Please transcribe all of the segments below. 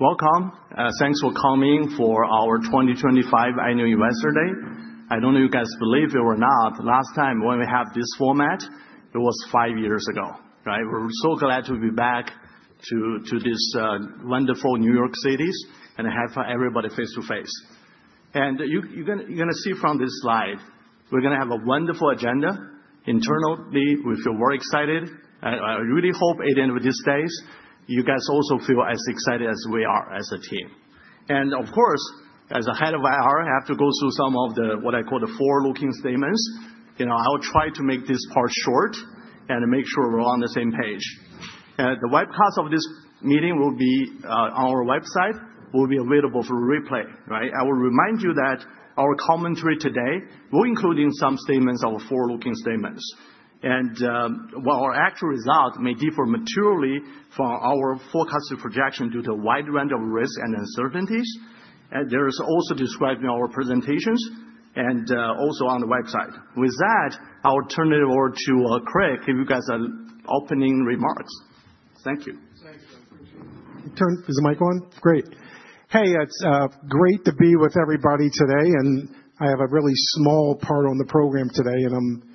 Welcome. Thanks for coming for our 2025 Annual Investor Day. I don't know if you guys believe it or not, last time when we had this format, it was five years ago, right? We are so glad to be back to this wonderful New York City and have everybody face to face. You are going to see from this slide, we are going to have a wonderful agenda. Internally, we feel very excited. I really hope at the end of these days, you guys also feel as excited as we are as a team. Of course, as the head of IR, I have to go through some of what I call the forward-looking statements. You know, I will try to make this part short and make sure we are on the same page. The webcast of this meeting will be on our website, will be available for replay, right? I will remind you that our commentary today will include some statements of forward-looking statements. While our actual result may differ materially from our forecasted projection due to a wide range of risks and uncertainties, this is also described in our presentations and also on the website. With that, I'll turn it over to Craig to give you guys opening remarks. Thank you. Thanks. I appreciate it. Is the mic on? Great. Hey, it's great to be with everybody today. I have a really small part on the program today.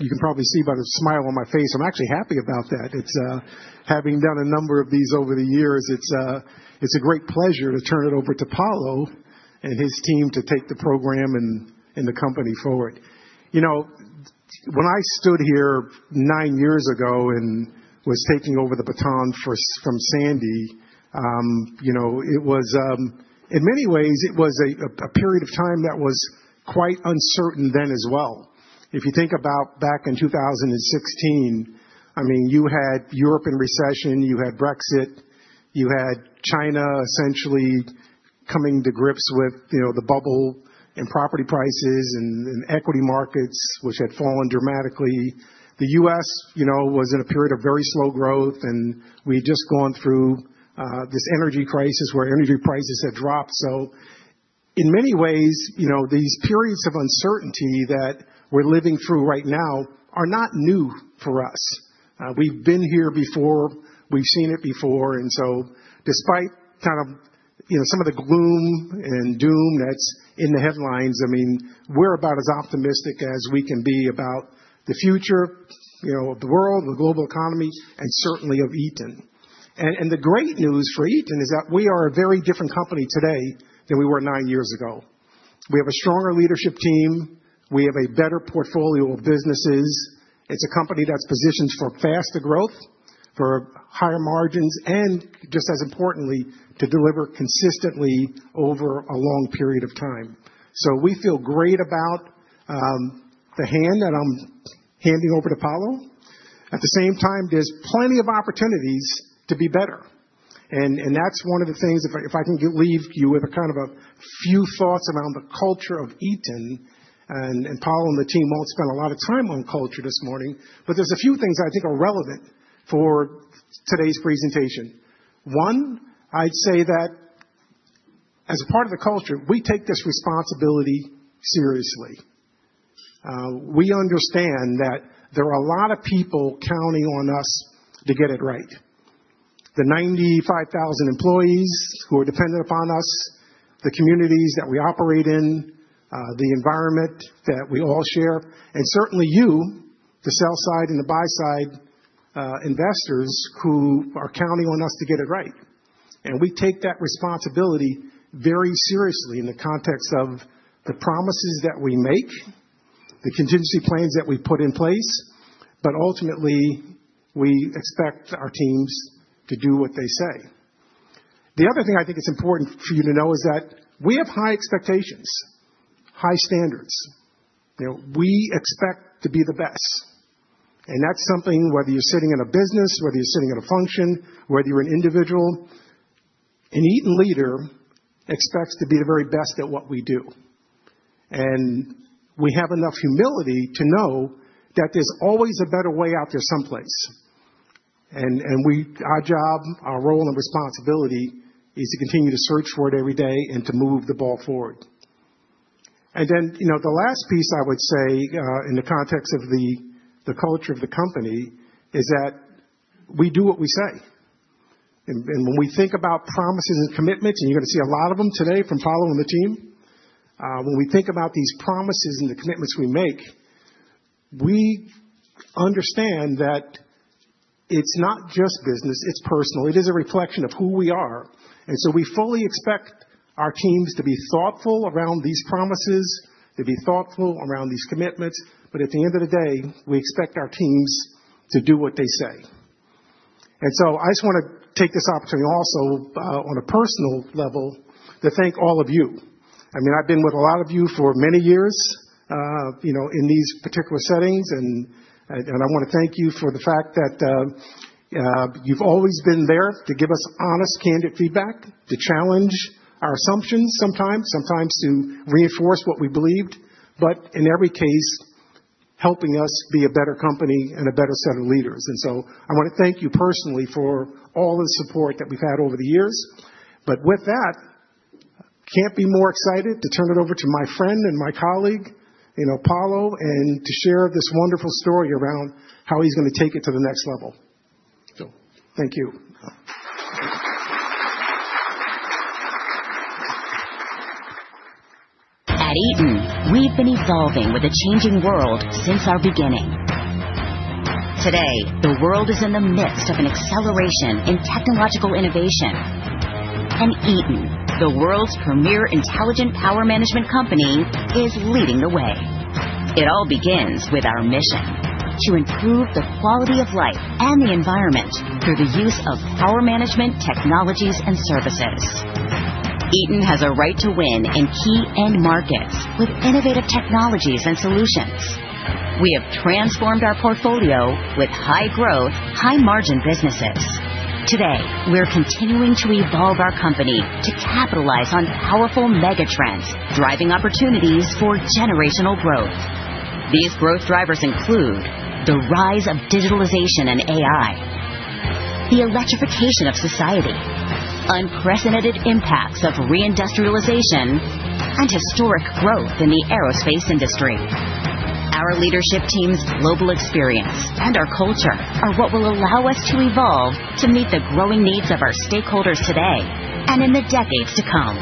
You can probably see by the smile on my face, I'm actually happy about that. Having done a number of these over the years, it's a great pleasure to turn it over to Paulo and his team to take the program and the company forward. You know, when I stood here nine years ago and was taking over the baton from Sandy, you know, it was in many ways, it was a period of time that was quite uncertain then as well. If you think about back in 2016, I mean, you had Europe in recession, you had Brexit, you had China essentially coming to grips with the bubble in property prices and equity markets, which had fallen dramatically. The U.S., you know, was in a period of very slow growth. We had just gone through this energy crisis where energy prices had dropped. In many ways, you know, these periods of uncertainty that we're living through right now are not new for us. We've been here before. We've seen it before. Despite kind of, you know, some of the gloom and doom that's in the headlines, I mean, we're about as optimistic as we can be about the future, you know, of the world, the global economy, and certainly of Eaton. The great news for Eaton is that we are a very different company today than we were nine years ago. We have a stronger leadership team. We have a better portfolio of businesses. It's a company that's positioned for faster growth, for higher margins, and just as importantly, to deliver consistently over a long period of time. We feel great about the hand that I'm handing over to Paulo. At the same time, there's plenty of opportunities to be better. That's one of the things, if I can leave you with a kind of a few thoughts around the culture of Eaton. Paulo and the team won't spend a lot of time on culture this morning. There are a few things I think are relevant for today's presentation. One, I'd say that as a part of the culture, we take this responsibility seriously. We understand that there are a lot of people counting on us to get it right. The 95,000 employees who are dependent upon us, the communities that we operate in, the environment that we all share, and certainly you, the sell side and the buy side investors who are counting on us to get it right. We take that responsibility very seriously in the context of the promises that we make, the contingency plans that we put in place. Ultimately, we expect our teams to do what they say. The other thing I think it's important for you to know is that we have high expectations, high standards. You know, we expect to be the best. That's something, whether you're sitting in a business, whether you're sitting at a function, whether you're an individual, an Eaton leader expects to be the very best at what we do. We have enough humility to know that there's always a better way out there someplace. Our job, our role and responsibility is to continue to search for it every day and to move the ball forward. You know, the last piece I would say in the context of the culture of the company is that we do what we say. When we think about promises and commitments, and you're going to see a lot of them today from following the team, when we think about these promises and the commitments we make, we understand that it's not just business, it's personal. It is a reflection of who we are. We fully expect our teams to be thoughtful around these promises, to be thoughtful around these commitments. At the end of the day, we expect our teams to do what they say. I just want to take this opportunity also on a personal level to thank all of you. I mean, I've been with a lot of you for many years, you know, in these particular settings. I want to thank you for the fact that you've always been there to give us honest, candid feedback, to challenge our assumptions sometimes, sometimes to reinforce what we believed, but in every case, helping us be a better company and a better set of leaders. I want to thank you personally for all the support that we've had over the years. With that, I can't be more excited to turn it over to my friend and my colleague, you know, Paulo, and to share this wonderful story around how he's going to take it to the next level. Thank you. At Eaton, we've been evolving with a changing world since our beginning. Today, the world is in the midst of an acceleration in technological innovation. Eaton, the world's premier intelligent power management company, is leading the way. It all begins with our mission to improve the quality of life and the environment through the use of power management technologies and services. Eaton has a right to win in key end markets with innovative technologies and solutions. We have transformed our portfolio with high-growth, high-margin businesses. Today, we're continuing to evolve our company to capitalize on powerful megatrends driving opportunities for generational growth. These growth drivers include the rise of digitalization and AI, the electrification of society, unprecedented impacts of reindustrialization, and historic growth in the aerospace industry. Our leadership team's global experience and our culture are what will allow us to evolve to meet the growing needs of our stakeholders today and in the decades to come.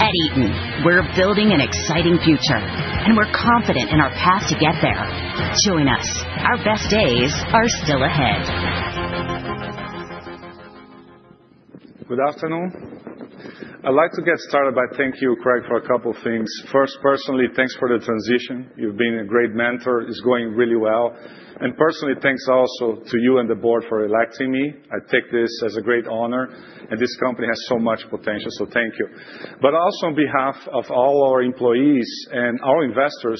At Eaton, we're building an exciting future, and we're confident in our path to get there. Join us. Our best days are still ahead. Good afternoon. I'd like to get started by thanking you, Craig, for a couple of things. First, personally, thanks for the transition. You've been a great mentor. It's going really well. Personally, thanks also to you and the board for electing me. I take this as a great honor. This company has so much potential. Thank you. Also on behalf of all our employees and our investors,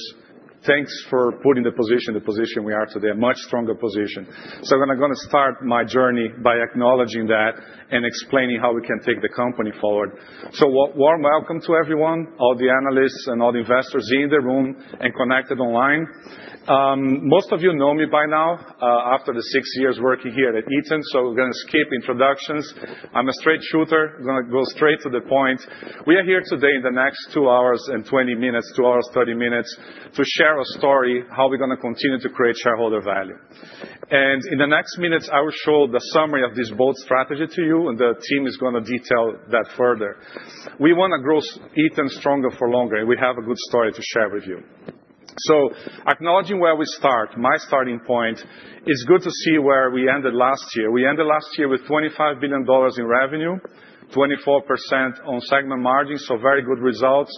thanks for putting the position in the position we are today, a much stronger position. I'm going to start my journey by acknowledging that and explaining how we can take the company forward. Warm welcome to everyone, all the analysts and all the investors in the room and connected online. Most of you know me by now after the six years working here at Eaton. We're going to skip introductions. I'm a straight shooter. I'm going to go straight to the point. We are here today in the next two hours and 20 minutes, two hours, 30 minutes to share a story how we're going to continue to create shareholder value. In the next minutes, I will show the summary of this bold strategy to you. The team is going to detail that further. We want to grow Eaton stronger for longer. We have a good story to share with you. Acknowledging where we start, my starting point, it's good to see where we ended last year. We ended last year with $25 billion in revenue, 24% on segment margins, so very good results.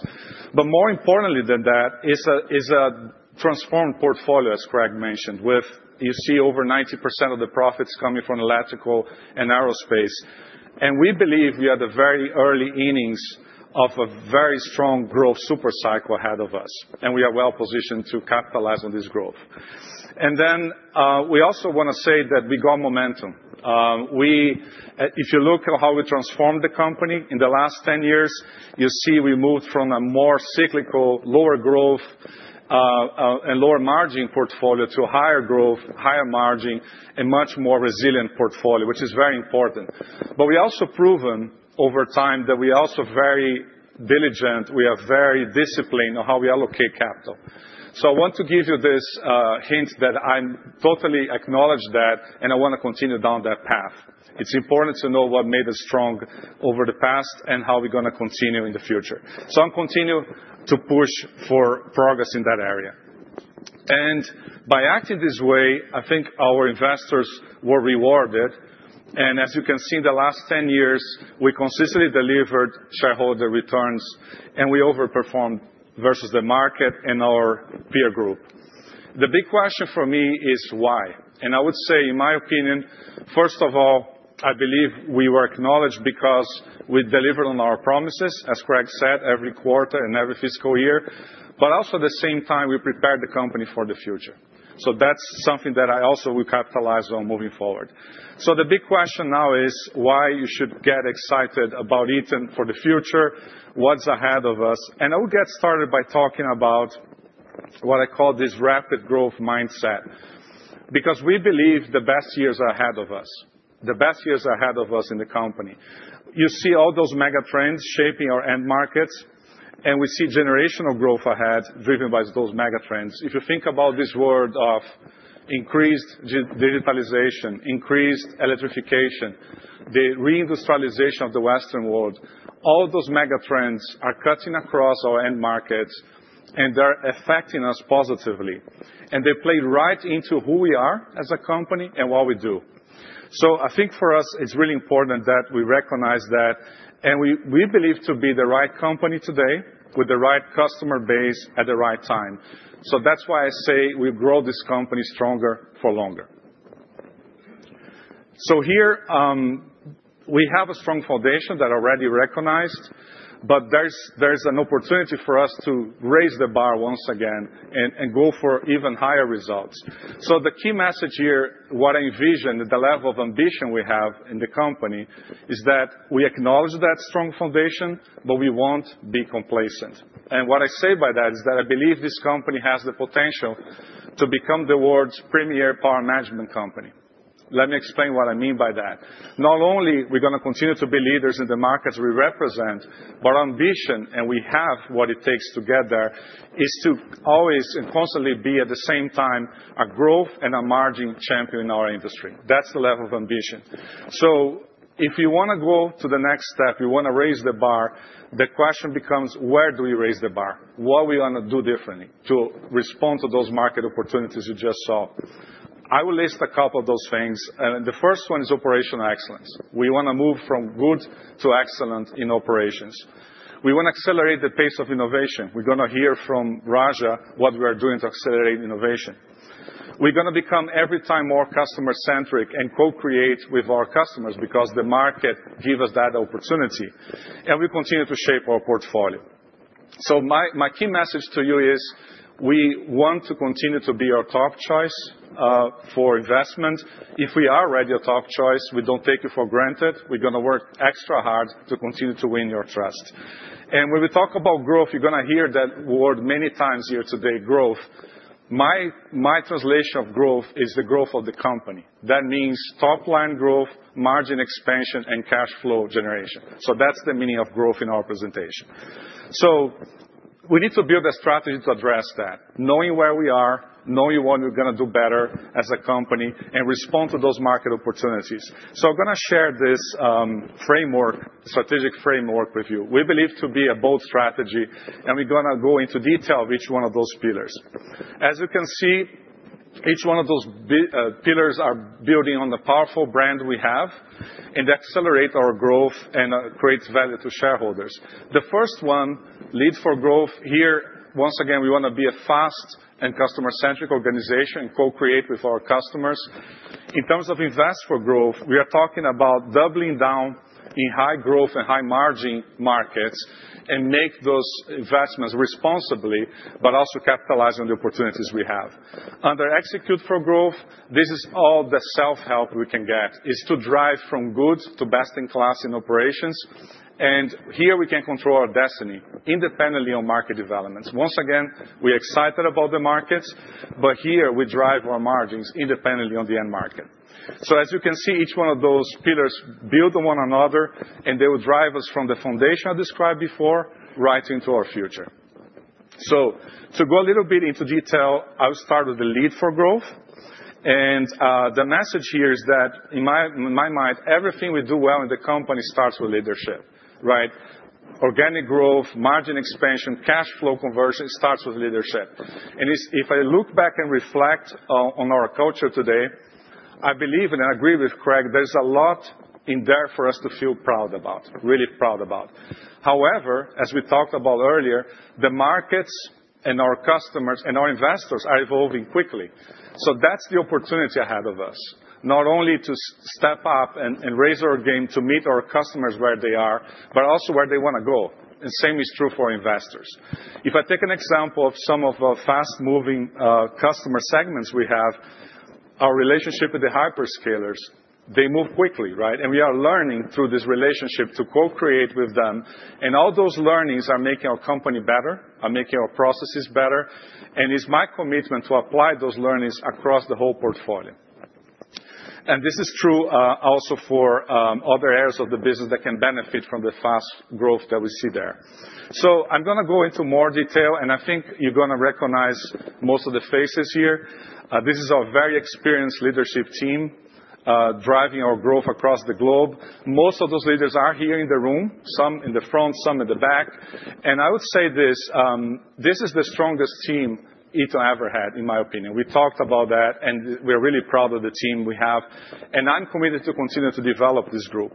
More importantly than that is a transformed portfolio, as Craig mentioned, with, you see, over 90% of the profits coming from electrical and aerospace. We believe we are at the very early innings of a very strong growth super cycle ahead of us. We are well positioned to capitalize on this growth. We also want to say that we got momentum. If you look at how we transformed the company in the last 10 years, you see we moved from a more cyclical, lower growth and lower margin portfolio to a higher growth, higher margin, and much more resilient portfolio, which is very important. We have also proven over time that we are also very diligent. We are very disciplined on how we allocate capital. I want to give you this hint that I totally acknowledge that. I want to continue down that path. It's important to know what made us strong over the past and how we're going to continue in the future. I'm continuing to push for progress in that area. By acting this way, I think our investors were rewarded. As you can see, in the last 10 years, we consistently delivered shareholder returns. We overperformed versus the market and our peer group. The big question for me is why. I would say, in my opinion, first of all, I believe we were acknowledged because we delivered on our promises, as Craig said, every quarter and every fiscal year. Also, at the same time, we prepared the company for the future. That's something that I also will capitalize on moving forward. The big question now is why you should get excited about Eaton for the future, what's ahead of us. I will get started by talking about what I call this rapid growth mindset. Because we believe the best years are ahead of us, the best years are ahead of us in the company. You see all those megatrends shaping our end markets. We see generational growth ahead driven by those megatrends. If you think about this word of increased digitalization, increased electrification, the reindustrialization of the Western world, all those megatrends are cutting across our end markets. They're affecting us positively. They play right into who we are as a company and what we do. I think for us, it's really important that we recognize that. We believe to be the right company today with the right customer base at the right time. That's why I say we grow this company stronger for longer. Here, we have a strong foundation that's already recognized. There is an opportunity for us to raise the bar once again and go for even higher results. The key message here, what I envision, the level of ambition we have in the company, is that we acknowledge that strong foundation, but we will not be complacent. What I say by that is that I believe this company has the potential to become the world's premier power management company. Let me explain what I mean by that. Not only are we going to continue to be leaders in the markets we represent, but our ambition, and we have what it takes to get there, is to always and constantly be at the same time a growth and a margin champion in our industry. That is the level of ambition. If you want to go to the next step, you want to raise the bar, the question becomes, where do we raise the bar? What are we going to do differently to respond to those market opportunities you just saw? I will list a couple of those things. The first one is operational excellence. We want to move from good to excellent in operations. We want to accelerate the pace of innovation. We're going to hear from Raja what we are doing to accelerate innovation. We're going to become every time more customer-centric and co-create with our customers because the market gives us that opportunity. We continue to shape our portfolio. My key message to you is we want to continue to be your top choice for investment. If we are already a top choice, we don't take you for granted. We're going to work extra hard to continue to win your trust. When we talk about growth, you're going to hear that word many times here today, growth. My translation of growth is the growth of the company. That means top-line growth, margin expansion, and cash flow generation. That's the meaning of growth in our presentation. We need to build a strategy to address that, knowing where we are, knowing what we're going to do better as a company, and respond to those market opportunities. I'm going to share this framework, strategic framework with you. We believe to be a bold strategy. We're going to go into detail of each one of those pillars. As you can see, each one of those pillars is building on the powerful brand we have and accelerates our growth and creates value to shareholders. The first one, lead for growth here, once again, we want to be a fast and customer-centric organization and co-create with our customers. In terms of invest for growth, we are talking about doubling down in high growth and high margin markets and making those investments responsibly, but also capitalizing on the opportunities we have. Under execute for growth, this is all the self-help we can get, is to drive from good to best in class in operations. Here we can control our destiny independently on market developments. Once again, we're excited about the markets. Here we drive our margins independently on the end market. As you can see, each one of those pillars builds on one another. They will drive us from the foundation I described before right into our future. To go a little bit into detail, I will start with the lead for growth. The message here is that in my mind, everything we do well in the company starts with leadership, right? Organic growth, margin expansion, cash flow conversion starts with leadership. If I look back and reflect on our culture today, I believe and I agree with Craig, there's a lot in there for us to feel proud about, really proud about. However, as we talked about earlier, the markets and our customers and our investors are evolving quickly. That's the opportunity ahead of us, not only to step up and raise our game to meet our customers where they are, but also where they want to go. The same is true for investors. If I take an example of some of our fast-moving customer segments we have, our relationship with the hyperscalers, they move quickly, right? We are learning through this relationship to co-create with them. All those learnings are making our company better, are making our processes better. It is my commitment to apply those learnings across the whole portfolio. This is true also for other areas of the business that can benefit from the fast growth that we see there. I am going to go into more detail. I think you are going to recognize most of the faces here. This is our very experienced leadership team driving our growth across the globe. Most of those leaders are here in the room, some in the front, some in the back. I would say this is the strongest team Eaton ever had, in my opinion. We talked about that. We are really proud of the team we have. I am committed to continue to develop this group.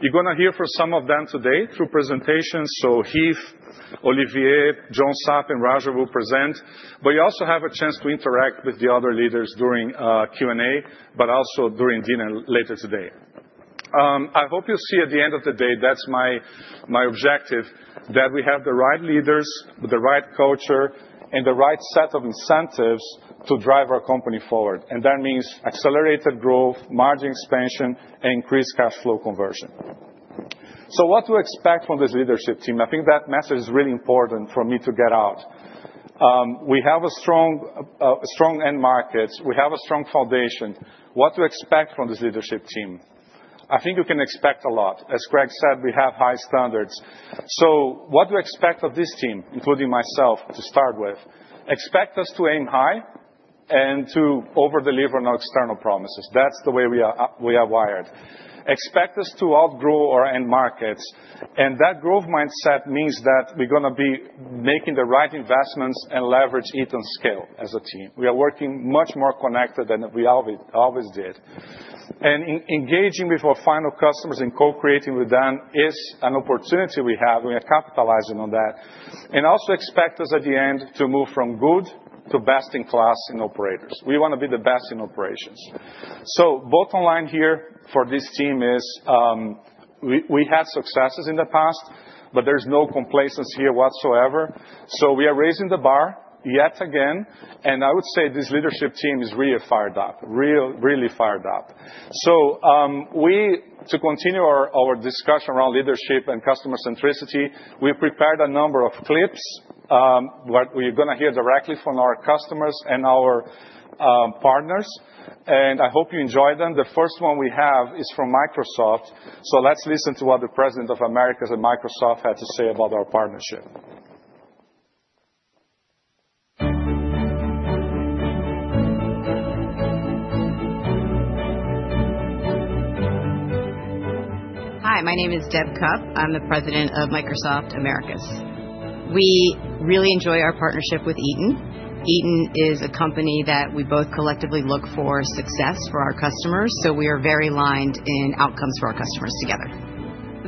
You are going to hear from some of them today through presentations. Heath, Olivier, John Sapp, and Raja will present. You also have a chance to interact with the other leaders during Q&A, and also during dinner later today. I hope you see at the end of the day that is my objective, that we have the right leaders, the right culture, and the right set of incentives to drive our company forward. That means accelerated growth, margin expansion, and increased cash flow conversion. What to expect from this leadership team? I think that message is really important for me to get out. We have strong end markets. We have a strong foundation. What to expect from this leadership team? I think you can expect a lot. As Craig said, we have high standards. What do we expect of this team, including myself, to start with? Expect us to aim high and to overdeliver on our external promises. That's the way we are wired. Expect us to outgrow our end markets. That growth mindset means that we're going to be making the right investments and leverage Eaton's scale as a team. We are working much more connected than we always did. Engaging with our final customers and co-creating with them is an opportunity we have. We are capitalizing on that. Also expect us at the end to move from good to best in class in operators. We want to be the best in operations. Bottom line here for this team is we had successes in the past, but there's no complacency here whatsoever. We are raising the bar yet again. I would say this leadership team is really fired up, really fired up. To continue our discussion around leadership and customer-centricity, we prepared a number of clips where you're going to hear directly from our customers and our partners. I hope you enjoy them. The first one we have is from Microsoft. Let's listen to what the President of Americas at Microsoft had to say about our partnership. Hi. My name is Deb Cupp. I'm the President of Microsoft Americas. We really enjoy our partnership with Eaton. Eaton is a company that we both collectively look for success for our customers. We are very aligned in outcomes for our customers together.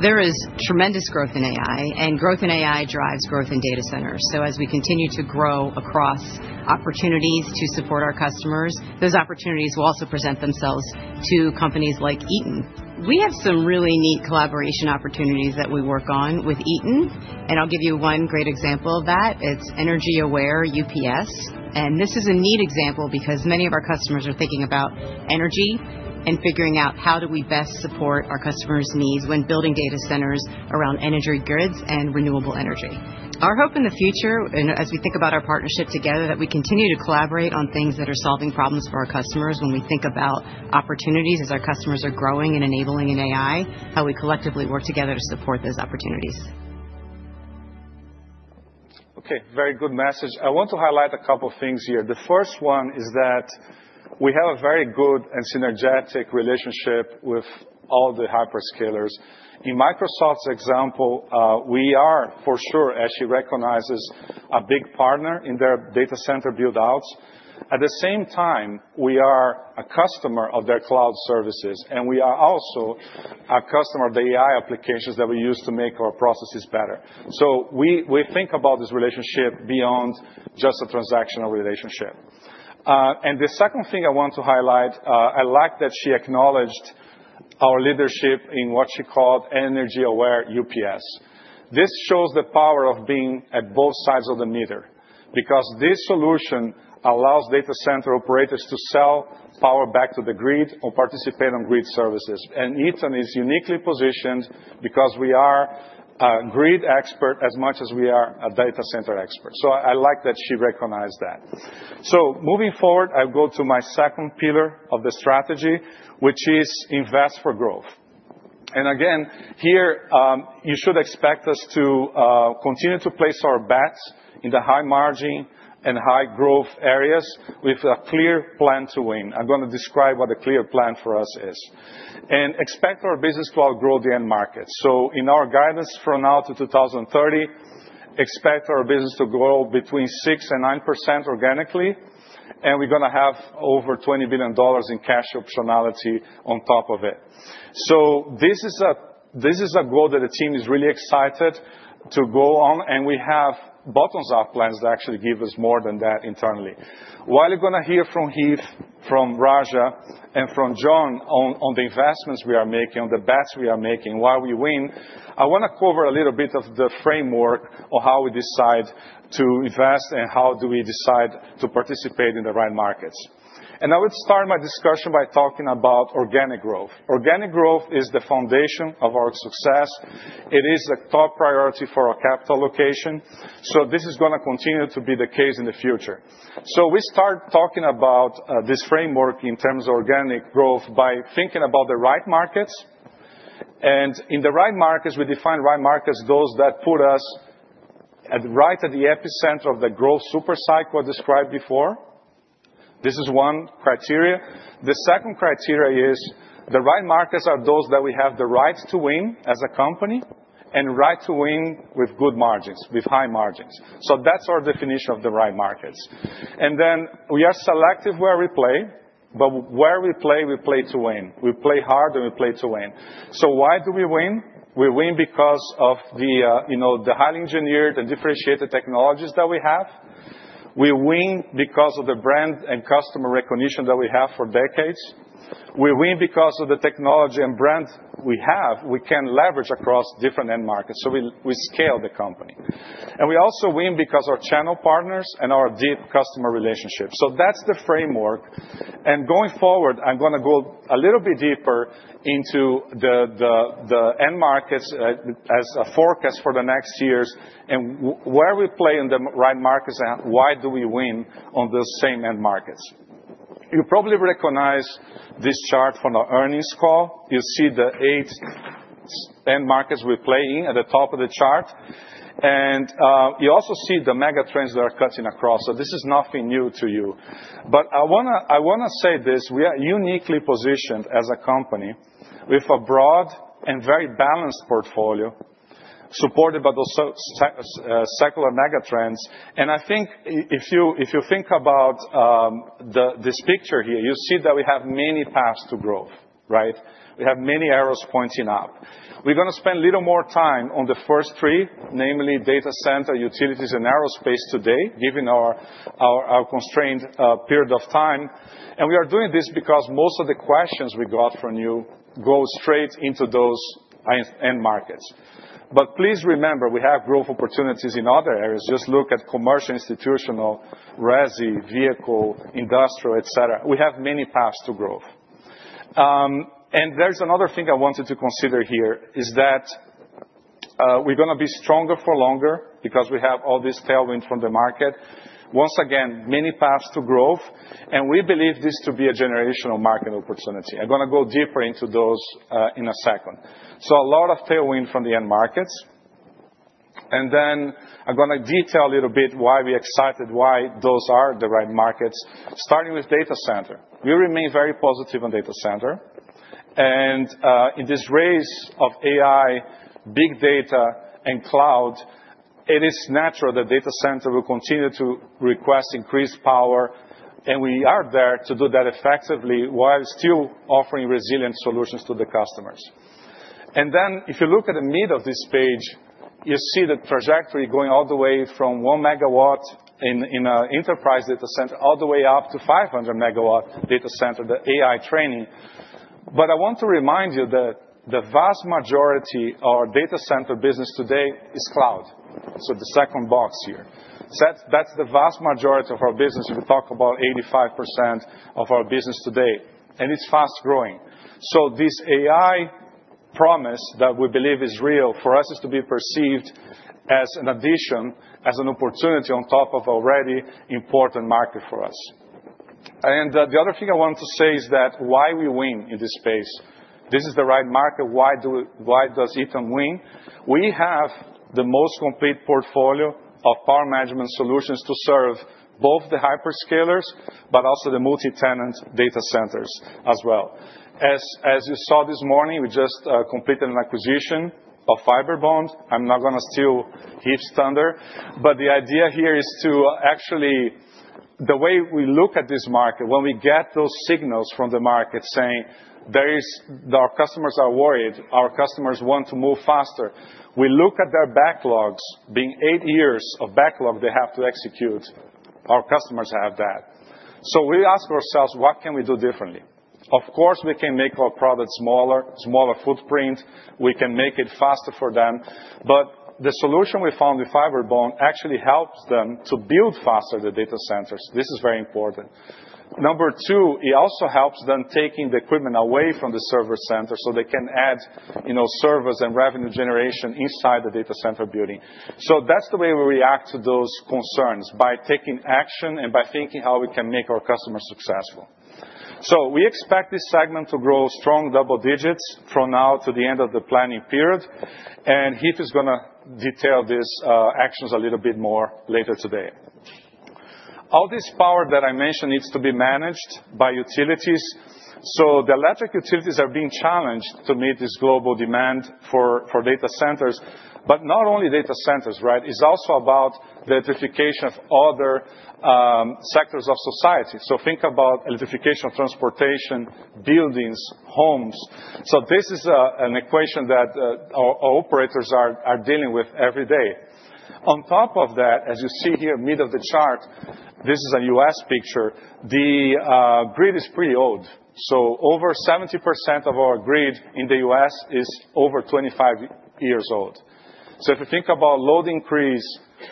There is tremendous growth in AI. Growth in AI drives growth in data centers. As we continue to grow across opportunities to support our customers, those opportunities will also present themselves to companies like Eaton. We have some really neat collaboration opportunities that we work on with Eaton. I'll give you one great example of that. It's Energy Aware UPS. This is a neat example because many of our customers are thinking about energy and figuring out how do we best support our customers' needs when building data centers around energy goods and renewable energy. Our hope in the future, and as we think about our partnership together, is that we continue to collaborate on things that are solving problems for our customers when we think about opportunities as our customers are growing and enabling in AI, how we collectively work together to support those opportunities. OK. Very good message. I want to highlight a couple of things here. The first one is that we have a very good and synergetic relationship with all the hyperscalers. In Microsoft's example, we are for sure, as she recognizes, a big partner in their data center build-outs. At the same time, we are a customer of their cloud services. We are also a customer of the AI applications that we use to make our processes better. We think about this relationship beyond just a transactional relationship. The second thing I want to highlight, I like that she acknowledged our leadership in what she called Energy Aware UPS. This shows the power of being at both sides of the meter because this solution allows data center operators to sell power back to the grid or participate on grid services. Eaton is uniquely positioned because we are a grid expert as much as we are a data center expert. I like that she recognized that. Moving forward, I'll go to my second pillar of the strategy, which is invest for growth. Again, here you should expect us to continue to place our bets in the high margin and high growth areas with a clear plan to win. I'm going to describe what a clear plan for us is. Expect our business to outgrow the end markets. In our guidance from now to 2030, expect our business to grow between 6% and 9% organically. We're going to have over $20 billion in cash optionality on top of it. This is a growth that the team is really excited to go on. We have bottoms-up plans that actually give us more than that internally. While you're going to hear from Heath, from Raja, and from Jonh on the investments we are making, on the bets we are making, while we win, I want to cover a little bit of the framework of how we decide to invest and how do we decide to participate in the right markets. I would start my discussion by talking about organic growth. Organic growth is the foundation of our success. It is a top priority for our capital allocation. This is going to continue to be the case in the future. We start talking about this framework in terms of organic growth by thinking about the right markets. In the right markets, we define right markets as those that put us right at the epicenter of the growth supercycle I described before. This is one criteria. The second criteria is the right markets are those that we have the right to win as a company and right to win with good margins, with high margins. That's our definition of the right markets. We are selective where we play. Where we play, we play to win. We play hard and we play to win. Why do we win? We win because of the highly engineered and differentiated technologies that we have. We win because of the brand and customer recognition that we have for decades. We win because of the technology and brand we have we can leverage across different end markets. We scale the company. We also win because of our channel partners and our deep customer relationships. That's the framework. Going forward, I'm going to go a little bit deeper into the end markets as a forecast for the next years and where we play in the right markets and why do we win on those same end markets. You probably recognize this chart from our earnings call. You see the eight end markets we play in at the top of the chart. You also see the megatrends that are cutting across. This is nothing new to you. I want to say this. We are uniquely positioned as a company with a broad and very balanced portfolio supported by those secular megatrends. I think if you think about this picture here, you see that we have many paths to growth, right? We have many arrows pointing up. We're going to spend a little more time on the first three, namely data center, utilities, and aerospace today, given our constrained period of time. We are doing this because most of the questions we got from you go straight into those end markets. Please remember, we have growth opportunities in other areas. Just look at commercial, institutional, resi, vehicle, industrial, et cetera. We have many paths to growth. There's another thing I wanted to consider here is that we're going to be stronger for longer because we have all this tailwind from the market. Once again, many paths to growth. We believe this to be a generational market opportunity. I'm going to go deeper into those in a second. A lot of tailwind from the end markets. I'm going to detail a little bit why we're excited, why those are the right markets, starting with data center. We remain very positive on data center. In this race of AI, big data, and cloud, it is natural that data center will continue to request increased power. We are there to do that effectively while still offering resilient solutions to the customers. If you look at the middle of this page, you see the trajectory going all the way from 1 MW in an enterprise data center all the way up to 500 MW data center, the AI training. I want to remind you that the vast majority of our data center business today is cloud. The second box here, that's the vast majority of our business. We talk about 85% of our business today. It's fast growing. This AI promise that we believe is real for us is to be perceived as an addition, as an opportunity on top of an already important market for us. The other thing I want to say is that why we win in this space. This is the right market. Why does Eaton win? We have the most complete portfolio of power management solutions to serve both the hyperscalers, but also the multi-tenant data centers as well. As you saw this morning, we just completed an acquisition of Fibrebond. I'm not going to steal Heath's thunder. The idea here is to actually, the way we look at this market, when we get those signals from the market saying our customers are worried, our customers want to move faster, we look at their backlogs. Being eight years of backlog they have to execute, our customers have that. We ask ourselves, what can we do differently? Of course, we can make our product smaller, smaller footprint. We can make it faster for them. The solution we found with Fibrebond actually helps them to build faster the data centers. This is very important. Number two, it also helps them taking the equipment away from the server center so they can add servers and revenue generation inside the data center building. That's the way we react to those concerns by taking action and by thinking how we can make our customers successful. We expect this segment to grow strong double digits from now to the end of the planning period. Heath is going to detail these actions a little bit more later today. All this power that I mentioned needs to be managed by utilities. The electric utilities are being challenged to meet this global demand for data centers. Not only data centers, right? It's also about the electrification of other sectors of society. Think about electrification of transportation, buildings, homes. This is an equation that our operators are dealing with every day. On top of that, as you see here in the middle of the chart, this is a U.S. picture. The grid is pretty old. Over 70% of our grid in the U.S. is over 25 years old. If you think about load increase,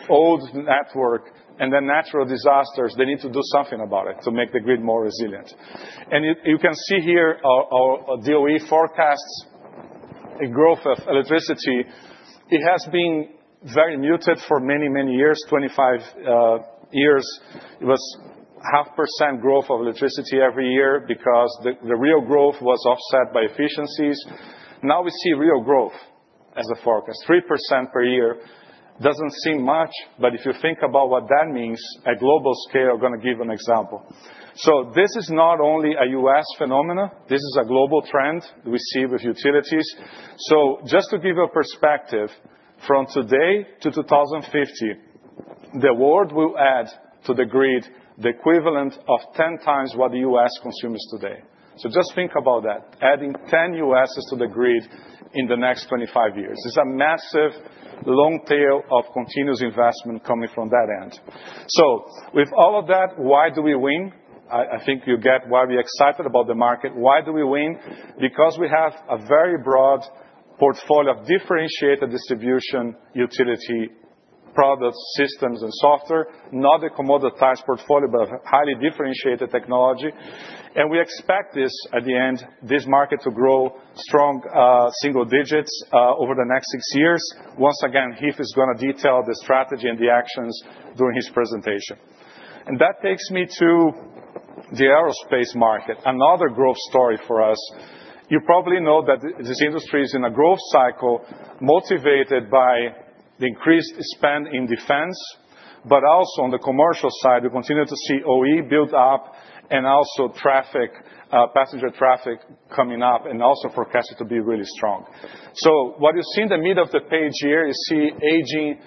old network, and then natural disasters, they need to do something about it to make the grid more resilient. You can see here our DOE forecasts a growth of electricity. It has been very muted for many, many years, 25 years. It was a half percent growth of electricity every year because the real growth was offset by efficiencies. Now we see real growth as a forecast, 3% per year. Does not seem much. If you think about what that means at global scale, I am going to give an example. This is not only a U.S. phenomenon. This is a global trend that we see with utilities. Just to give you a perspective, from today to 2050, the world will add to the grid the equivalent of 10 times what the U.S. consumes today. Just think about that. Adding 10 U.S. to the grid in the next 25 years is a massive, long tail of continuous investment coming from that end. With all of that, why do we win? I think you get why we are excited about the market. Why do we win? Because we have a very broad portfolio of differentiated distribution, utility, products, systems, and software, not a commoditized portfolio, but a highly differentiated technology. We expect this, at the end, this market to grow strong single digits over the next six years. Once again, Heath is going to detail the strategy and the actions during his presentation. That takes me to the aerospace market, another growth story for us. You probably know that this industry is in a growth cycle motivated by the increased spend in defense. Also on the commercial side, we continue to see OE build up and also traffic, passenger traffic coming up and also forecasted to be really strong. What you see in the middle of the page here, you see aging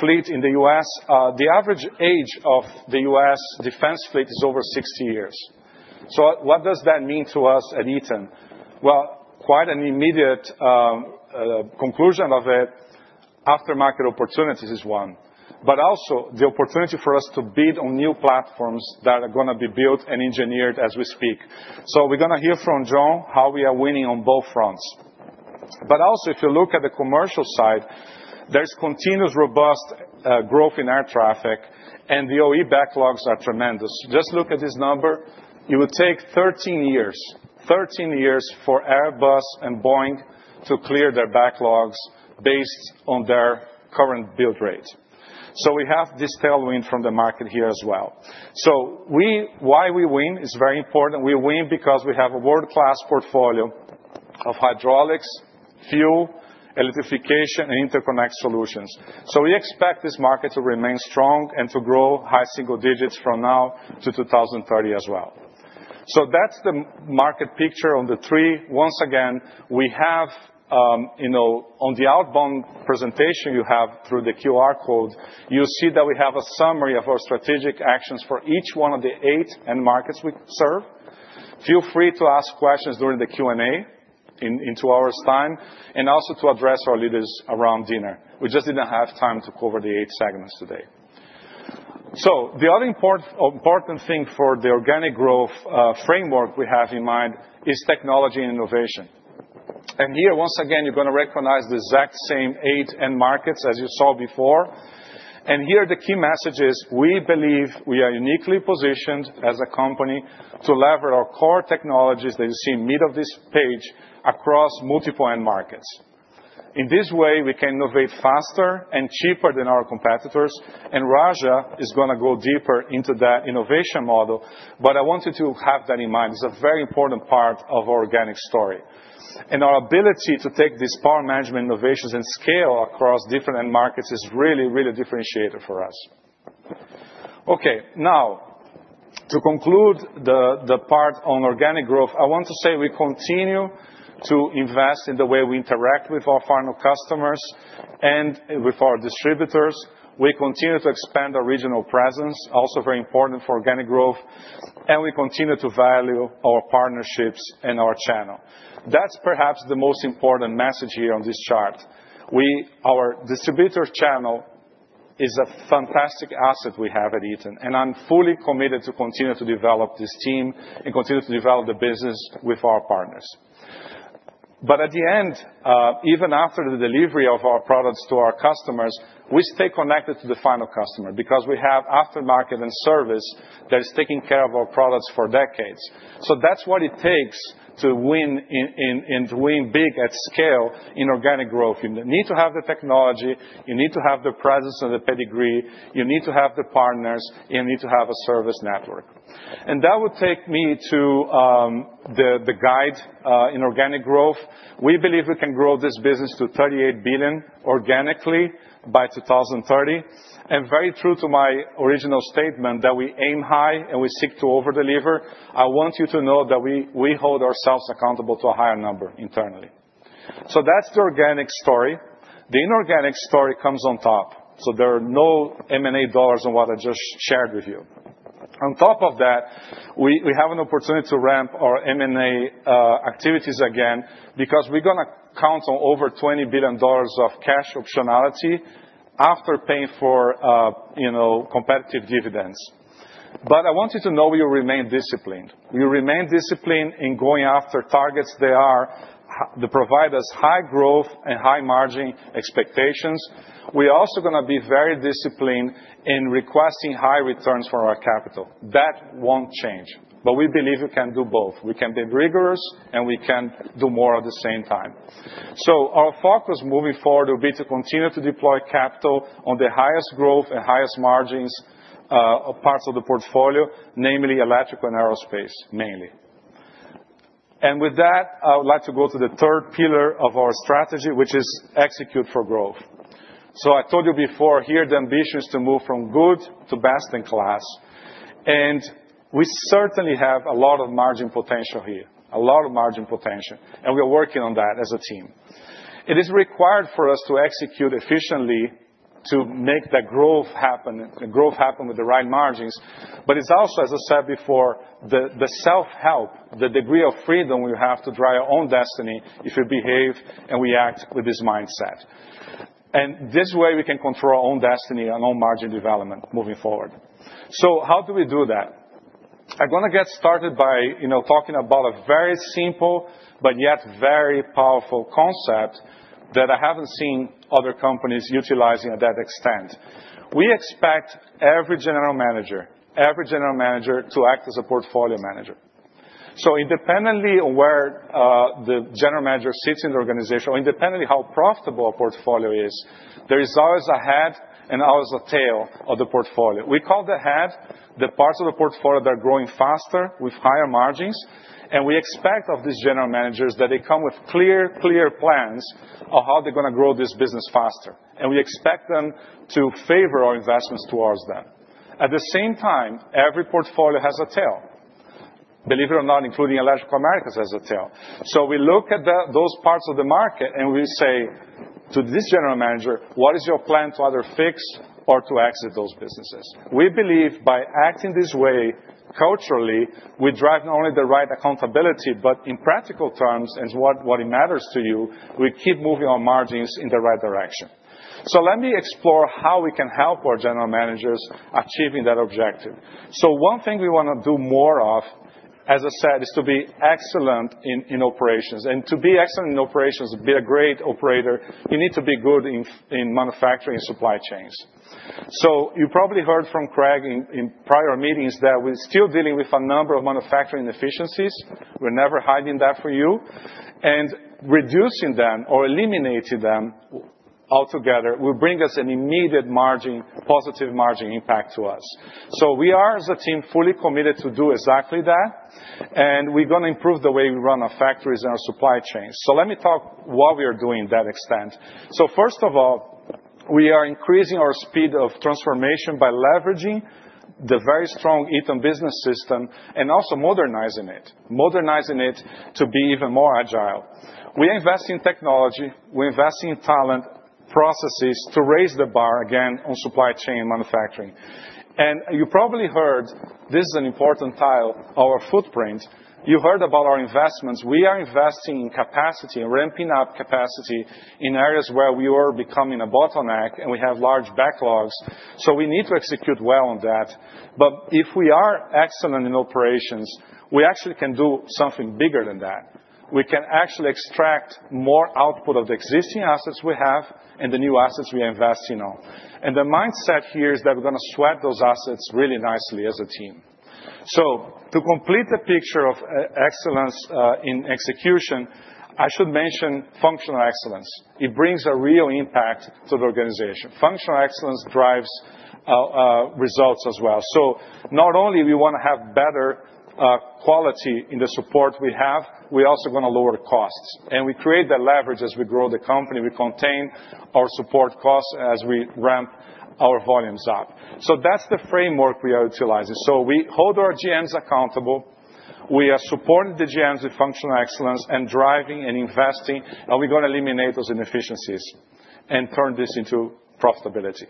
fleet in the U.S. The average age of the U.S. defense fleet is over 60 years. What does that mean to us at Eaton? Quite an immediate conclusion of it, aftermarket opportunities is one. Also the opportunity for us to bid on new platforms that are going to be built and engineered as we speak. We're going to hear from Jon how we are winning on both fronts. Also, if you look at the commercial side, there's continuous robust growth in air traffic. The OE backlogs are tremendous. Just look at this number. It would take 13 years, 13 years for Airbus and Boeing to clear their backlogs based on their current build rate. We have this tailwind from the market here as well. Why we win is very important. We win because we have a world-class portfolio of hydraulics, fuel, electrification, and interconnect solutions. We expect this market to remain strong and to grow high single digits from now to 2030 as well. That is the market picture on the tree. Once again, we have on the outbound presentation you have through the QR code, you'll see that we have a summary of our strategic actions for each one of the eight end markets we serve. Feel free to ask questions during the Q&A in two hours' time and also to address our leaders around dinner. We just did not have time to cover the eight segments today. The other important thing for the organic growth framework we have in mind is technology and innovation. Here, once again, you're going to recognize the exact same eight end markets as you saw before. Here, the key message is we believe we are uniquely positioned as a company to lever our core technologies that you see in the middle of this page across multiple end markets. In this way, we can innovate faster and cheaper than our competitors. Raja is going to go deeper into that innovation model. I want you to have that in mind. It's a very important part of our organic story. Our ability to take these power management innovations and scale across different end markets is really, really differentiated for us. Okay. Now, to conclude the part on organic growth, I want to say we continue to invest in the way we interact with our final customers and with our distributors. We continue to expand our regional presence, also very important for organic growth. We continue to value our partnerships and our channel. That's perhaps the most important message here on this chart. Our distributor channel is a fantastic asset we have at Eaton. I'm fully committed to continue to develop this team and continue to develop the business with our partners. At the end, even after the delivery of our products to our customers, we stay connected to the final customer because we have aftermarket and service that is taking care of our products for decades. That's what it takes to win and to win big at scale in organic growth. You need to have the technology. You need to have the presence and the pedigree. You need to have the partners. You need to have a service network. That would take me to the guide in organic growth. We believe we can grow this business to $38 billion organically by 2030. Very true to my original statement that we aim high and we seek to overdeliver. I want you to know that we hold ourselves accountable to a higher number internally. That is the organic story. The inorganic story comes on top. There are no M&A dollars on what I just shared with you. On top of that, we have an opportunity to ramp our M&A activities again because we are going to count on over $20 billion of cash optionality after paying for competitive dividends. I want you to know we remain disciplined. We remain disciplined in going after targets that provide us high growth and high margin expectations. We are also going to be very disciplined in requesting high returns for our capital. That will not change. We believe we can do both. We can be rigorous and we can do more at the same time. Our focus moving forward will be to continue to deploy capital on the highest growth and highest margins of parts of the portfolio, namely electrical and aerospace mainly. With that, I would like to go to the third pillar of our strategy, which is execute for growth. I told you before here, the ambition is to move from good to best in class. We certainly have a lot of margin potential here, a lot of margin potential. We are working on that as a team. It is required for us to execute efficiently to make that growth happen with the right margins. It's also, as I said before, the self-help, the degree of freedom we have to drive our own destiny if we behave and we act with this mindset. This way, we can control our own destiny and own margin development moving forward. How do we do that? I'm going to get started by talking about a very simple but yet very powerful concept that I haven't seen other companies utilizing to that extent. We expect every general manager, every general manager to act as a portfolio manager. Independently of where the general manager sits in the organization or independently of how profitable a portfolio is, there is always a head and always a tail of the portfolio. We call the head the parts of the portfolio that are growing faster with higher margins. We expect of these general managers that they come with clear, clear plans of how they're going to grow this business faster. We expect them to favor our investments towards them. At the same time, every portfolio has a tail. Believe it or not, including Electric Americas has a tail. We look at those parts of the market and we say to this general manager, what is your plan to either fix or to exit those businesses? We believe by acting this way culturally, we drive not only the right accountability, but in practical terms and what matters to you, we keep moving our margins in the right direction. Let me explore how we can help our general managers achieving that objective. One thing we want to do more of, as I said, is to be excellent in operations. To be excellent in operations, to be a great operator, you need to be good in manufacturing and supply chains. You probably heard from Craig in prior meetings that we're still dealing with a number of manufacturing inefficiencies. We're never hiding that from you. Reducing them or eliminating them altogether will bring us an immediate positive margin impact to us. We are, as a team, fully committed to do exactly that. We are going to improve the way we run our factories and our supply chains. Let me talk about what we are doing to that extent. First of all, we are increasing our speed of transformation by leveraging the very strong Eaton business system and also modernizing it, modernizing it to be even more agile. We invest in technology. We invest in talent, processes to raise the bar again on supply chain manufacturing. You probably heard this is an important title, our footprint. You heard about our investments. We are investing in capacity and ramping up capacity in areas where we are becoming a bottleneck and we have large backlogs. We need to execute well on that. If we are excellent in operations, we actually can do something bigger than that. We can actually extract more output of the existing assets we have and the new assets we are investing in. The mindset here is that we're going to sweat those assets really nicely as a team. To complete the picture of excellence in execution, I should mention functional excellence. It brings a real impact to the organization. Functional excellence drives results as well. Not only do we want to have better quality in the support we have, we're also going to lower costs. We create the leverage as we grow the company. We contain our support costs as we ramp our volumes up. That's the framework we are utilizing. We hold our GMs accountable. We are supporting the GMs with functional excellence and driving and investing. We are going to eliminate those inefficiencies and turn this into profitability.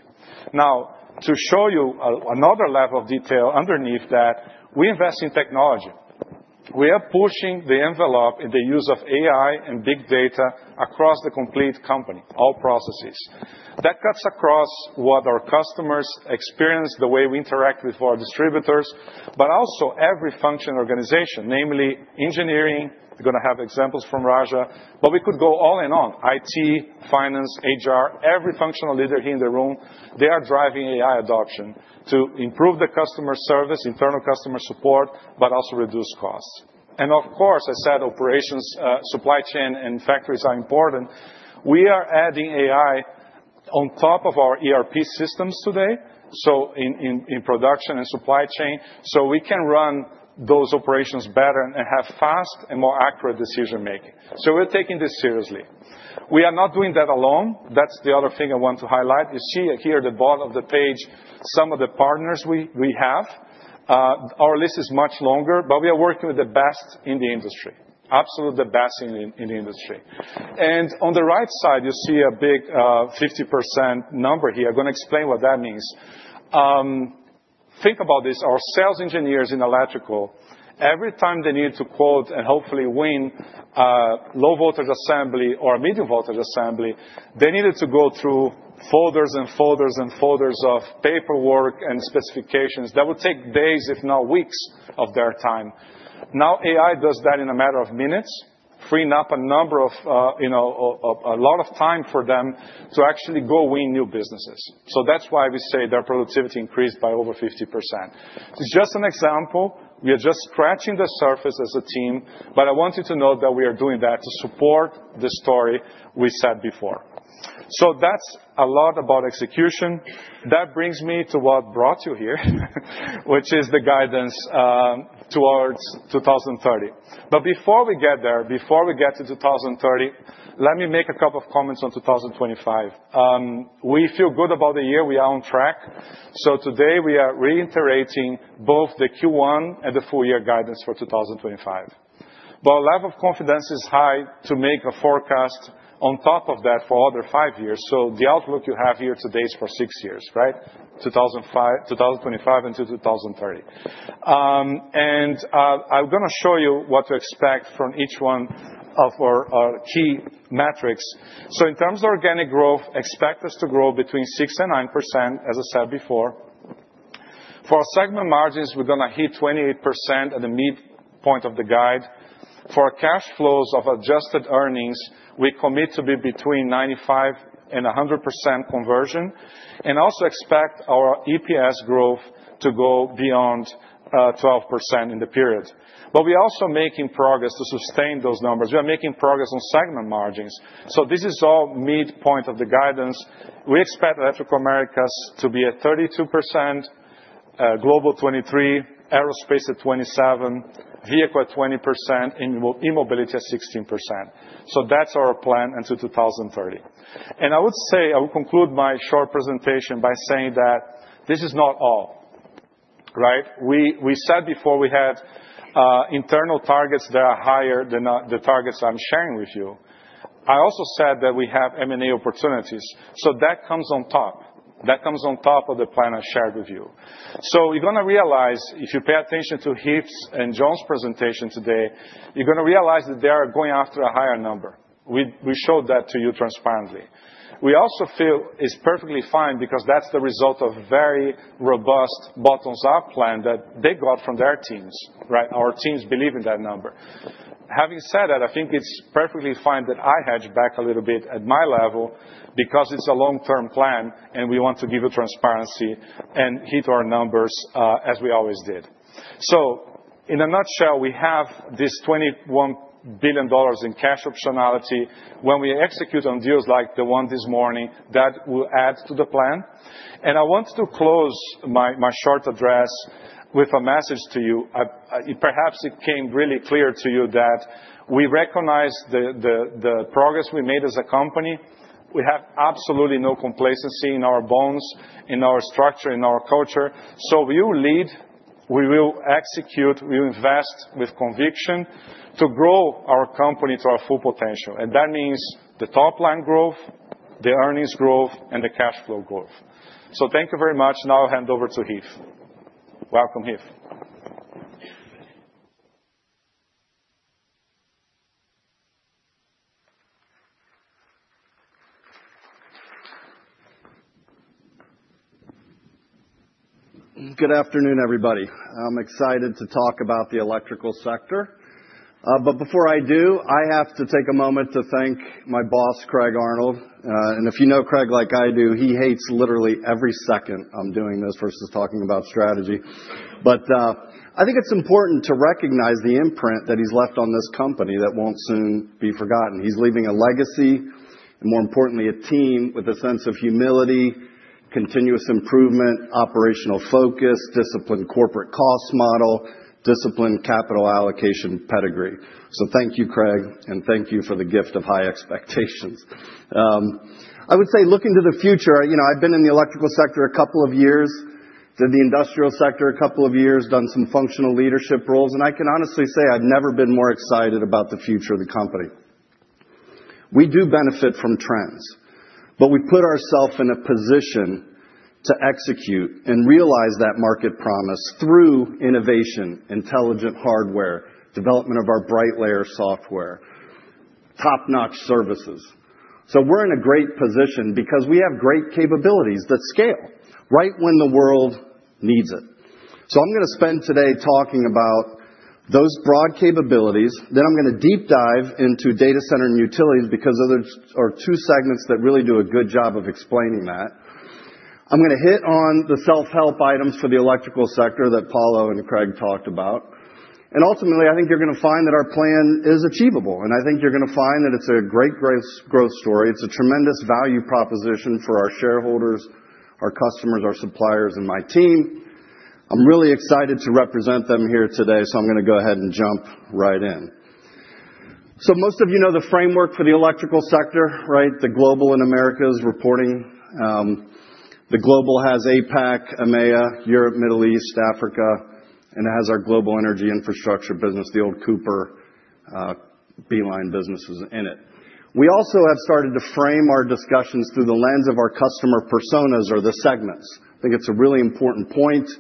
Now, to show you another level of detail underneath that, we invest in technology. We are pushing the envelope in the use of AI and big data across the complete company, all processes. That cuts across what our customers experience, the way we interact with our distributors, but also every functional organization, namely engineering. We are going to have examples from Raja. We could go on and on. IT, finance, HR, every functional leader here in the room, they are driving AI adoption to improve the customer service, internal customer support, but also reduce costs. Of course, I said operations, supply chain, and factories are important. We are adding AI on top of our ERP systems today, in production and supply chain, so we can run those operations better and have fast and more accurate decision-making. We are taking this seriously. We are not doing that alone. That is the other thing I want to highlight. You see here at the bottom of the page some of the partners we have. Our list is much longer, but we are working with the best in the industry, absolutely the best in the industry. On the right side, you see a big 50% number here. I am going to explain what that means. Think about this. Our sales engineers in electrical, every time they needed to quote and hopefully win a low voltage assembly or a medium voltage assembly, they needed to go through folders and folders and folders of paperwork and specifications that would take days, if not weeks, of their time. Now, AI does that in a matter of minutes, freeing up a number of a lot of time for them to actually go win new businesses. That is why we say their productivity increased by over 50%. This is just an example. We are just scratching the surface as a team. I want you to know that we are doing that to support the story we said before. That is a lot about execution. That brings me to what brought you here, which is the guidance towards 2030. Before we get there, before we get to 2030, let me make a couple of comments on 2025. We feel good about the year. We are on track. Today, we are reiterating both the Q1 and the full-year guidance for 2025. Our level of confidence is high to make a forecast on top of that for another five years. The outlook you have here today is for six years, right, 2025 into 2030. I'm going to show you what to expect from each one of our key metrics. In terms of organic growth, expect us to grow between 6% and 9%, as I said before. For our segment margins, we're going to hit 28% at the midpoint of the guide. For our cash flows of adjusted earnings, we commit to be between 95% and 100% conversion and also expect our EPS growth to go beyond 12% in the period. We are also making progress to sustain those numbers. We are making progress on segment margins. This is all midpoint of the guidance. We expect Electric America to be at 32%, Global 23%, Aerospace at 27%, Vehicle at 20%, and E-mobility at 16%. That is our plan until 2030. I would say I will conclude my short presentation by saying that this is not all, right? We said before we had internal targets that are higher than the targets I am sharing with you. I also said that we have M&A opportunities. That comes on top. That comes on top of the plan I shared with you. You're going to realize if you pay attention to Heath's and John's presentation today, you're going to realize that they are going after a higher number. We showed that to you transparently. We also feel it's perfectly fine because that's the result of a very robust bottoms-up plan that they got from their teams, right? Our teams believe in that number. Having said that, I think it's perfectly fine that I hedge back a little bit at my level because it's a long-term plan and we want to give you transparency and hit our numbers as we always did. In a nutshell, we have this $21 billion in cash optionality. When we execute on deals like the one this morning, that will add to the plan. I want to close my short address with a message to you. Perhaps it came really clear to you that we recognize the progress we made as a company. We have absolutely no complacency in our bones, in our structure, in our culture. We will lead. We will execute. We will invest with conviction to grow our company to our full potential. That means the top-line growth, the earnings growth, and the cash flow growth. Thank you very much. Now I'll hand over to Heath. Welcome, Heath. Good afternoon, everybody. I'm excited to talk about the electrical sector. Before I do, I have to take a moment to thank my boss, Craig Arnold. If you know Craig like I do, he hates literally every second I'm doing this versus talking about strategy. I think it's important to recognize the imprint that he's left on this company that won't soon be forgotten. He's leaving a legacy and, more importantly, a team with a sense of humility, continuous improvement, operational focus, disciplined corporate cost model, disciplined capital allocation pedigree. Thank you, Craig, and thank you for the gift of high expectations. I would say looking to the future, I've been in the electrical sector a couple of years, did the industrial sector a couple of years, done some functional leadership roles. I can honestly say I've never been more excited about the future of the company. We do benefit from trends, but we put ourselves in a position to execute and realize that market promise through innovation, intelligent hardware, development of our BrightLayer software, top-notch services. We are in a great position because we have great capabilities that scale right when the world needs it. I'm going to spend today talking about those broad capabilities. I am going to deep dive into data center and utilities because those are two segments that really do a good job of explaining that. I am going to hit on the self-help items for the electrical sector that Paulo and Craig talked about. Ultimately, I think you are going to find that our plan is achievable. I think you are going to find that it is a great growth story. It is a tremendous value proposition for our shareholders, our customers, our suppliers, and my team. I am really excited to represent them here today, so I am going to go ahead and jump right in. Most of you know the framework for the electrical sector, right? The Global and America's reporting. The Global has APAC, EMEA, Europe, Middle East, Africa, and it has our global energy infrastructure business, the old Cooper beeline businesses in it. We also have started to frame our discussions through the lens of our customer personas or the segments. I think it's a really important point.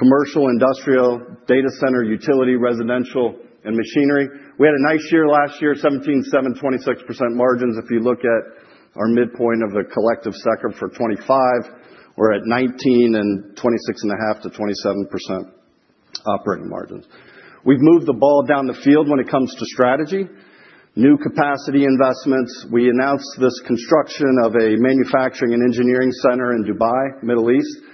Commercial, industrial, data center, utility, residential, and machinery. We had a nice year last year, 17.7%, 26% margins. If you look at our midpoint of the collective sector for 2025, we're at 19.7% and 26.5%-27% operating margins. We've moved the ball down the field when it comes to strategy. New capacity investments. We announced this construction of a manufacturing and engineering center in Dubai, Middle East.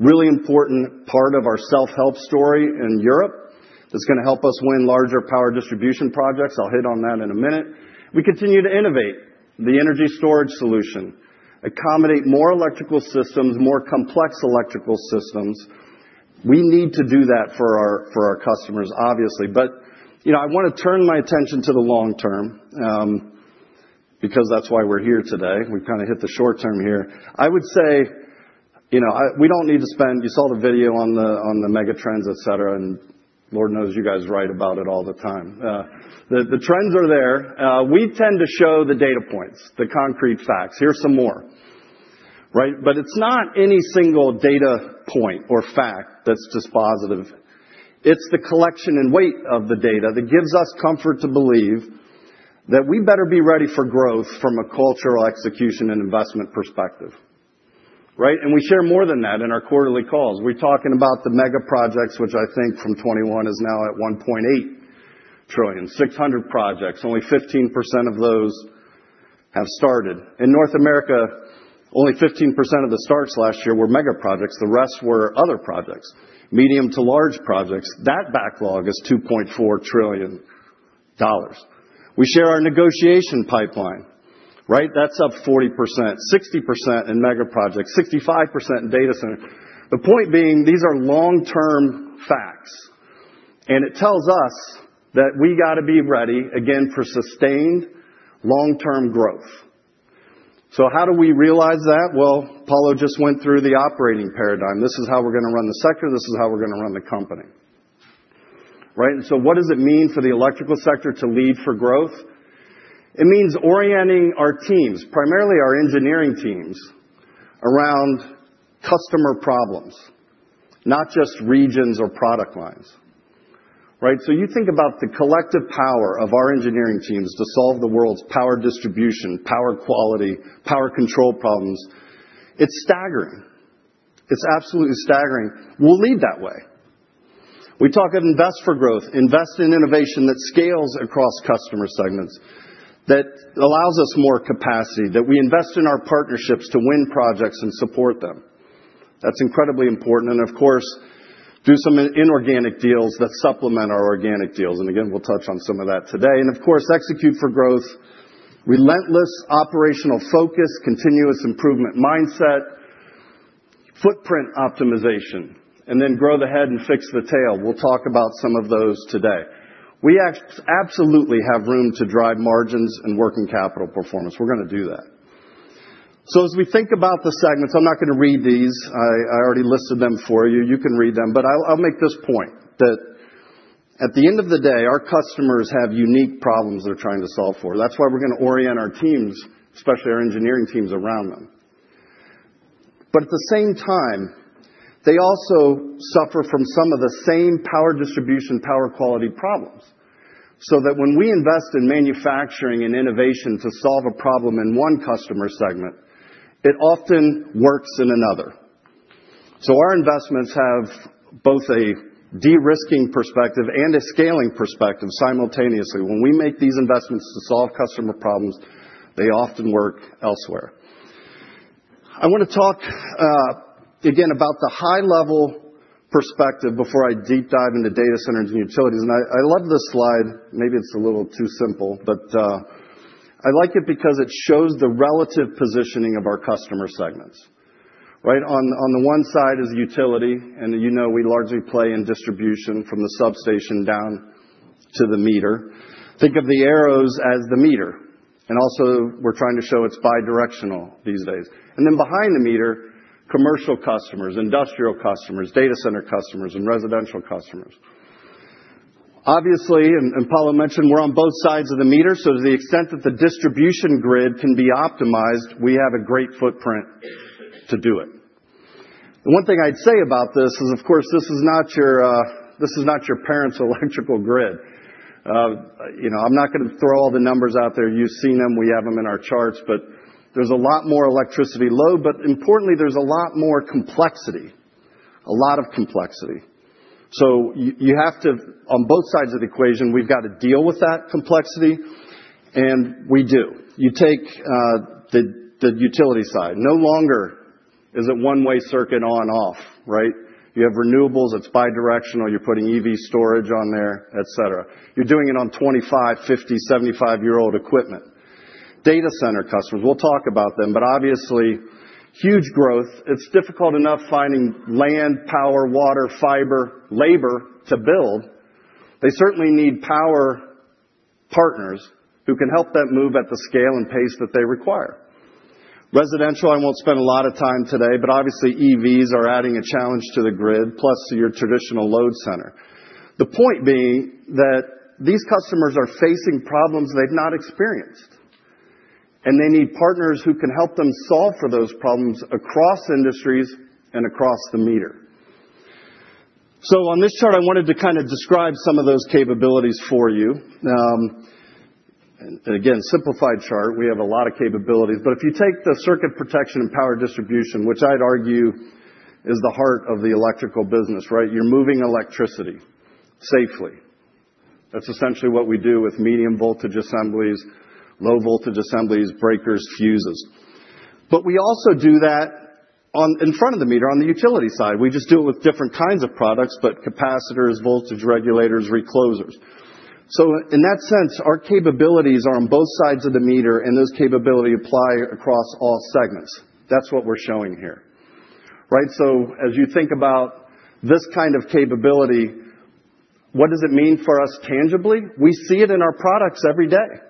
Really important part of our self-help story in Europe. It's going to help us win larger power distribution projects. I'll hit on that in a minute. We continue to innovate the energy storage solution, accommodate more electrical systems, more complex electrical systems. We need to do that for our customers, obviously. I want to turn my attention to the long term because that's why we're here today. We've kind of hit the short term here. I would say we don't need to spend—you saw the video on the megatrends, etc., and Lord knows you guys write about it all the time. The trends are there. We tend to show the data points, the concrete facts. Here's some more, right? It's not any single data point or fact that's just positive. It's the collection and weight of the data that gives us comfort to believe that we better be ready for growth from a cultural execution and investment perspective, right? We share more than that in our quarterly calls. We're talking about the mega projects, which I think from 2021 is now at $1.8 trillion, 600 projects. Only 15% of those have started. In North America, only 15% of the starts last year were mega projects. The rest were other projects, medium to large projects. That backlog is $2.4 trillion. We share our negotiation pipeline, right? That's up 40%, 60% in mega projects, 65% in data center. The point being, these are long-term facts. It tells us that we got to be ready, again, for sustained long-term growth. How do we realize that? Paulo just went through the operating paradigm. This is how we're going to run the sector. This is how we're going to run the company, right? What does it mean for the electrical sector to lead for growth? It means orienting our teams, primarily our engineering teams, around customer problems, not just regions or product lines, right? You think about the collective power of our engineering teams to solve the world's power distribution, power quality, power control problems. It's staggering. It's absolutely staggering. We'll lead that way. We talk of invest for growth, invest in innovation that scales across customer segments, that allows us more capacity, that we invest in our partnerships to win projects and support them. That's incredibly important. Of course, do some inorganic deals that supplement our organic deals. Again, we'll touch on some of that today. Of course, execute for growth, relentless operational focus, continuous improvement mindset, footprint optimization, and then grow the head and fix the tail. We'll talk about some of those today. We absolutely have room to drive margins and working capital performance. We're going to do that. As we think about the segments, I'm not going to read these. I already listed them for you. You can read them. I'll make this point that at the end of the day, our customers have unique problems they're trying to solve for. That's why we're going to orient our teams, especially our engineering teams, around them. At the same time, they also suffer from some of the same power distribution, power quality problems so that when we invest in manufacturing and innovation to solve a problem in one customer segment, it often works in another. Our investments have both a de-risking perspective and a scaling perspective simultaneously. When we make these investments to solve customer problems, they often work elsewhere. I want to talk again about the high-level perspective before I deep dive into data centers and utilities. I love this slide. Maybe it's a little too simple, but I like it because it shows the relative positioning of our customer segments, right? On the one side is utility, and we largely play in distribution from the substation down to the meter. Think of the arrows as the meter. Also, we're trying to show it's bidirectional these days. Behind the meter, commercial customers, industrial customers, data center customers, and residential customers. Obviously, and Paulo mentioned, we're on both sides of the meter. To the extent that the distribution grid can be optimized, we have a great footprint to do it. The one thing I'd say about this is, of course, this is not your parents' electrical grid. I'm not going to throw all the numbers out there. You've seen them. We have them in our charts. There's a lot more electricity load. Importantly, there's a lot more complexity, a lot of complexity. You have to, on both sides of the equation, we've got to deal with that complexity. We do. You take the utility side. No longer is it one-way circuit on-off, right? You have renewables. It's bidirectional. You're putting EV storage on there, etc. You're doing it on 25, 50, 75-year-old equipment. Data center customers, we'll talk about them. Obviously, huge growth. It's difficult enough finding land, power, water, fiber, labor to build. They certainly need power partners who can help them move at the scale and pace that they require. Residential, I won't spend a lot of time today, but obviously, EVs are adding a challenge to the grid, plus your traditional load center. The point being that these customers are facing problems they've not experienced. They need partners who can help them solve for those problems across industries and across the meter. On this chart, I wanted to kind of describe some of those capabilities for you. Again, simplified chart. We have a lot of capabilities. If you take the circuit protection and power distribution, which I'd argue is the heart of the electrical business, right? You're moving electricity safely. That's essentially what we do with medium-voltage assemblies, low-voltage assemblies, breakers, fuses. We also do that in front of the meter, on the utility side. We just do it with different kinds of products, capacitors, voltage regulators, reclosers. In that sense, our capabilities are on both sides of the meter, and those capabilities apply across all segments. That's what we're showing here, right? As you think about this kind of capability, what does it mean for us tangibly? We see it in our products every day.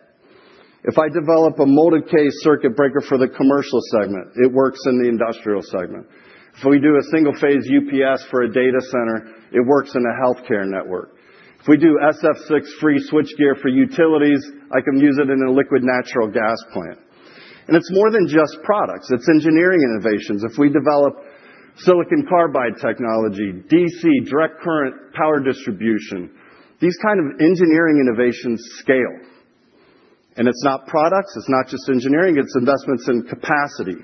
If I develop a molded-case circuit breaker for the commercial segment, it works in the industrial segment. If we do a single-phase UPS for a data center, it works in a healthcare network. If we do SF6-free switchgear for utilities, I can use it in a liquid natural gas plant. It is more than just products. It is engineering innovations. If we develop silicon carbide technology, DC, direct current power distribution, these kinds of engineering innovations scale. It is not products. It is not just engineering. It is investments in capacity,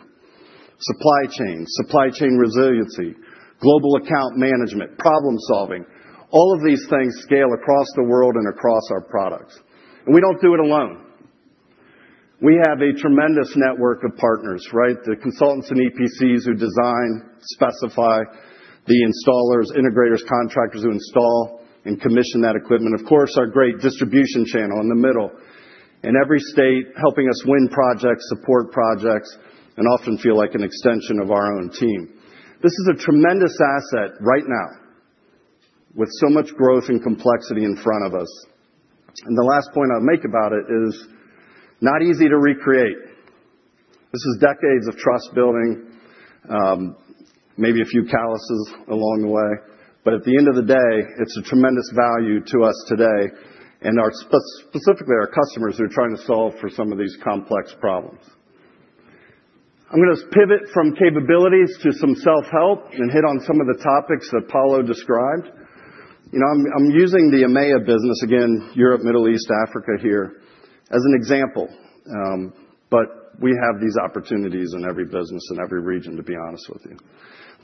supply chain, supply chain resiliency, global account management, problem-solving. All of these things scale across the world and across our products. We do not do it alone. We have a tremendous network of partners, right? The consultants and EPCs who design, specify, the installers, integrators, contractors who install and commission that equipment. Of course, our great distribution channel in the middle in every state helping us win projects, support projects, and often feel like an extension of our own team. This is a tremendous asset right now with so much growth and complexity in front of us. The last point I'll make about it is not easy to recreate. This is decades of trust-building, maybe a few calluses along the way. At the end of the day, it's a tremendous value to us today and specifically our customers who are trying to solve for some of these complex problems. I'm going to pivot from capabilities to some self-help and hit on some of the topics that Paulo described. I'm using the EMEA business, again, Europe, Middle East, Africa here as an example. We have these opportunities in every business and every region, to be honest with you,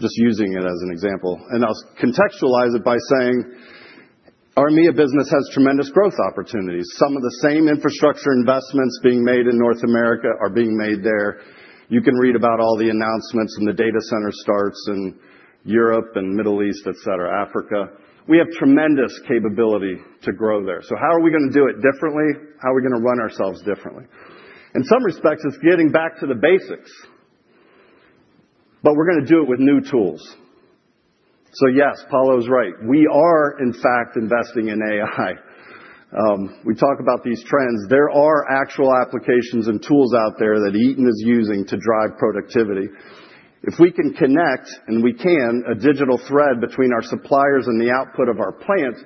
just using it as an example. I'll contextualize it by saying our EMEA business has tremendous growth opportunities. Some of the same infrastructure investments being made in North America are being made there. You can read about all the announcements and the data center starts in Europe and Middle East, etc., Africa. We have tremendous capability to grow there. How are we going to do it differently? How are we going to run ourselves differently? In some respects, it's getting back to the basics. We're going to do it with new tools. Yes, Paulo's right. We are, in fact, investing in AI. We talk about these trends. There are actual applications and tools out there that Eaton is using to drive productivity. If we can connect, and we can, a digital thread between our suppliers and the output of our plant,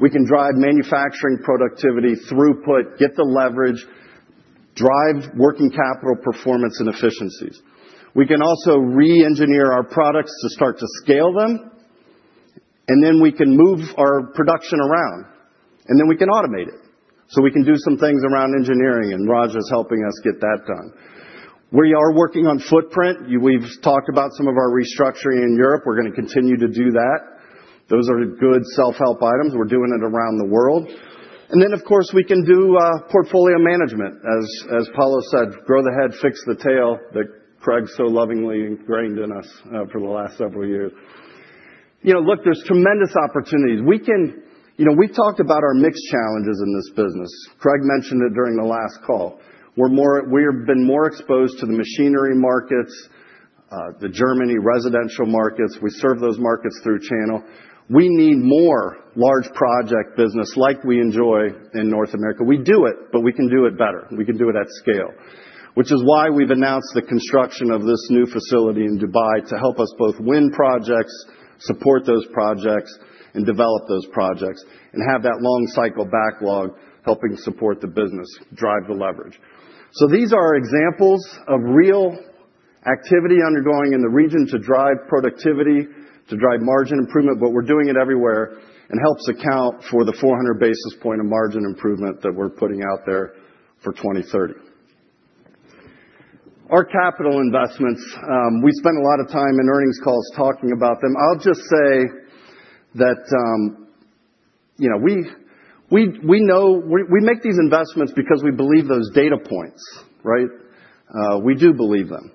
we can drive manufacturing productivity, throughput, get the leverage, drive working capital performance and efficiencies. We can also re-engineer our products to start to scale them. We can move our production around. We can automate it. We can do some things around engineering. Raja is helping us get that done. We are working on footprint. We have talked about some of our restructuring in Europe. We are going to continue to do that. Those are good self-help items. We are doing it around the world. Of course, we can do portfolio management, as Paulo said, grow the head, fix the tail that Craig so lovingly ingrained in us for the last several years. Look, there are tremendous opportunities. We have talked about our mixed challenges in this business. Craig mentioned it during the last call. We've been more exposed to the machinery markets, the Germany residential markets. We serve those markets through channel. We need more large project business like we enjoy in North America. We do it, but we can do it better. We can do it at scale, which is why we've announced the construction of this new facility in Dubai to help us both win projects, support those projects, and develop those projects, and have that long-cycle backlog helping support the business, drive the leverage. These are examples of real activity undergoing in the region to drive productivity, to drive margin improvement. We're doing it everywhere and helps account for the 400 basis point of margin improvement that we're putting out there for 2030. Our capital investments, we spend a lot of time in earnings calls talking about them. I'll just say that we make these investments because we believe those data points, right? We do believe them.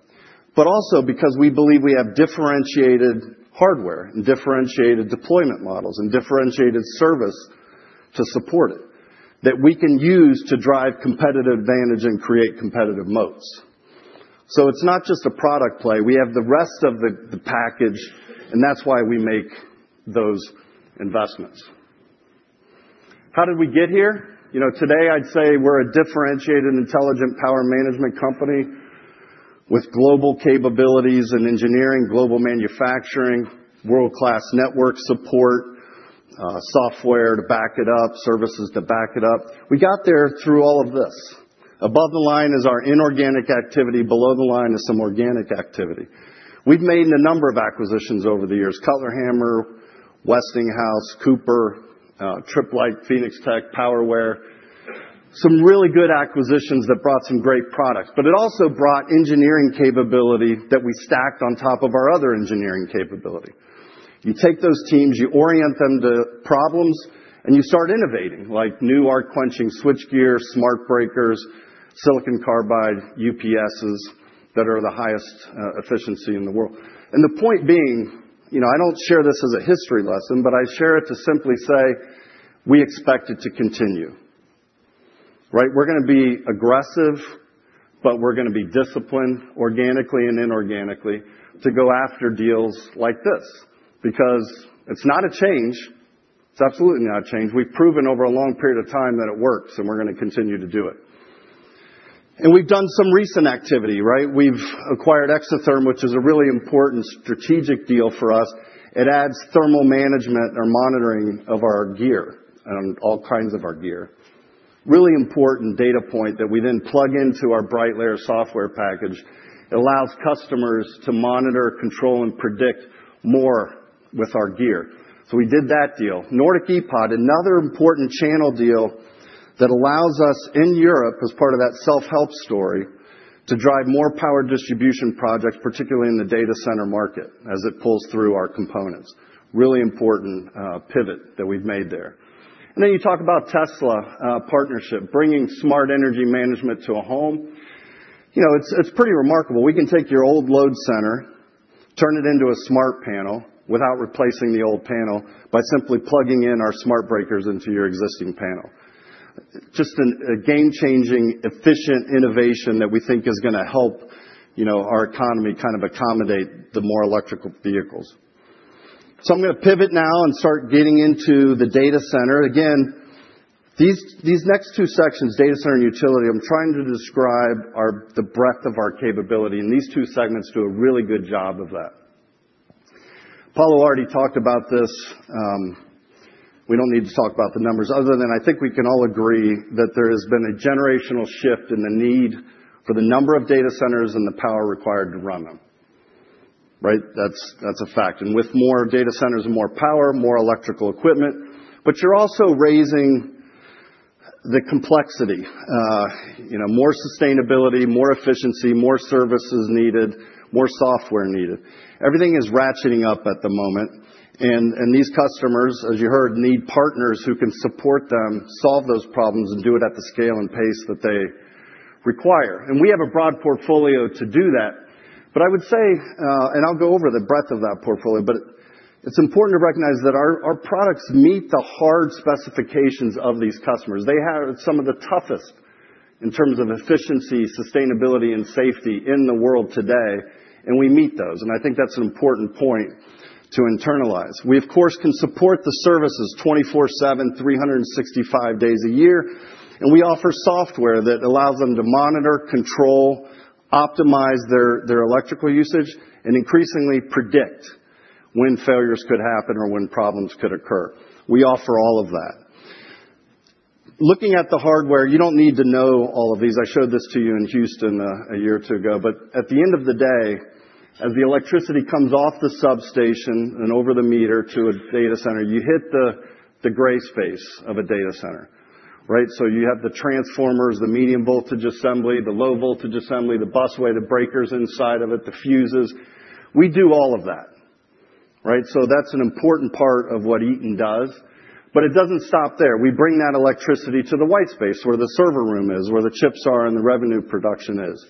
Also because we believe we have differentiated hardware and differentiated deployment models and differentiated service to support it that we can use to drive competitive advantage and create competitive moats. It is not just a product play. We have the rest of the package. That is why we make those investments. How did we get here? Today, I'd say we're a differentiated, intelligent power management company with global capabilities in engineering, global manufacturing, world-class network support, software to back it up, services to back it up. We got there through all of this. Above the line is our inorganic activity. Below the line is some organic activity. We've made a number of acquisitions over the years: Cutler-Hammer, Westinghouse, Cooper, Tripp Lite, Phoenix Tech, Powerware, some really good acquisitions that brought some great products. It also brought engineering capability that we stacked on top of our other engineering capability. You take those teams, you orient them to problems, and you start innovating, like new arc-quenching switchgear, smart breakers, silicon carbide UPS that are the highest efficiency in the world. The point being, I don't share this as a history lesson, I share it to simply say we expect it to continue, right? We're going to be aggressive, but we're going to be disciplined organically and inorganically to go after deals like this because it's not a change. It's absolutely not a change. We've proven over a long period of time that it works, and we're going to continue to do it. We have done some recent activity, right? We have acquired Exertherm, which is a really important strategic deal for us. It adds thermal management or monitoring of our gear and all kinds of our gear. Really important data point that we then plug into our BrightLayer software package. It allows customers to monitor, control, and predict more with our gear. We did that deal. NordicEPOD, another important channel deal that allows us in Europe as part of that self-help story to drive more power distribution projects, particularly in the data center market as it pulls through our components. Really important pivot that we have made there. You talk about Tesla partnership, bringing smart energy management to a home. It is pretty remarkable. We can take your old load center, turn it into a smart panel without replacing the old panel by simply plugging in our smart breakers into your existing panel. Just a game-changing, efficient innovation that we think is going to help our economy kind of accommodate the more electrical vehicles. I'm going to pivot now and start getting into the data center. Again, these next two sections, data center and utility, I'm trying to describe the breadth of our capability. These two segments do a really good job of that. Paulo already talked about this. We don't need to talk about the numbers other than I think we can all agree that there has been a generational shift in the need for the number of data centers and the power required to run them, right? That's a fact. With more data centers and more power, more electrical equipment, you're also raising the complexity: more sustainability, more efficiency, more services needed, more software needed. Everything is ratcheting up at the moment. These customers, as you heard, need partners who can support them, solve those problems, and do it at the scale and pace that they require. We have a broad portfolio to do that. I would say, and I'll go over the breadth of that portfolio, but it's important to recognize that our products meet the hard specifications of these customers. They have some of the toughest in terms of efficiency, sustainability, and safety in the world today. We meet those. I think that's an important point to internalize. We, of course, can support the services 24/7, 365 days a year. We offer software that allows them to monitor, control, optimize their electrical usage, and increasingly predict when failures could happen or when problems could occur. We offer all of that. Looking at the hardware, you don't need to know all of these. I showed this to you in Houston a year or two ago. At the end of the day, as the electricity comes off the substation and over the meter to a data center, you hit the gray space of a data center, right? You have the transformers, the medium-voltage assembly, the low-voltage assembly, the busway, the breakers inside of it, the fuses. We do all of that, right? That's an important part of what Eaton does. It doesn't stop there. We bring that electricity to the white space where the server room is, where the chips are and the revenue production is.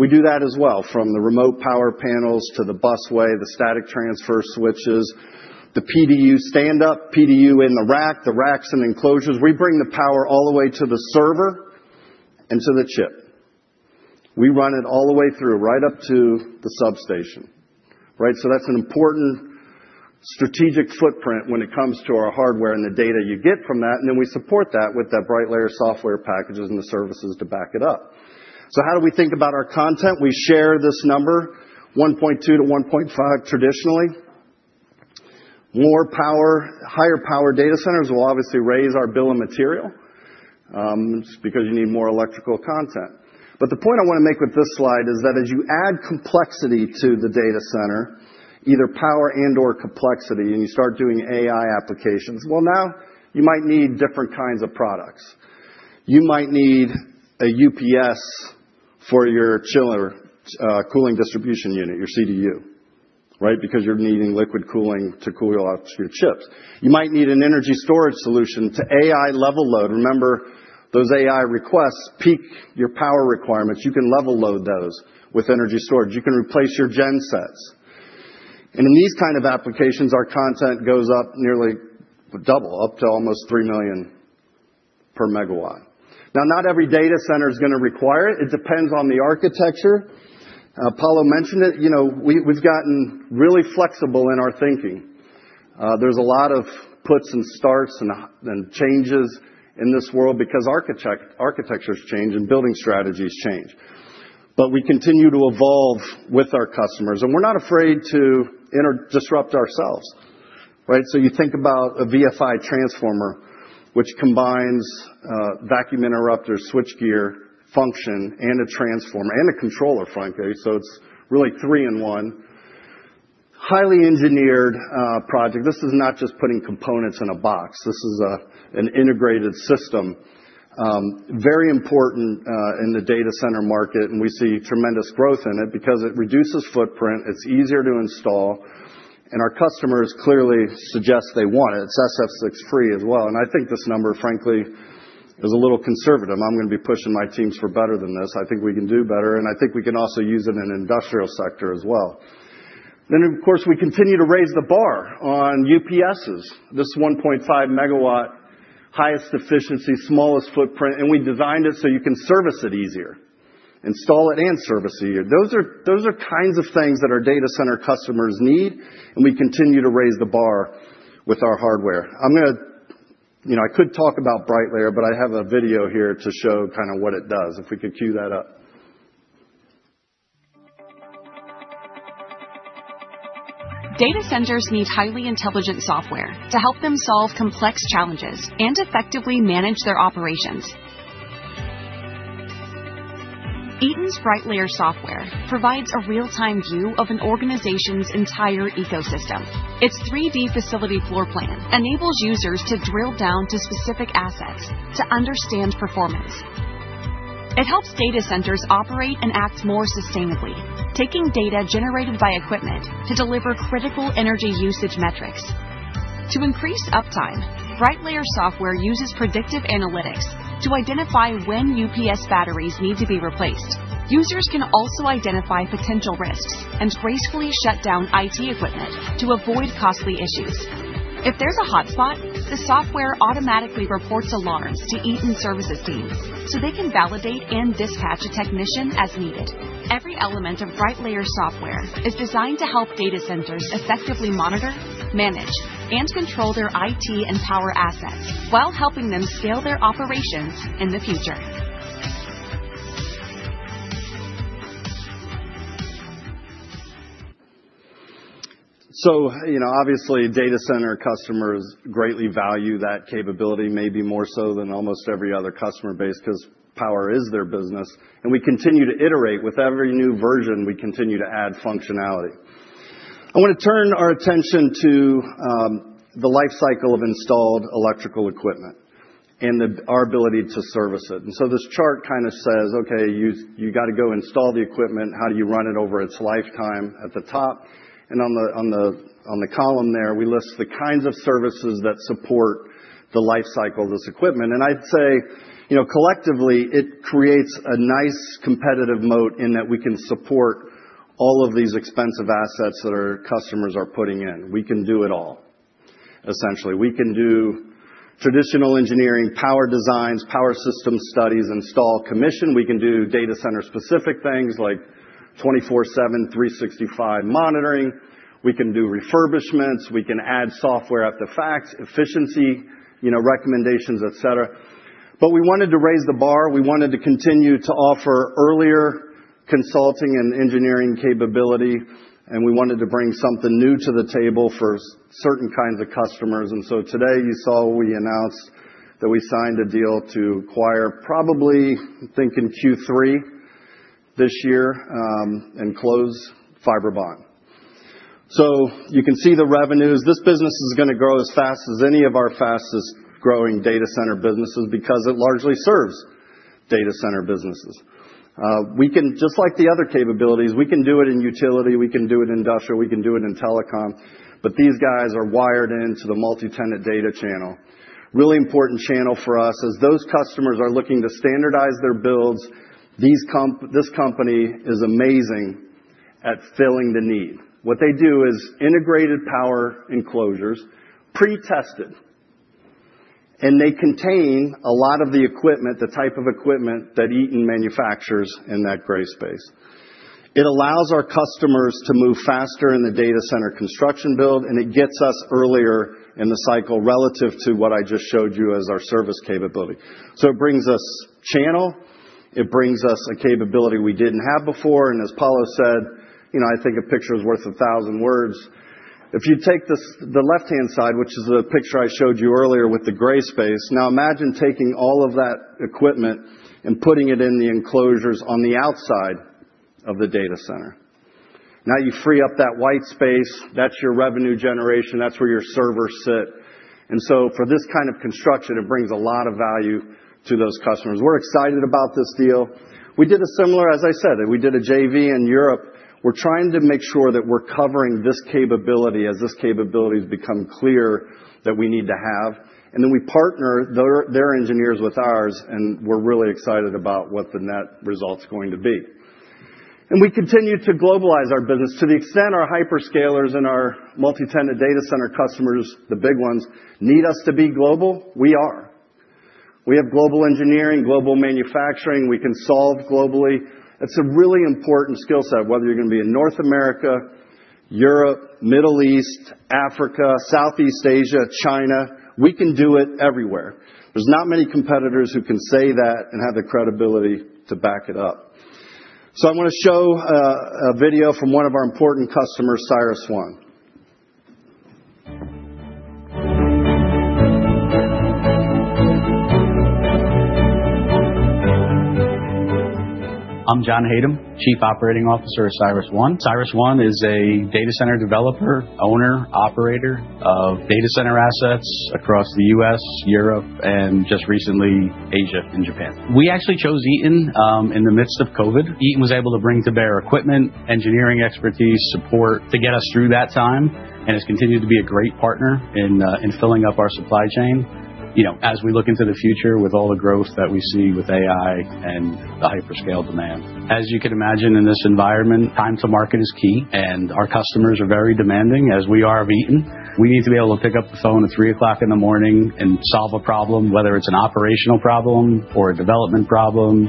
We do that as well, from the remote power panels to the busway, the static transfer switches, the PDU stand-up, PDU in the rack, the racks and enclosures. We bring the power all the way to the server and to the chip. We run it all the way through right up to the substation, right? That is an important strategic footprint when it comes to our hardware and the data you get from that. We support that with the BrightLayer software packages and the services to back it up. How do we think about our content? We share this number, 1.2 to 1.5 traditionally. Higher power data centers will obviously raise our bill of material just because you need more electrical content. The point I want to make with this slide is that as you add complexity to the data center, either power and/or complexity, and you start doing AI applications, now you might need different kinds of products. You might need a UPS for your chiller cooling distribution unit, your CDU, right? Because you're needing liquid cooling to cool your chips. You might need an energy storage solution to AI level load. Remember, those AI requests peak your power requirements. You can level load those with energy storage. You can replace your gen sets. In these kinds of applications, our content goes up nearly double up to almost $3 million per megawatt. Not every data center is going to require it. It depends on the architecture. Paulo mentioned it. We've gotten really flexible in our thinking. There's a lot of puts and starts and changes in this world because architectures change and building strategies change. We continue to evolve with our customers. We're not afraid to disrupt ourselves, right? You think about a VFI transformer, which combines vacuum interrupter, switchgear function, and a transformer and a controller, frankly. It's really three in one. Highly engineered project. This is not just putting components in a box. This is an integrated system. Very important in the data center market. We see tremendous growth in it because it reduces footprint. It's easier to install. Our customers clearly suggest they want it. It's SF6-free as well. I think this number, frankly, is a little conservative. I'm going to be pushing my teams for better than this. I think we can do better. I think we can also use it in the industrial sector as well. Of course, we continue to raise the bar on UPSs. This 1.5 MW, highest efficiency, smallest footprint. We designed it so you can service it easier, install it, and service it easier. Those are kinds of things that our data center customers need. We continue to raise the bar with our hardware. I could talk about BrightLayer, but I have a video here to show kind of what it does if we could cue that up. Data centers need highly intelligent software to help them solve complex challenges and effectively manage their operations. Eaton's BrightLayer software provides a real-time view of an organization's entire ecosystem. Its 3D facility floor plan enables users to drill down to specific assets to understand performance. It helps data centers operate and act more sustainably, taking data generated by equipment to deliver critical energy usage metrics. To increase uptime, BrightLayer software uses predictive analytics to identify when UPS batteries need to be replaced. Users can also identify potential risks and gracefully shut down IT equipment to avoid costly issues. If there's a hotspot, the software automatically reports alarms to Eaton services teams so they can validate and dispatch a technician as needed. Every element of BrightLayer software is designed to help data centers effectively monitor, manage, and control their IT and power assets while helping them scale their operations in the future. Obviously, data center customers greatly value that capability, maybe more so than almost every other customer base because power is their business. We continue to iterate. With every new version, we continue to add functionality. I want to turn our attention to the lifecycle of installed electrical equipment and our ability to service it. This chart kind of says, "Okay, you got to go install the equipment. How do you run it over its lifetime?" At the top and on the column there, we list the kinds of services that support the lifecycle of this equipment. I'd say collectively, it creates a nice competitive moat in that we can support all of these expensive assets that our customers are putting in. We can do it all, essentially. We can do traditional engineering, power designs, power system studies, install, commission. We can do data center-specific things like 24/7, 365 days monitoring. We can do refurbishments. We can add software at the facts, efficiency recommendations, etc. We wanted to raise the bar. We wanted to continue to offer earlier consulting and engineering capability. We wanted to bring something new to the table for certain kinds of customers. Today, you saw we announced that we signed a deal to acquire, probably think in Q3 this year, and close Fibrebond. You can see the revenues. This business is going to grow as fast as any of our fastest-growing data center businesses because it largely serves data center businesses. Just like the other capabilities, we can do it in utility. We can do it in industrial. We can do it in telecom. These guys are wired into the multi-tenant data channel. Really important channel for us as those customers are looking to standardize their builds. This company is amazing at filling the need. What they do is integrated power enclosures, pre-tested. They contain a lot of the equipment, the type of equipment that Eaton manufactures in that gray space. It allows our customers to move faster in the data center construction build. It gets us earlier in the cycle relative to what I just showed you as our service capability. It brings us channel. It brings us a capability we didn't have before. As Paulo said, I think a picture is worth a thousand words. If you take the left-hand side, which is the picture I showed you earlier with the gray space, now imagine taking all of that equipment and putting it in the enclosures on the outside of the data center. Now you free up that white space. That's your revenue generation. That's where your servers sit. For this kind of construction, it brings a lot of value to those customers. We're excited about this deal. We did a similar, as I said, we did a JV in Europe. We're trying to make sure that we're covering this capability as this capability has become clear that we need to have. We partner their engineers with ours. We're really excited about what the net result's going to be. We continue to globalize our business to the extent our hyperscalers and our multi-tenant data center customers, the big ones, need us to be global. We are. We have global engineering, global manufacturing. We can solve globally. It's a really important skill set, whether you're going to be in North America, Europe, Middle East, Africa, Southeast Asia, China. We can do it everywhere. There's not many competitors who can say that and have the credibility to back it up. I want to show a video from one of our important customers, CyrusOne. I'm John Hayden, Chief Operating Officer of CyrusOne. CyrusOne is a data center developer, owner, operator of data center assets across the US, Europe, and just recently Asia and Japan. We actually chose Eaton in the midst of COVID. Eaton was able to bring to bear equipment, engineering expertise, support to get us through that time. It has continued to be a great partner in filling up our supply chain as we look into the future with all the growth that we see with AI and the hyperscale demand. As you can imagine, in this environment, time to market is key. Our customers are very demanding, as we are of Eaton. We need to be able to pick up the phone at 3:00 A.M. and solve a problem, whether it is an operational problem or a development problem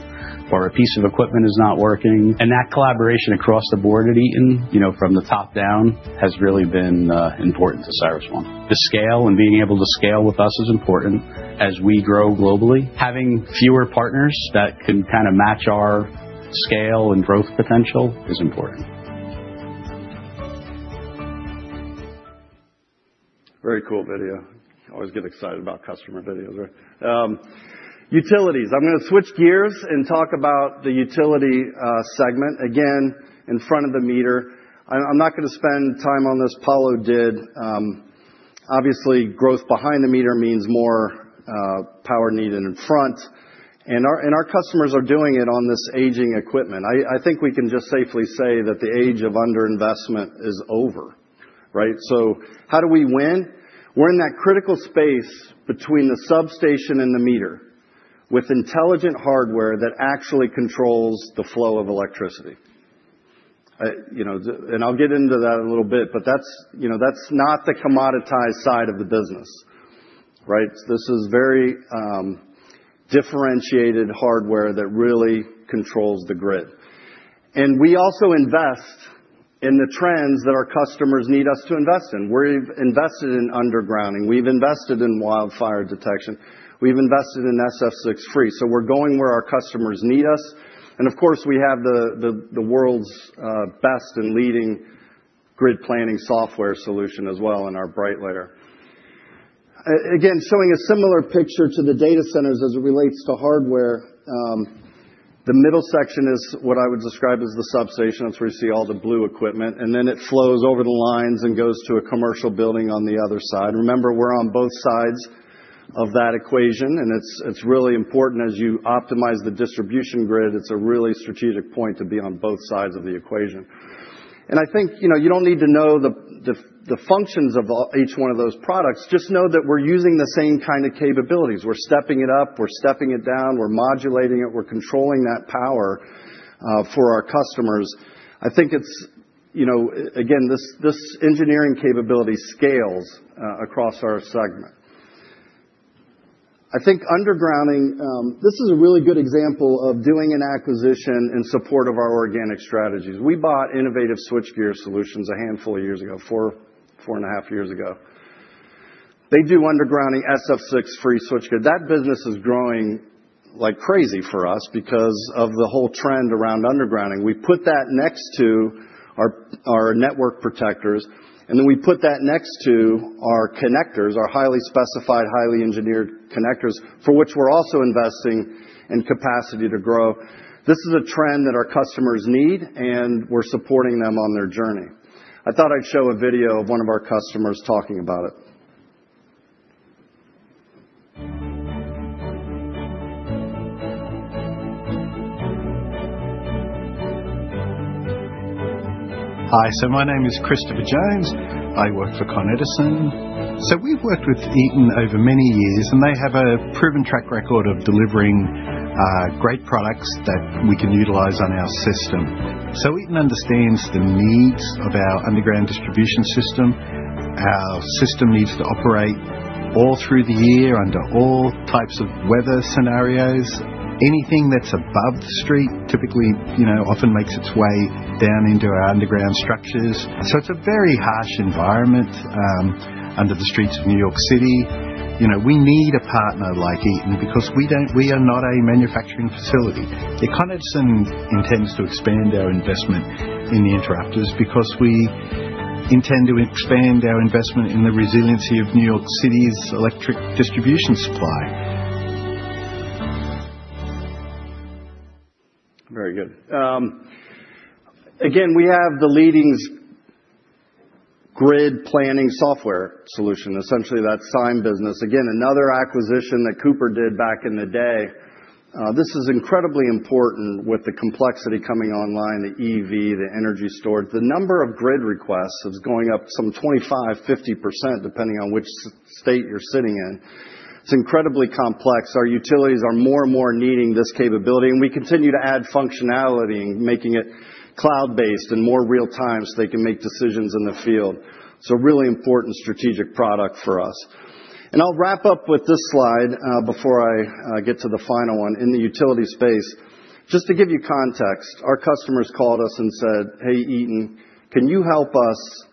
or a piece of equipment is not working. That collaboration across the board at Eaton, from the top down, has really been important to CyrusOne. The scale and being able to scale with us is important as we grow globally. Having fewer partners that can kind of match our scale and growth potential is important. Very cool video. I always get excited about customer videos. Utilities. I'm going to switch gears and talk about the utility segment. Again, in front of the meter. I'm not going to spend time on this. Paulo did. Obviously, growth behind the meter means more power needed in front. And our customers are doing it on this aging equipment. I think we can just safely say that the age of underinvestment is over, right? How do we win? We're in that critical space between the substation and the meter with intelligent hardware that actually controls the flow of electricity. I'll get into that a little bit. That's not the commoditized side of the business, right? This is very differentiated hardware that really controls the grid. We also invest in the trends that our customers need us to invest in. We've invested in undergrounding. We've invested in wildfire detection. We've invested in SF6-free. We're going where our customers need us. Of course, we have the world's best and leading grid planning software solution as well in our BrightLayer. Again, showing a similar picture to the data centers as it relates to hardware. The middle section is what I would describe as the substation. That's where you see all the blue equipment. It flows over the lines and goes to a commercial building on the other side. Remember, we're on both sides of that equation. It is really important as you optimize the distribution grid. It is a really strategic point to be on both sides of the equation. I think you do not need to know the functions of each one of those products. Just know that we are using the same kind of capabilities. We are stepping it up. We are stepping it down. We are modulating it. We are controlling that power for our customers. I think, again, this engineering capability scales across our segment. I think undergrounding, this is a really good example of doing an acquisition in support of our organic strategies. We bought Innovative switchgear solutions a handful of years ago, four and a half years ago. They do undergrounding SF6-free switchgear. That business is growing like crazy for us because of the whole trend around undergrounding. We put that next to our network protectors. Then we put that next to our connectors, our highly specified, highly engineered connectors, for which we're also investing in capacity to grow. This is a trend that our customers need. We're supporting them on their journey. I thought I'd show a video of one of our customers talking about it. Hi. My name is Christopher Jones. I work for Con Edison. We've worked with Eaton over many years. They have a proven track record of delivering great products that we can utilize on our system. Eaton understands the needs of our underground distribution system. Our system needs to operate all through the year under all types of weather scenarios. Anything that's above the street typically often makes its way down into our underground structures. It's a very harsh environment under the streets of New York City. We need a partner like Eaton because we are not a manufacturing facility. Con Edison intends to expand our investment in the interruptors because we intend to expand our investment in the resiliency of New York City's electric distribution supply. Very good. Again, we have the leading grid planning software solution, essentially that SIME business. Again, another acquisition that Cooper did back in the day. This is incredibly important with the complexity coming online, the EV, the energy storage. The number of grid requests is going up some 25%-50% depending on which state you're sitting in. It's incredibly complex. Our utilities are more and more needing this capability. We continue to add functionality and making it cloud-based and more real-time so they can make decisions in the field. Really important strategic product for us. I'll wrap up with this slide before I get to the final one in the utility space. Just to give you context, our customers called us and said, "Hey, Eaton, can you help us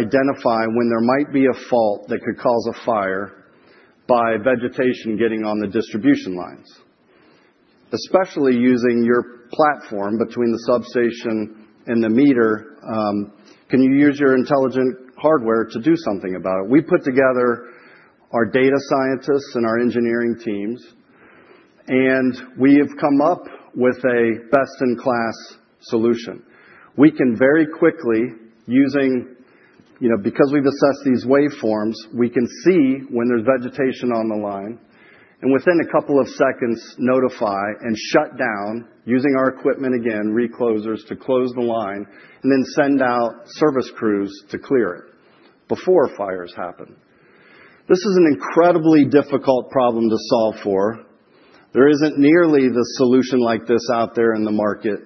identify when there might be a fault that could cause a fire by vegetation getting on the distribution lines? Especially using your platform between the substation and the meter, can you use your intelligent hardware to do something about it?" We put together our data scientists and our engineering teams. We have come up with a best-in-class solution. We can very quickly, because we've assessed these waveforms, see when there's vegetation on the line and within a couple of seconds notify and shut down using our equipment, again, reclosers to close the line and then send out service crews to clear it before fires happen. This is an incredibly difficult problem to solve for. There isn't nearly the solution like this out there in the market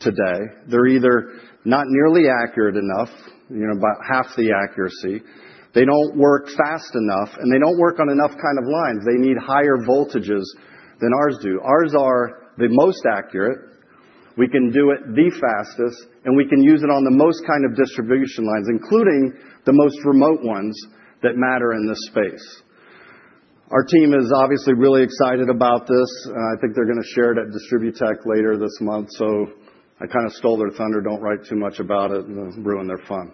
today. They're either not nearly accurate enough, about half the accuracy. They don't work fast enough. They don't work on enough kind of lines. They need higher voltages than ours do. Ours are the most accurate. We can do it the fastest. We can use it on the most kind of distribution lines, including the most remote ones that matter in this space. Our team is obviously really excited about this. I think they're going to share it at DistribuTech later this month. I kind of stole their thunder. Don't write too much about it. It'll ruin their fun.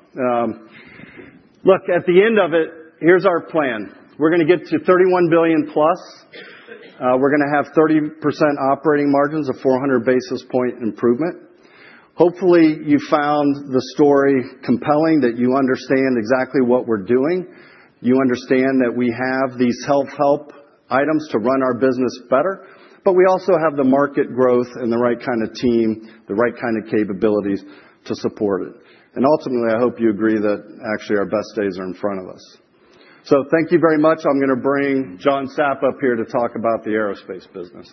Look, at the end of it, here's our plan. We're going to get to $31 billion plus. We're going to have 30% operating margins of 400 basis point improvement. Hopefully, you found the story compelling that you understand exactly what we're doing. You understand that we have these self-help items to run our business better. We also have the market growth and the right kind of team, the right kind of capabilities to support it. Ultimately, I hope you agree that actually our best days are in front of us. Thank you very much. I'm going to bring John Sapp up here to talk about the aerospace business.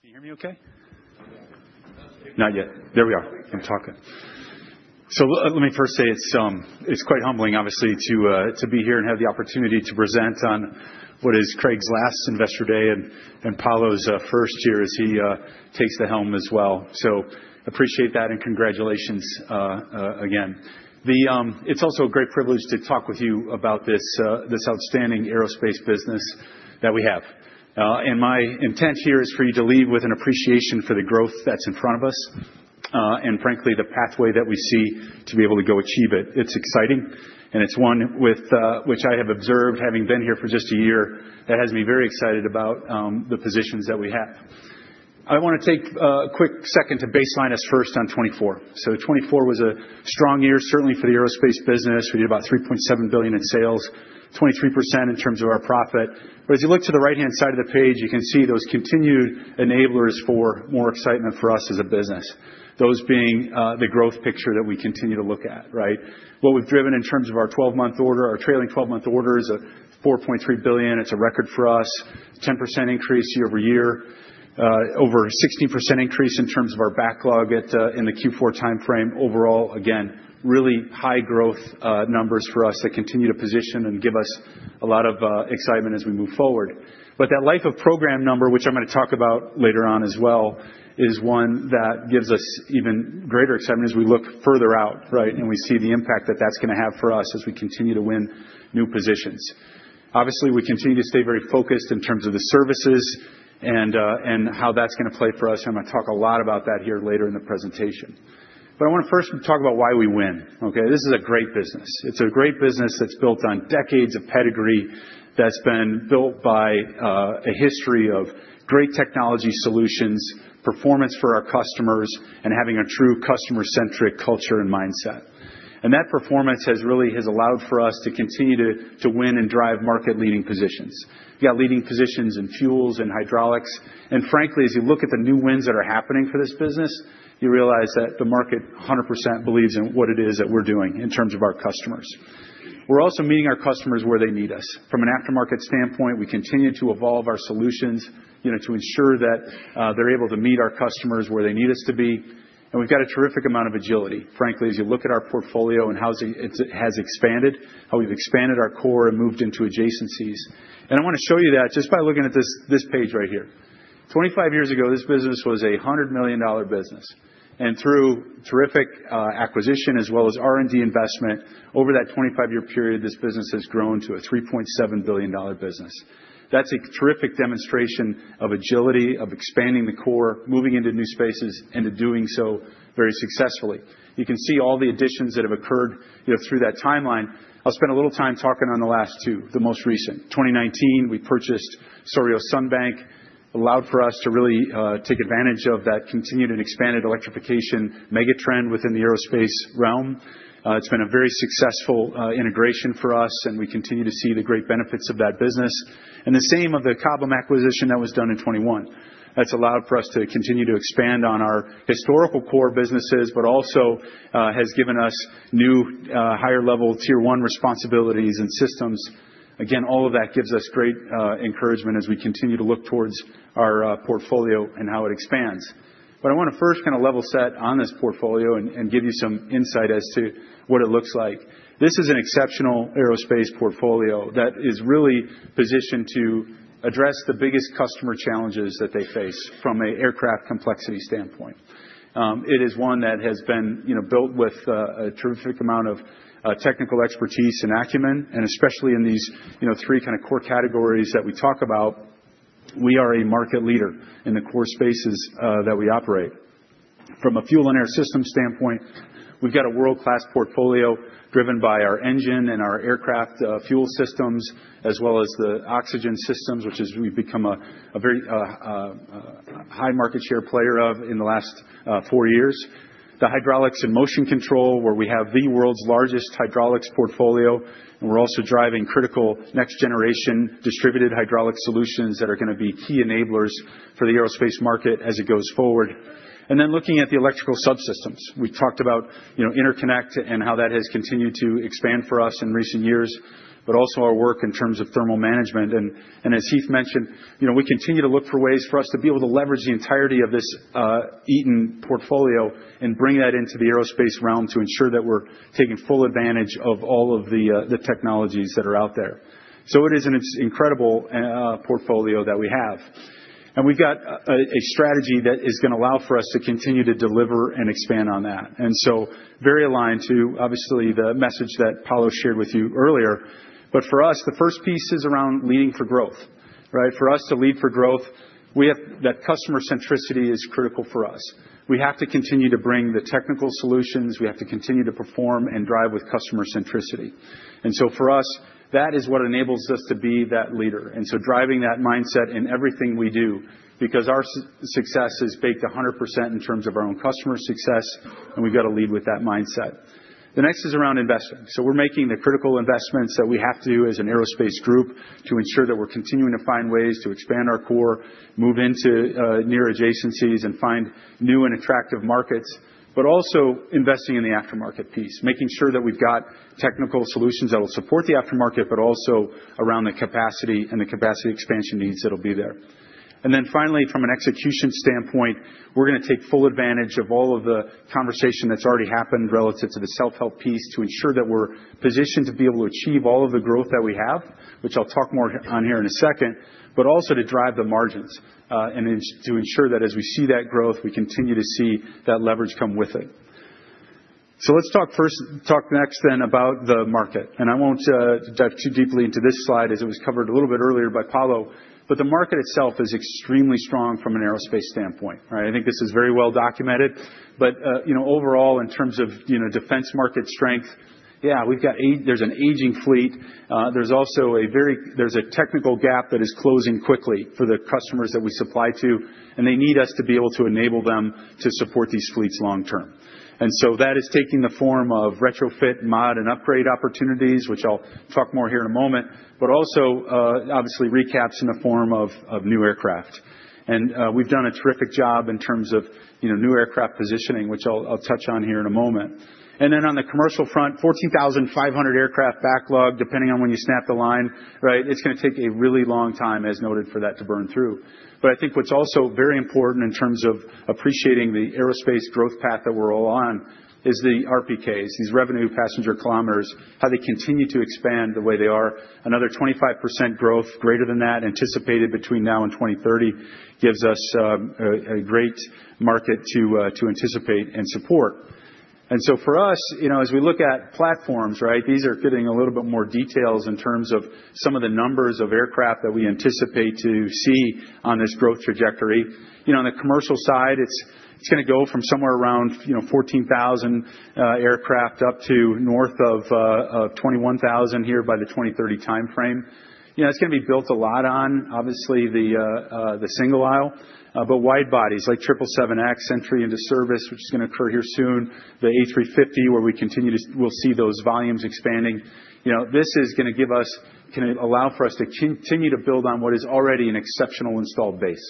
Can you hear me okay? Not yet. There we are. I'm talking. Let me first say it's quite humbling, obviously, to be here and have the opportunity to present on what is Craig's last investor day and Paulo's first year as he takes the helm as well. Appreciate that and congratulations again. It's also a great privilege to talk with you about this outstanding aerospace business that we have. My intent here is for you to leave with an appreciation for the growth that's in front of us and, frankly, the pathway that we see to be able to go achieve it. It's exciting. It is one with which I have observed, having been here for just a year, that has me very excited about the positions that we have. I want to take a quick second to baseline us first on 2024. 2024 was a strong year, certainly for the aerospace business. We did about $3.7 billion in sales, 23% in terms of our profit. As you look to the right-hand side of the page, you can see those continued enablers for more excitement for us as a business, those being the growth picture that we continue to look at, right? What we've driven in terms of our 12-month order, our trailing 12-month order is $4.3 billion. It's a record for us, 10% increase year over year, over 16% increase in terms of our backlog in the Q4 timeframe. Overall, again, really high growth numbers for us that continue to position and give us a lot of excitement as we move forward. That life of program number, which I'm going to talk about later on as well, is one that gives us even greater excitement as we look further out, right? We see the impact that that's going to have for us as we continue to win new positions. Obviously, we continue to stay very focused in terms of the services and how that's going to play for us. I'm going to talk a lot about that here later in the presentation. I want to first talk about why we win, okay? This is a great business. It's a great business that's built on decades of pedigree that's been built by a history of great technology solutions, performance for our customers, and having a true customer-centric culture and mindset. That performance has really allowed for us to continue to win and drive market-leading positions. You got leading positions in fuels and hydraulics. Frankly, as you look at the new wins that are happening for this business, you realize that the market 100% believes in what it is that we're doing in terms of our customers. We're also meeting our customers where they need us. From an aftermarket standpoint, we continue to evolve our solutions to ensure that they're able to meet our customers where they need us to be. We've got a terrific amount of agility. Frankly, as you look at our portfolio and how it has expanded, how we've expanded our core and moved into adjacencies. I want to show you that just by looking at this page right here. Twenty-five years ago, this business was a $100 million business. Through terrific acquisition as well as R&D investment, over that 25-year period, this business has grown to a $3.7 billion business. That's a terrific demonstration of agility, of expanding the core, moving into new spaces, and doing so very successfully. You can see all the additions that have occurred through that timeline. I'll spend a little time talking on the last two, the most recent. In 2019, we purchased Souriau-Sunbank. Allowed for us to really take advantage of that continued and expanded electrification megatrend within the aerospace realm. It's been a very successful integration for us. We continue to see the great benefits of that business. The same of the Cobham acquisition that was done in 2021. That's allowed for us to continue to expand on our historical core businesses, but also has given us new higher-level tier-one responsibilities and systems. Again, all of that gives us great encouragement as we continue to look towards our portfolio and how it expands. I want to first kind of level set on this portfolio and give you some insight as to what it looks like. This is an exceptional aerospace portfolio that is really positioned to address the biggest customer challenges that they face from an aircraft complexity standpoint. It is one that has been built with a terrific amount of technical expertise and acumen. Especially in these three kind of core categories that we talk about, we are a market leader in the core spaces that we operate. From a fuel and air system standpoint, we've got a world-class portfolio driven by our engine and our aircraft fuel systems, as well as the oxygen systems, which we've become a very high market share player of in the last four years. The hydraulics and motion control, where we have the world's largest hydraulics portfolio. We're also driving critical next-generation distributed hydraulic solutions that are going to be key enablers for the aerospace market as it goes forward. Looking at the electrical subsystems, we talked about interconnect and how that has continued to expand for us in recent years, but also our work in terms of thermal management. As Heath mentioned, we continue to look for ways for us to be able to leverage the entirety of this Eaton portfolio and bring that into the aerospace realm to ensure that we're taking full advantage of all of the technologies that are out there. It is an incredible portfolio that we have. We've got a strategy that is going to allow for us to continue to deliver and expand on that. Very aligned to, obviously, the message that Paulo shared with you earlier. For us, the first piece is around leading for growth, right? For us to lead for growth, that customer centricity is critical for us. We have to continue to bring the technical solutions. We have to continue to perform and drive with customer centricity. For us, that is what enables us to be that leader. Driving that mindset in everything we do because our success is baked 100% in terms of our own customer success. We have to lead with that mindset. The next is around investing. We are making the critical investments that we have to do as an aerospace group to ensure that we are continuing to find ways to expand our core, move into near adjacencies, and find new and attractive markets, but also investing in the aftermarket piece, making sure that we have technical solutions that will support the aftermarket, but also around the capacity and the capacity expansion needs that will be there. Finally, from an execution standpoint, we're going to take full advantage of all of the conversation that's already happened relative to the self-help piece to ensure that we're positioned to be able to achieve all of the growth that we have, which I'll talk more on here in a second, but also to drive the margins and to ensure that as we see that growth, we continue to see that leverage come with it. Let's talk next then about the market. I won't dive too deeply into this slide as it was covered a little bit earlier by Paulo. The market itself is extremely strong from an aerospace standpoint, right? I think this is very well documented. Overall, in terms of defense market strength, yeah, there's an aging fleet. There's also a technical gap that is closing quickly for the customers that we supply to. They need us to be able to enable them to support these fleets long-term. That is taking the form of retrofit, mod, and upgrade opportunities, which I'll talk more here in a moment, but also, obviously, recaps in the form of new aircraft. We've done a terrific job in terms of new aircraft positioning, which I'll touch on here in a moment. On the commercial front, 14,500 aircraft backlog, depending on when you snap the line, right? It's going to take a really long time, as noted, for that to burn through. I think what's also very important in terms of appreciating the aerospace growth path that we're all on is the RPKs, these revenue passenger kilometers, how they continue to expand the way they are. Another 25% growth, greater than that, anticipated between now and 2030, gives us a great market to anticipate and support. For us, as we look at platforms, right? These are getting a little bit more details in terms of some of the numbers of aircraft that we anticipate to see on this growth trajectory. On the commercial side, it's going to go from somewhere around 14,000 aircraft up to north of 21,000 here by the 2030 timeframe. It's going to be built a lot on, obviously, the single aisle, but wide bodies like 777X entry into service, which is going to occur here soon, the A350, where we'll see those volumes expanding. This is going to allow for us to continue to build on what is already an exceptional installed base.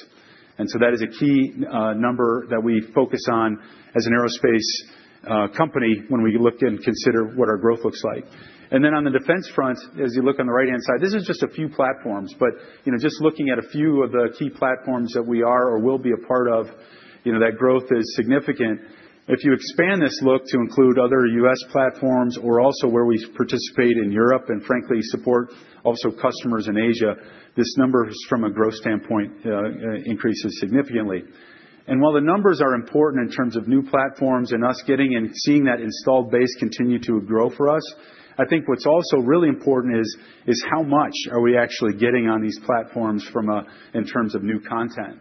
That is a key number that we focus on as an aerospace company when we look and consider what our growth looks like. On the defense front, as you look on the right-hand side, this is just a few platforms. Just looking at a few of the key platforms that we are or will be a part of, that growth is significant. If you expand this look to include other U.S. platforms or also where we participate in Europe and, frankly, support also customers in Asia, this number from a growth standpoint increases significantly. While the numbers are important in terms of new platforms and us getting and seeing that installed base continue to grow for us, I think what is also really important is how much are we actually getting on these platforms in terms of new content.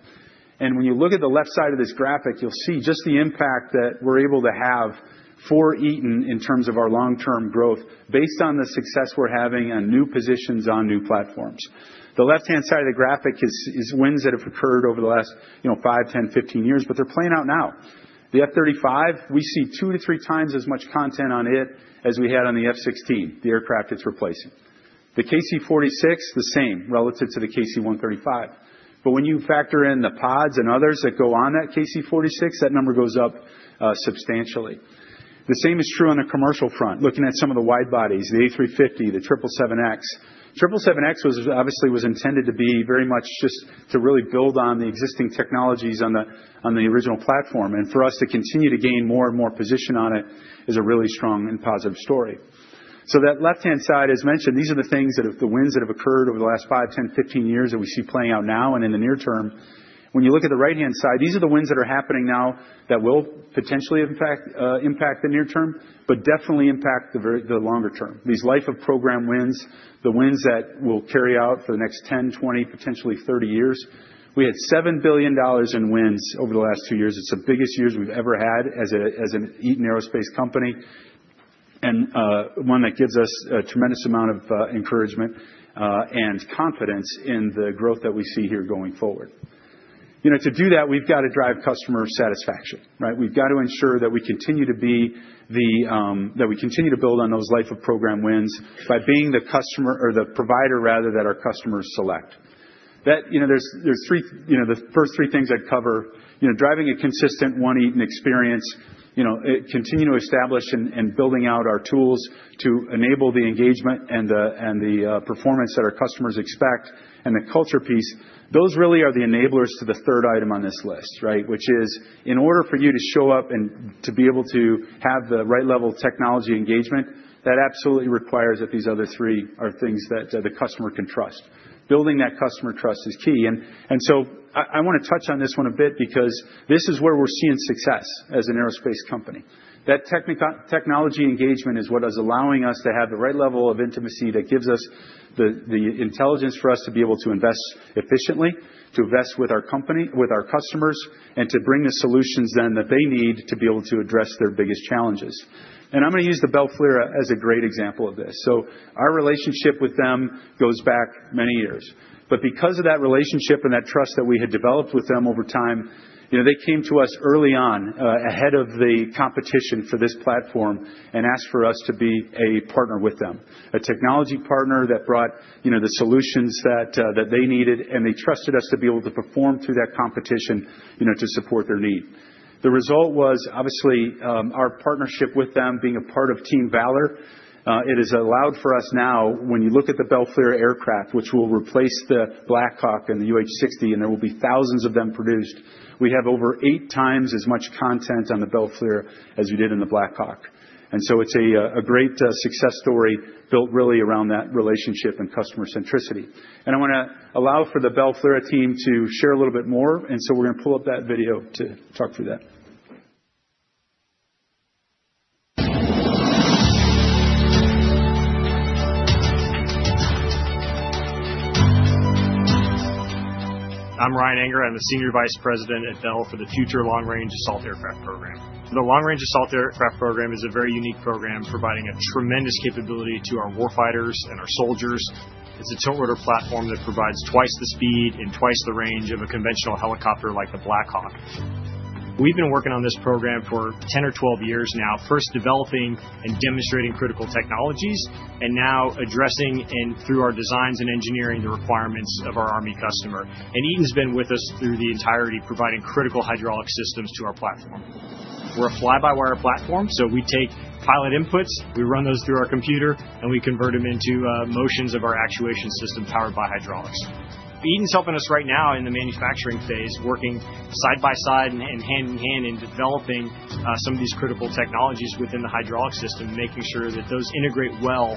When you look at the left side of this graphic, you'll see just the impact that we're able to have for Eaton in terms of our long-term growth based on the success we're having on new positions on new platforms. The left-hand side of the graphic is wins that have occurred over the last 5 years, 10 years, 15 years, but they're playing out now. The F-35, we see two to three times as much content on it as we had on the F-16, the aircraft it's replacing. The KC-46, the same relative to the KC-135. When you factor in the pods and others that go on that KC-46, that number goes up substantially. The same is true on the commercial front, looking at some of the wide bodies, the A350, the 777X. 777X was obviously intended to be very much just to really build on the existing technologies on the original platform. For us to continue to gain more and more position on it is a really strong and positive story. That left-hand side, as mentioned, these are the things that have the wins that have occurred over the last 5 years, 10 years, 15 years that we see playing out now and in the near term. When you look at the right-hand side, these are the wins that are happening now that will potentially impact the near term, but definitely impact the longer term. These life of program wins, the wins that will carry out for the next 10 years, 20 years, potentially 30 years. We had $7 billion in wins over the last two years. It's the biggest years we've ever had as an Eaton aerospace company and one that gives us a tremendous amount of encouragement and confidence in the growth that we see here going forward. To do that, we've got to drive customer satisfaction, right? We've got to ensure that we continue to be the, that we continue to build on those life of program wins by being the provider, rather, that our customers select. There's the first three things I'd cover. Driving a consistent one Eaton experience, continuing to establish and building out our tools to enable the engagement and the performance that our customers expect, and the culture piece, those really are the enablers to the third item on this list, right? Which is, in order for you to show up and to be able to have the right level of technology engagement, that absolutely requires that these other three are things that the customer can trust. Building that customer trust is key. I want to touch on this one a bit because this is where we're seeing success as an aerospace company. That technology engagement is what is allowing us to have the right level of intimacy that gives us the intelligence for us to be able to invest efficiently, to invest with our company, with our customers, and to bring the solutions then that they need to be able to address their biggest challenges. I'm going to use the Bell's FLRAA as a great example of this. Our relationship with them goes back many years. Because of that relationship and that trust that we had developed with them over time, they came to us early on ahead of the competition for this platform and asked for us to be a partner with them, a technology partner that brought the solutions that they needed. They trusted us to be able to perform through that competition to support their need. The result was, obviously, our partnership with them being a part of Team Valor. It has allowed for us now, when you look at the Bell Aircraft, which will replace the Black Hawk and the UH-60, and there will be thousands of them produced, we have over eight times as much content on the Bell as we did in the Black Hawk. It is a great success story built really around that relationship and customer centricity. I want to allow for the Bell team to share a little bit more. We're going to pull up that video to talk through that. I'm Ryan Anger. I'm the Senior Vice President at Bell for the Future Long-Range Assault Aircraft Program. The Long-Range Assault Aircraft Program is a very unique program providing a tremendous capability to our war fighters and our soldiers. It's a tilt-rotor platform that provides twice the speed and twice the range of a conventional helicopter like the Black Hawk. We've been working on this program for 10 years or 12 years now, first developing and demonstrating critical technologies and now addressing and, through our designs and engineering, the requirements of our Army customer. Eaton's been with us through the entirety, providing critical hydraulic systems to our platform. We're a fly-by-wire platform. We take pilot inputs, we run those through our computer, and we convert them into motions of our actuation system powered by hydraulics. Eaton's helping us right now in the manufacturing phase, working side by side and hand in hand in developing some of these critical technologies within the hydraulic system, making sure that those integrate well.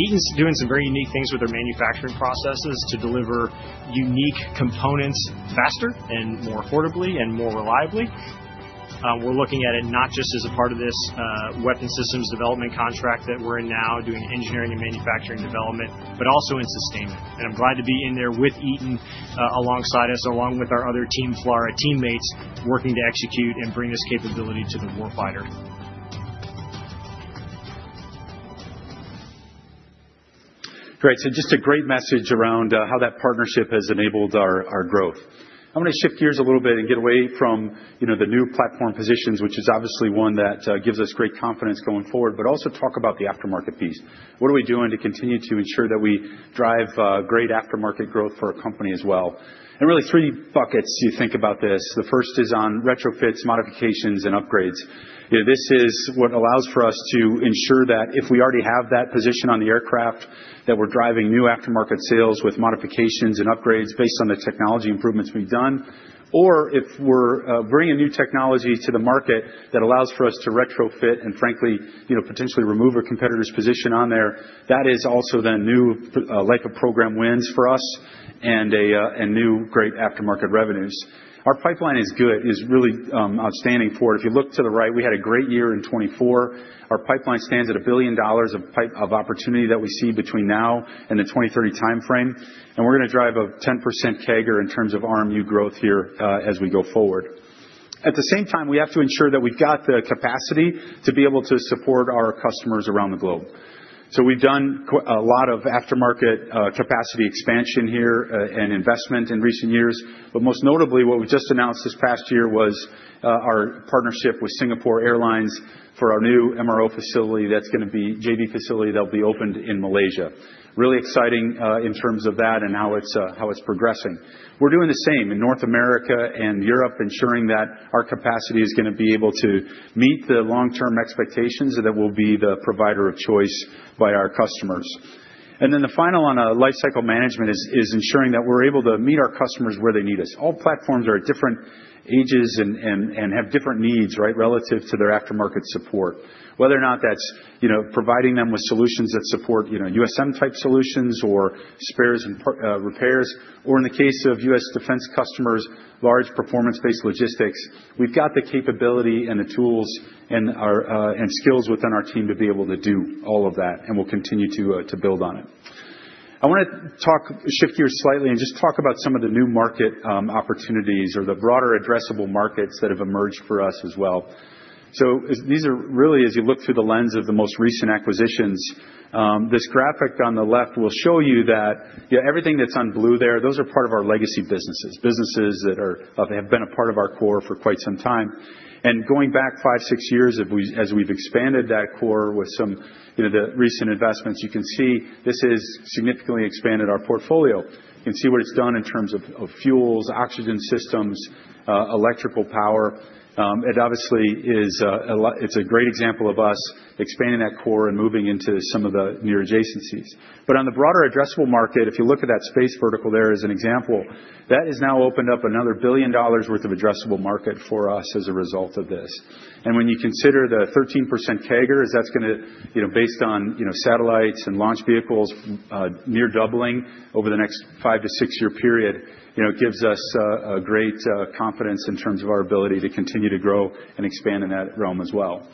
Eaton's doing some very unique things with their manufacturing processes to deliver unique components faster and more affordably and more reliably. We're looking at it not just as a part of this weapon systems development contract that we're in now, doing engineering and manufacturing development, but also in sustainment. I'm glad to be in there with Eaton alongside us, along with our other Team Flora teammates working to execute and bring this capability to the war fighter. Great. Just a great message around how that partnership has enabled our growth. I want to shift gears a little bit and get away from the new platform positions, which is obviously one that gives us great confidence going forward, but also talk about the aftermarket piece. What are we doing to continue to ensure that we drive great aftermarket growth for our company as well? Really, three buckets you think about this. The first is on retrofits, modifications, and upgrades. This is what allows for us to ensure that if we already have that position on the aircraft, that we're driving new aftermarket sales with modifications and upgrades based on the technology improvements we've done, or if we're bringing a new technology to the market that allows for us to retrofit and, frankly, potentially remove a competitor's position on there, that is also then new life of program wins for us and new great aftermarket revenues. Our pipeline is good. It is really outstanding for it. If you look to the right, we had a great year in 2024. Our pipeline stands at $1 billion of opportunity that we see between now and the 2030 timeframe. We are going to drive a 10% CAGR in terms of RMU growth here as we go forward. At the same time, we have to ensure that we have the capacity to be able to support our customers around the globe. We have done a lot of aftermarket capacity expansion here and investment in recent years. Most notably, what we just announced this past year was our partnership with Singapore Airlines for our new MRO facility. That is going to be a JD facility that will be opened in Malaysia. Really exciting in terms of that and how it is progressing. We're doing the same in North America and Europe, ensuring that our capacity is going to be able to meet the long-term expectations and that we'll be the provider of choice by our customers. The final on lifecycle management is ensuring that we're able to meet our customers where they need us. All platforms are at different ages and have different needs, right, relative to their aftermarket support, whether or not that's providing them with solutions that support USM-type solutions or spares and repairs, or in the case of U.S. defense customers, large performance-based logistics. We've got the capability and the tools and skills within our team to be able to do all of that, and we'll continue to build on it. I want to shift gears slightly and just talk about some of the new market opportunities or the broader addressable markets that have emerged for us as well. These are really, as you look through the lens of the most recent acquisitions, this graphic on the left will show you that everything that's on blue there, those are part of our legacy businesses, businesses that have been a part of our core for quite some time. Going back five, six years, as we've expanded that core with some of the recent investments, you can see this has significantly expanded our portfolio. You can see what it's done in terms of fuels, oxygen systems, electrical power. It obviously is a great example of us expanding that core and moving into some of the near adjacencies. On the broader addressable market, if you look at that space vertical there as an example, that has now opened up another $1 billion worth of addressable market for us as a result of this. When you consider the 13% CAGR, that is going to, based on satellites and launch vehicles, near doubling over the next five -year to six-year period, it gives us great confidence in terms of our ability to continue to grow and expand in that realm as well.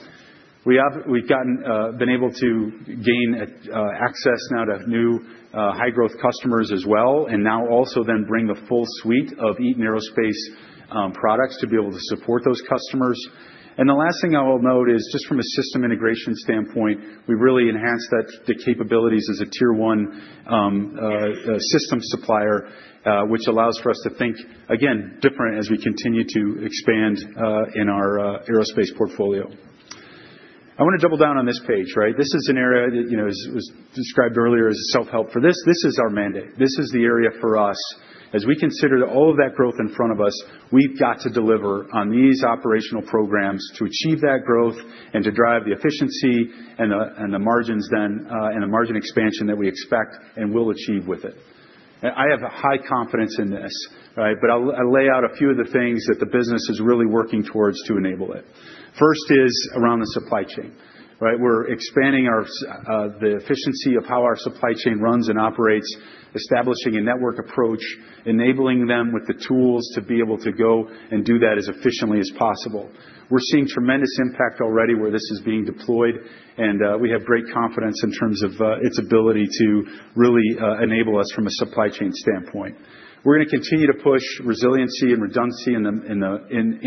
We have been able to gain access now to new high-growth customers as well and now also then bring the full suite of Eaton Aerospace products to be able to support those customers. The last thing I will note is just from a system integration standpoint, we've really enhanced the capabilities as a tier-one system supplier, which allows for us to think, again, different as we continue to expand in our aerospace portfolio. I want to double down on this page, right? This is an area that was described earlier as a self-help for this. This is our mandate. This is the area for us. As we consider all of that growth in front of us, we've got to deliver on these operational programs to achieve that growth and to drive the efficiency and the margins then and the margin expansion that we expect and will achieve with it. I have high confidence in this, right? I'll lay out a few of the things that the business is really working towards to enable it. First is around the supply chain, right? We're expanding the efficiency of how our supply chain runs and operates, establishing a network approach, enabling them with the tools to be able to go and do that as efficiently as possible. We're seeing tremendous impact already where this is being deployed, and we have great confidence in terms of its ability to really enable us from a supply chain standpoint. We're going to continue to push resiliency and redundancy in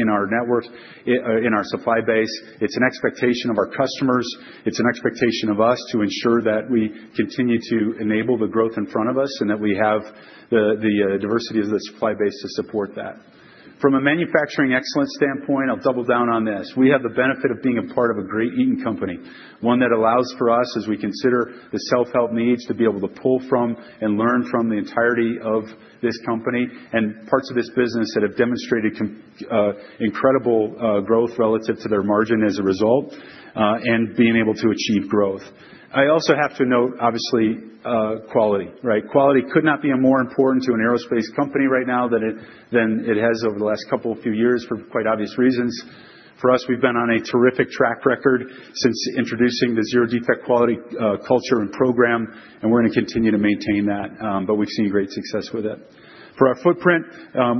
our network, in our supply base. It's an expectation of our customers. It's an expectation of us to ensure that we continue to enable the growth in front of us and that we have the diversity of the supply base to support that. From a manufacturing excellence standpoint, I'll double down on this. We have the benefit of being a part of a great Eaton company, one that allows for us, as we consider the self-help needs, to be able to pull from and learn from the entirety of this company and parts of this business that have demonstrated incredible growth relative to their margin as a result and being able to achieve growth. I also have to note, obviously, quality, right? Quality could not be more important to an aerospace company right now than it has over the last couple of few years for quite obvious reasons. For us, we've been on a terrific track record since introducing the zero-defect quality culture and program, and we're going to continue to maintain that, but we've seen great success with it. For our footprint,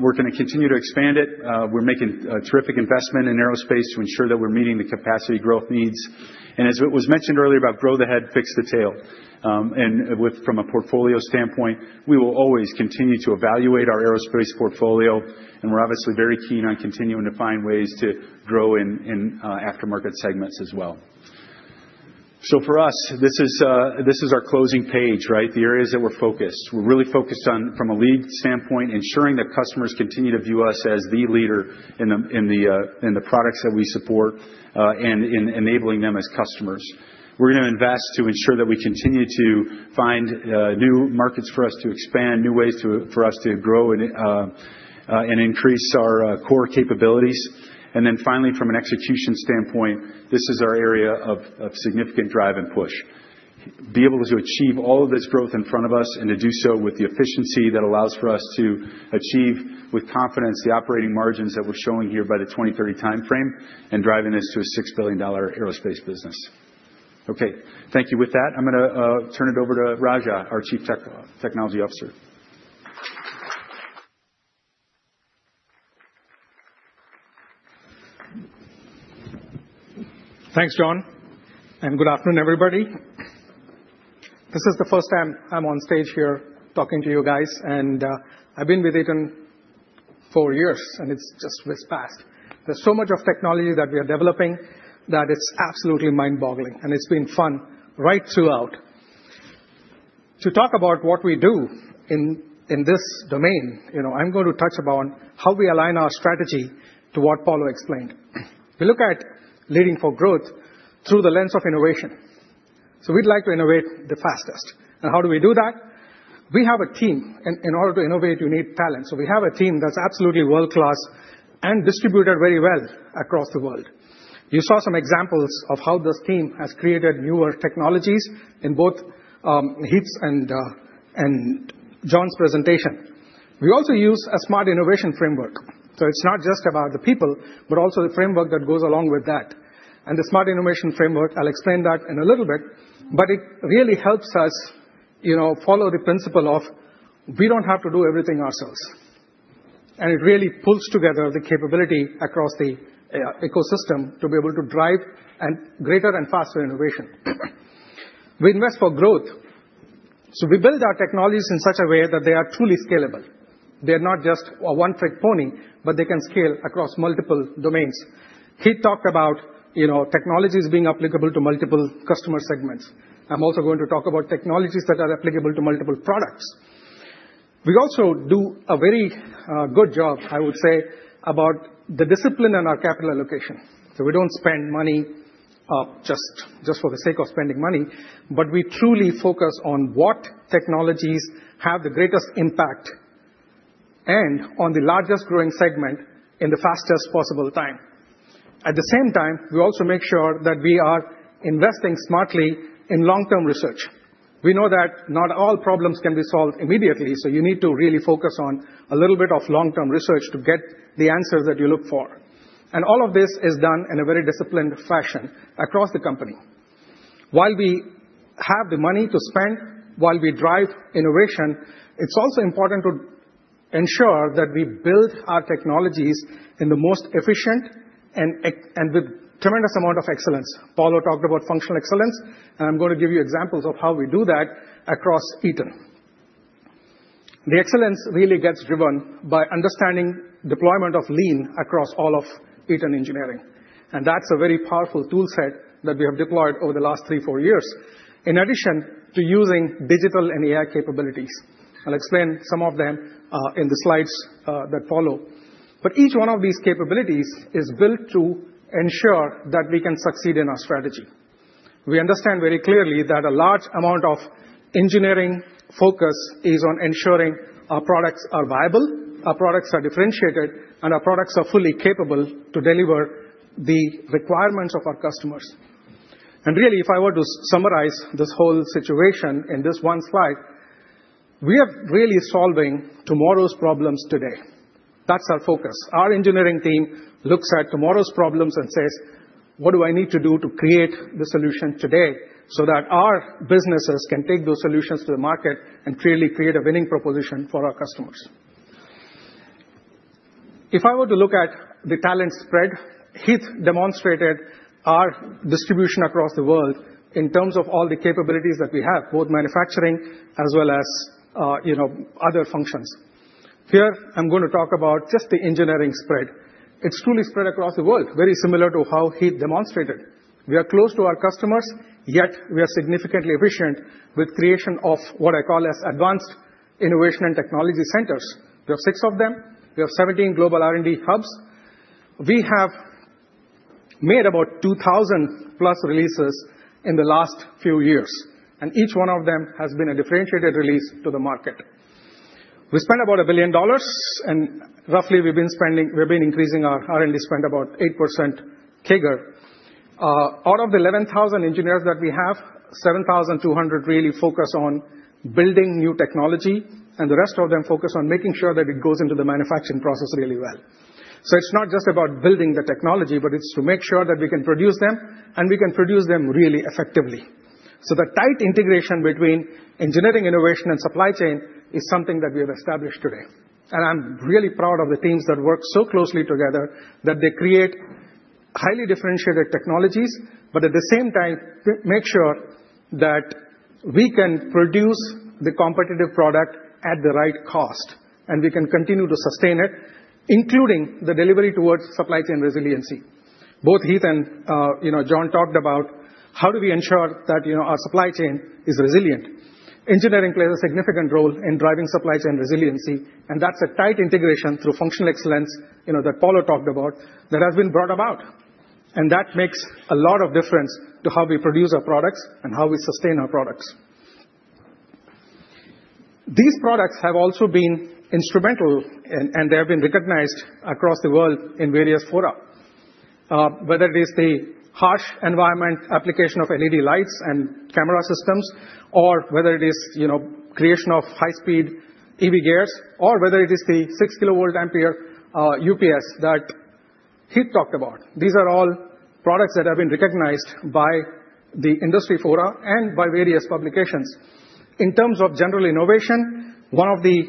we're going to continue to expand it. We're making a terrific investment in aerospace to ensure that we're meeting the capacity growth needs. As it was mentioned earlier about grow the head, fix the tail. From a portfolio standpoint, we will always continue to evaluate our aerospace portfolio, and we're obviously very keen on continuing to find ways to grow in aftermarket segments as well. For us, this is our closing page, right? The areas that we're focused. We're really focused on, from a lead standpoint, ensuring that customers continue to view us as the leader in the products that we support and in enabling them as customers. We're going to invest to ensure that we continue to find new markets for us to expand, new ways for us to grow and increase our core capabilities. Finally, from an execution standpoint, this is our area of significant drive and push. Be able to achieve all of this growth in front of us and to do so with the efficiency that allows for us to achieve with confidence the operating margins that we're showing here by the 2030 timeframe and driving this to a $6 billion aerospace business. Okay. Thank you. With that, I'm going to turn it over to Raja, our Chief Technology Officer. Thanks, John. And good afternoon, everybody. This is the first time I'm on stage here talking to you guys, and I've been with Eaton for years, and it's just whiz-passed. There's so much of technology that we are developing that it's absolutely mind-boggling, and it's been fun right throughout. To talk about what we do in this domain, I'm going to touch upon how we align our strategy to what Paulo explained. We look at leading for growth through the lens of innovation. We'd like to innovate the fastest. How do we do that? We have a team. In order to innovate, you need talent. We have a team that's absolutely world-class and distributed very well across the world. You saw some examples of how this team has created newer technologies in both Heath's and John's presentation. We also use a smart innovation framework. It's not just about the people, but also the framework that goes along with that. The smart innovation framework, I'll explain that in a little bit, but it really helps us follow the principle of we don't have to do everything ourselves. It really pulls together the capability across the ecosystem to be able to drive greater and faster innovation. We invest for growth. We build our technologies in such a way that they are truly scalable. They are not just a one-trick pony, but they can scale across multiple domains. Heath talked about technologies being applicable to multiple customer segments. I'm also going to talk about technologies that are applicable to multiple products. We also do a very good job, I would say, about the discipline and our capital allocation. We don't spend money just for the sake of spending money, but we truly focus on what technologies have the greatest impact and on the largest growing segment in the fastest possible time. At the same time, we also make sure that we are investing smartly in long-term research. We know that not all problems can be solved immediately, so you need to really focus on a little bit of long-term research to get the answers that you look for. All of this is done in a very disciplined fashion across the company. While we have the money to spend, while we drive innovation, it's also important to ensure that we build our technologies in the most efficient and with a tremendous amount of excellence. Paulo talked about functional excellence, and I'm going to give you examples of how we do that across Eaton. The excellence really gets driven by understanding deployment of lean across all of Eaton engineering. And that's a very powerful toolset that we have deployed over the last three, four years, in addition to using digital and AI capabilities. I'll explain some of them in the slides that follow. But each one of these capabilities is built to ensure that we can succeed in our strategy. We understand very clearly that a large amount of engineering focus is on ensuring our products are viable, our products are differentiated, and our products are fully capable to deliver the requirements of our customers. Really, if I were to summarize this whole situation in this one slide, we are really solving tomorrow's problems today. That's our focus. Our engineering team looks at tomorrow's problems and says, "What do I need to do to create the solution today so that our businesses can take those solutions to the market and clearly create a winning proposition for our customers?" If I were to look at the talent spread, Heath demonstrated our distribution across the world in terms of all the capabilities that we have, both manufacturing as well as other functions. Here, I'm going to talk about just the engineering spread. It's truly spread across the world, very similar to how Heath demonstrated. We are close to our customers, yet we are significantly efficient with creation of what I call as advanced innovation and technology centers. We have six of them. We have 17 global R&D hubs. We have made about 2,000+ releases in the last few years, and each one of them has been a differentiated release to the market. We spent about $1 billion, and roughly, we've been increasing our R&D spend about 8% CAGR. Out of the 11,000 engineers that we have, 7,200 really focus on building new technology, and the rest of them focus on making sure that it goes into the manufacturing process really well. It's not just about building the technology, but it's to make sure that we can produce them, and we can produce them really effectively. The tight integration between engineering, innovation, and supply chain is something that we have established today. I'm really proud of the teams that work so closely together that they create highly differentiated technologies, but at the same time, make sure that we can produce the competitive product at the right cost, and we can continue to sustain it, including the delivery towards supply chain resiliency. Both Heath and John talked about how do we ensure that our supply chain is resilient. Engineering plays a significant role in driving supply chain resiliency, and that's a tight integration through functional excellence that Paulo talked about that has been brought about. That makes a lot of difference to how we produce our products and how we sustain our products. These products have also been instrumental, and they have been recognized across the world in various fora, whether it is the harsh environment application of LED lights and camera systems, or whether it is creation of high-speed EV gears, or whether it is the 6 kilovolt ampere UPS that Heath talked about. These are all products that have been recognized by the industry fora and by various publications. In terms of general innovation, one of the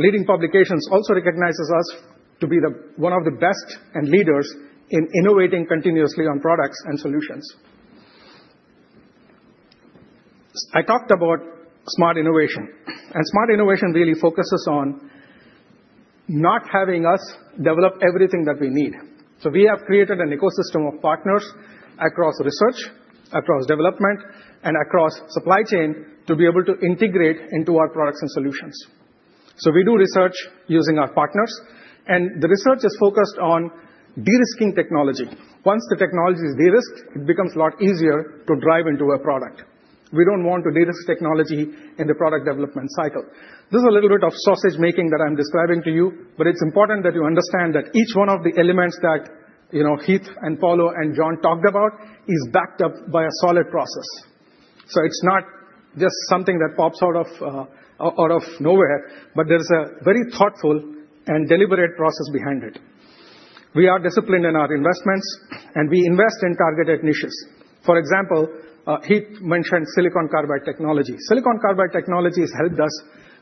leading publications also recognizes us to be one of the best and leaders in innovating continuously on products and solutions. I talked about smart innovation. Smart innovation really focuses on not having us develop everything that we need. We have created an ecosystem of partners across research, across development, and across supply chain to be able to integrate into our products and solutions. We do research using our partners, and the research is focused on de-risking technology. Once the technology is de-risked, it becomes a lot easier to drive into a product. We do not want to de-risk technology in the product development cycle. This is a little bit of sausage making that I am describing to you, but it is important that you understand that each one of the elements that Heath and Paulo and John talked about is backed up by a solid process. It is not just something that pops out of nowhere, but there is a very thoughtful and deliberate process behind it. We are disciplined in our investments, and we invest in targeted niches. For example, Heath mentioned silicon carbide technology. Silicon carbide technology has helped us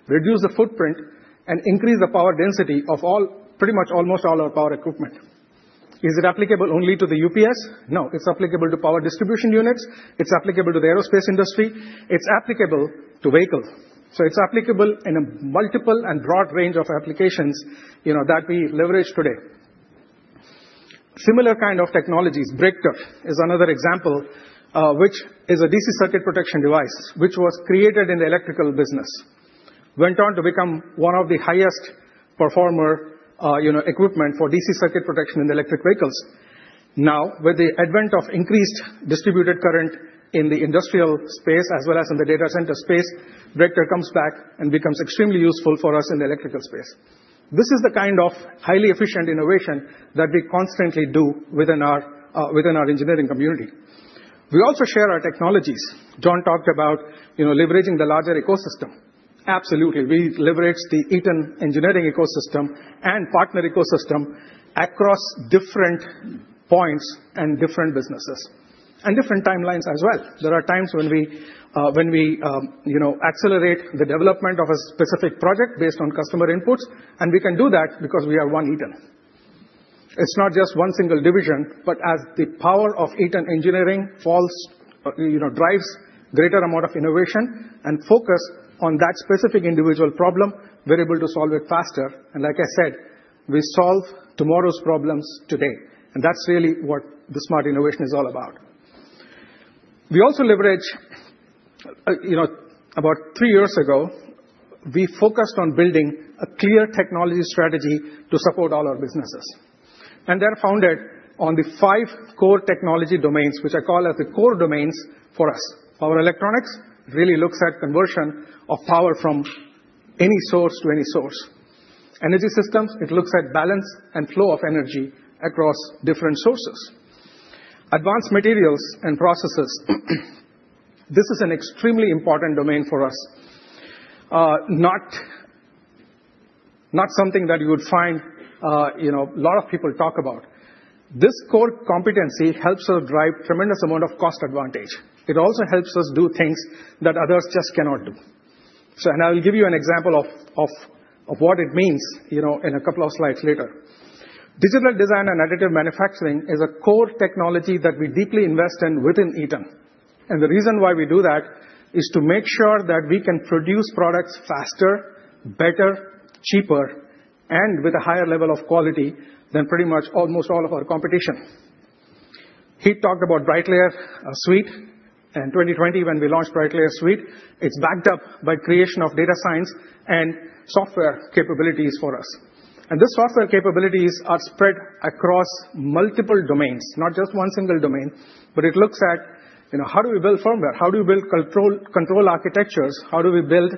reduce the footprint and increase the power density of pretty much almost all our power equipment. Is it applicable only to the UPS? No, it's applicable to power distribution units. It's applicable to the aerospace industry. It's applicable to vehicles. It's applicable in a multiple and broad range of applications that we leverage today. Similar kind of technologies, Breakder, is another example, which is a DC circuit protection device, which was created in the electrical business, went on to become one of the highest performer equipment for DC circuit protection in the electric vehicles. Now, with the advent of increased distributed current in the industrial space as well as in the data center space, breaker comes back and becomes extremely useful for us in the electrical space. This is the kind of highly efficient innovation that we constantly do within our engineering community. We also share our technologies. John talked about leveraging the larger ecosystem. Absolutely. We leverage the Eaton engineering ecosystem and partner ecosystem across different points and different businesses and different timelines as well. There are times when we accelerate the development of a specific project based on customer inputs, and we can do that because we are one Eaton. It is not just one single division, but as the power of Eaton engineering drives a greater amount of innovation and focus on that specific individual problem, we are able to solve it faster. Like I said, we solve tomorrow's problems today. That is really what the smart innovation is all about. We also leverage about three years ago, we focused on building a clear technology strategy to support all our businesses. They are founded on the five core technology domains, which I call as the core domains for us. Power electronics really looks at conversion of power from any source to any source. Energy systems, it looks at balance and flow of energy across different sources. Advanced materials and processes, this is an extremely important domain for us, not something that you would find a lot of people talk about. This core competency helps us drive a tremendous amount of cost advantage. It also helps us do things that others just cannot do. I'll give you an example of what it means in a couple of slides later. Digital design and additive manufacturing is a core technology that we deeply invest in within Eaton. The reason why we do that is to make sure that we can produce products faster, better, cheaper, and with a higher level of quality than pretty much almost all of our competition. Heath talked about BrightLayer Suite. In 2020, when we launched BrightLayer Suite, it's backed up by creation of data science and software capabilities for us. These software capabilities are spread across multiple domains, not just one single domain, but it looks at how do we build firmware, how do we build control architectures, how do we build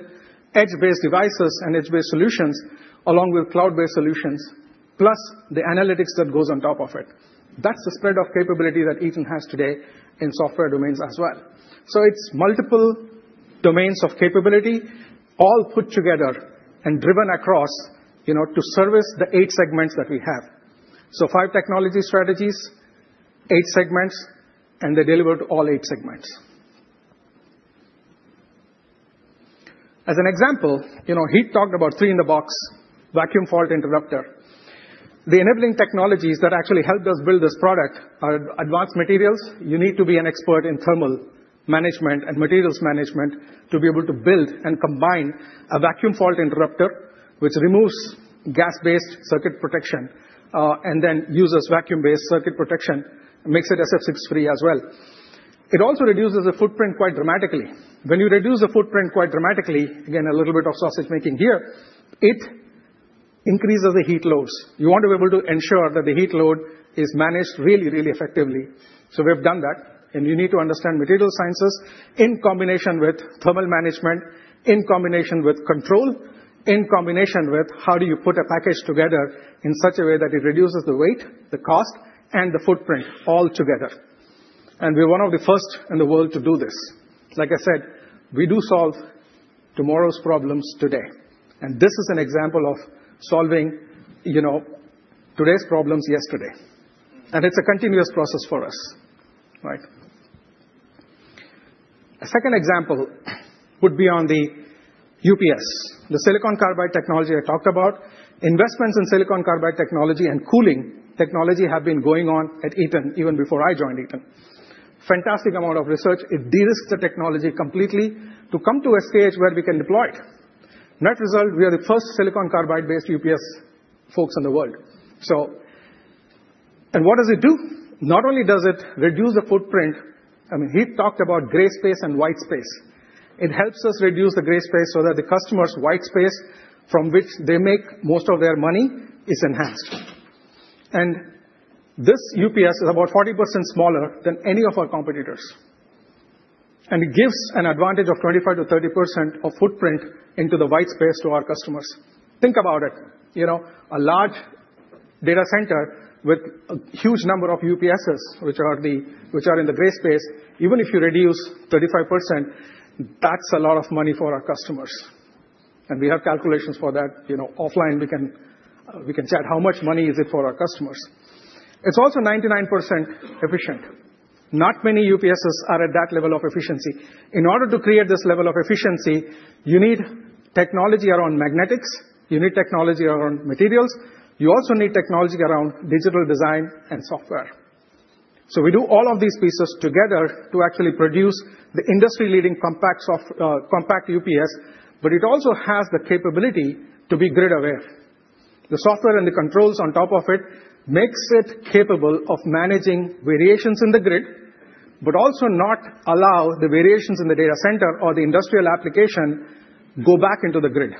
edge-based devices and edge-based solutions along with cloud-based solutions, plus the analytics that goes on top of it. That's the spread of capability that Eaton has today in software domains as well. It's multiple domains of capability all put together and driven across to service the eight segments that we have. Five technology strategies, eight segments, and they deliver to all eight segments. As an example, Heath talked about three-in-the-box vacuum fault interrupter. The enabling technologies that actually helped us build this product are advanced materials. You need to be an expert in thermal management and materials management to be able to build and combine a Vacuum Fault Interrupter, which removes gas-based circuit protection and then uses vacuum-based circuit protection and makes it SF6-free as well. It also reduces the footprint quite dramatically. When you reduce the footprint quite dramatically, again, a little bit of sausage making here, it increases the heat loads. You want to be able to ensure that the heat load is managed really, really effectively. We have done that. You need to understand materials sciences in combination with thermal management, in combination with control, in combination with how do you put a package together in such a way that it reduces the weight, the cost, and the footprint all together. We are one of the first in the world to do this. Like I said, we do solve tomorrow's problems today. This is an example of solving today's problems yesterday. It is a continuous process for us. A second example would be on the UPS, the silicon carbide technology I talked about. Investments in silicon carbide technology and cooling technology have been going on at Eaton even before I joined Eaton. Fantastic amount of research. It de-risked the technology completely to come to SKH where we can deploy it. Net result, we are the first silicon carbide-based UPS folks in the world. What does it do? Not only does it reduce the footprint, I mean, Heath talked about gray space and white space. It helps us reduce the gray space so that the customer's white space, from which they make most of their money, is enhanced. This UPS is about 40% smaller than any of our competitors. It gives an advantage of 25%-30% of footprint into the white space to our customers. Think about it. A large data center with a huge number of UPSs, which are in the gray space, even if you reduce 35%, that's a lot of money for our customers. We have calculations for that. Offline, we can chat how much money is it for our customers. It's also 99% efficient. Not many UPSs are at that level of efficiency. In order to create this level of efficiency, you need technology around magnetics. You need technology around materials. You also need technology around digital design and software. We do all of these pieces together to actually produce the industry-leading compact UPS, but it also has the capability to be grid-aware. The software and the controls on top of it makes it capable of managing variations in the grid, but also not allow the variations in the data center or the industrial application go back into the grid.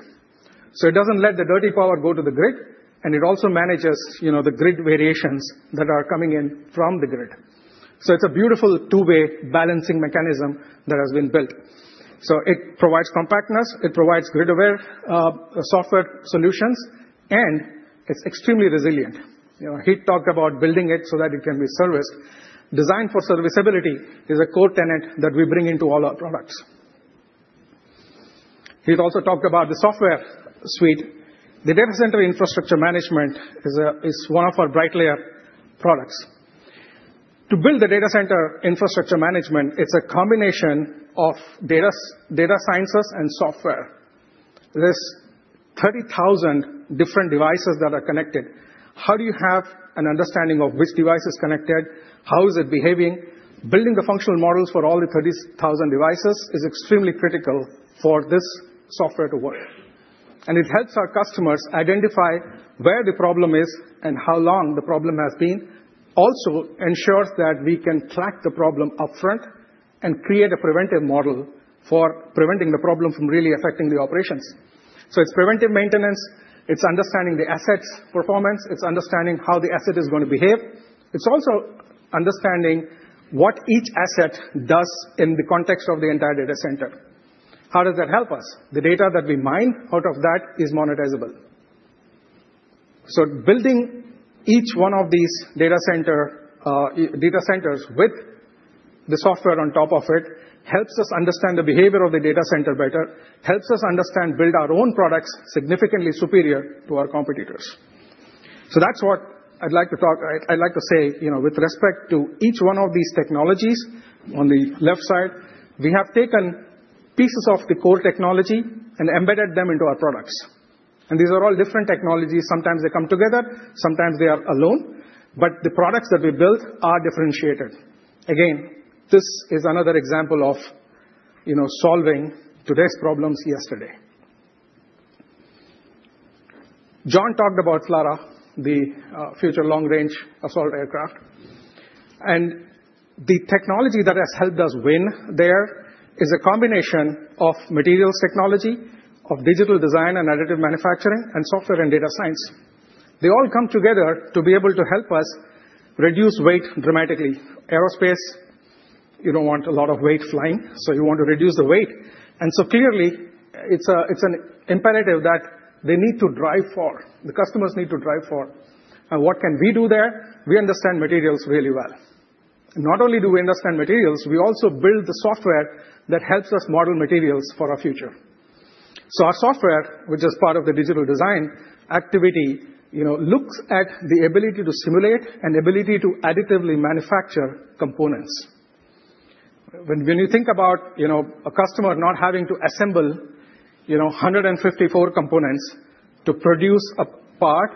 It does not let the dirty power go to the grid, and it also manages the grid variations that are coming in from the grid. It is a beautiful two-way balancing mechanism that has been built. It provides compactness. It provides grid-aware software solutions, and it is extremely resilient. Heath talked about building it so that it can be serviced. Design for serviceability is a core tenet that we bring into all our products. Heath also talked about the software suite. The data center infrastructure management is one of our BrightLayer products. To build the data center infrastructure management, it is a combination of data sciences and software. There's 30,000 different devices that are connected. How do you have an understanding of which device is connected? How is it behaving? Building the functional models for all the 30,000 devices is extremely critical for this software to work. It helps our customers identify where the problem is and how long the problem has been. It also ensures that we can track the problem upfront and create a preventive model for preventing the problem from really affecting the operations. It is preventive maintenance. It is understanding the asset's performance. It is understanding how the asset is going to behave. It is also understanding what each asset does in the context of the entire data center. How does that help us? The data that we mine out of that is monetizable. Building each one of these data centers with the software on top of it helps us understand the behavior of the data center better, helps us understand, build our own products significantly superior to our competitors. That is what I'd like to talk, I'd like to say with respect to each one of these technologies on the left side. We have taken pieces of the core technology and embedded them into our products. These are all different technologies. Sometimes they come together. Sometimes they are alone. The products that we build are differentiated. Again, this is another example of solving today's problems yesterday. John talked about the Future Long-Range Assault Aircraft. The technology that has helped us win there is a combination of materials technology, digital design and additive manufacturing, and software and data science. They all come together to be able to help us reduce weight dramatically. Aerospace, you don't want a lot of weight flying, so you want to reduce the weight. Clearly, it's an imperative that they need to drive for. The customers need to drive for. What can we do there? We understand materials really well. Not only do we understand materials, we also build the software that helps us model materials for our future. Our software, which is part of the digital design activity, looks at the ability to simulate and ability to additively manufacture components. When you think about a customer not having to assemble 154 components to produce a part,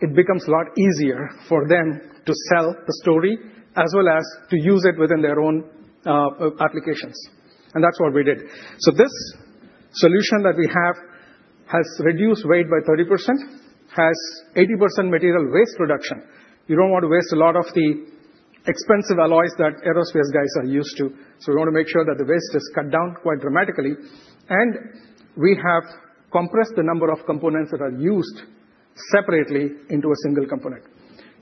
it becomes a lot easier for them to sell the story as well as to use it within their own applications. That's what we did. This solution that we have has reduced weight by 30%, has 80% material waste reduction. You do not want to waste a lot of the expensive alloys that aerospace guys are used to. We want to make sure that the waste is cut down quite dramatically. We have compressed the number of components that are used separately into a single component.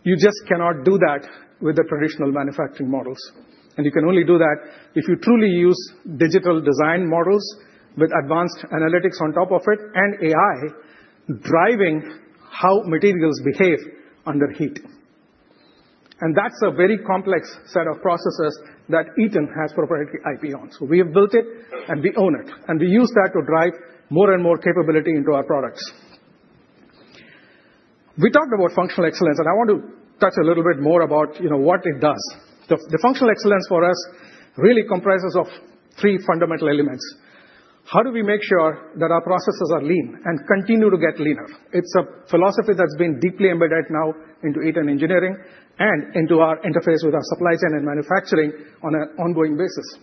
You just cannot do that with the traditional manufacturing models. You can only do that if you truly use digital design models with advanced analytics on top of it and AI driving how materials behave under heat. That is a very complex set of processes that Eaton has proprietary IP on. We have built it, and we own it. We use that to drive more and more capability into our products. We talked about functional excellence, and I want to touch a little bit more about what it does. The functional excellence for us really comprises of three fundamental elements. How do we make sure that our processes are lean and continue to get leaner? It's a philosophy that's been deeply embedded now into Eaton engineering and into our interface with our supply chain and manufacturing on an ongoing basis.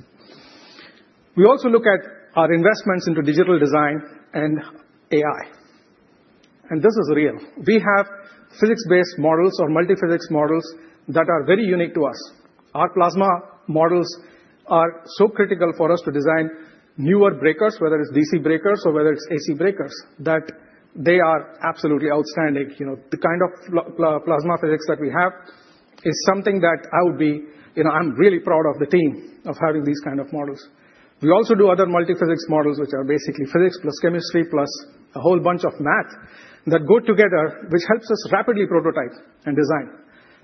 We also look at our investments into digital design and AI. This is real. We have physics-based models or multiphysics models that are very unique to us. Our plasma models are so critical for us to design newer breakers, whether it's DC breakers or whether it's AC breakers, that they are absolutely outstanding. The kind of plasma physics that we have is something that I would be I'm really proud of the team of having these kind of models. We also do other multiphysics models, which are basically physics plus chemistry plus a whole bunch of math that go together, which helps us rapidly prototype and design.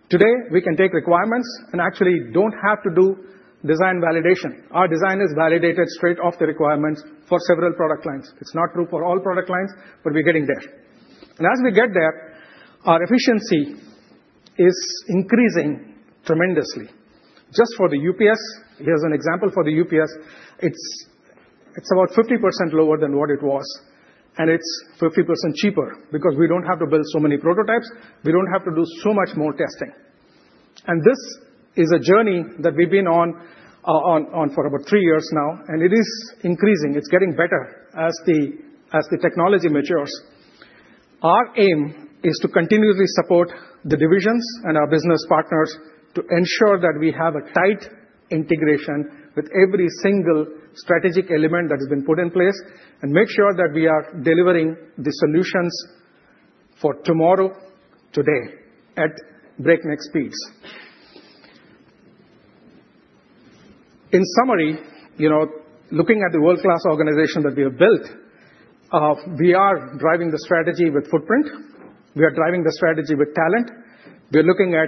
Today, we can take requirements and actually do not have to do design validation. Our design is validated straight off the requirements for several product lines. It is not true for all product lines, but we are getting there. As we get there, our efficiency is increasing tremendously. Just for the UPS, here is an example for the UPS. It is about 50% lower than what it was, and it is 50% cheaper because we do not have to build so many prototypes. We do not have to do so much more testing. This is a journey that we have been on for about three years now, and it is increasing. It is getting better as the technology matures. Our aim is to continuously support the divisions and our business partners to ensure that we have a tight integration with every single strategic element that has been put in place and make sure that we are delivering the solutions for tomorrow, today at breakneck speeds. In summary, looking at the world-class organization that we have built, we are driving the strategy with footprint. We are driving the strategy with talent. We are looking at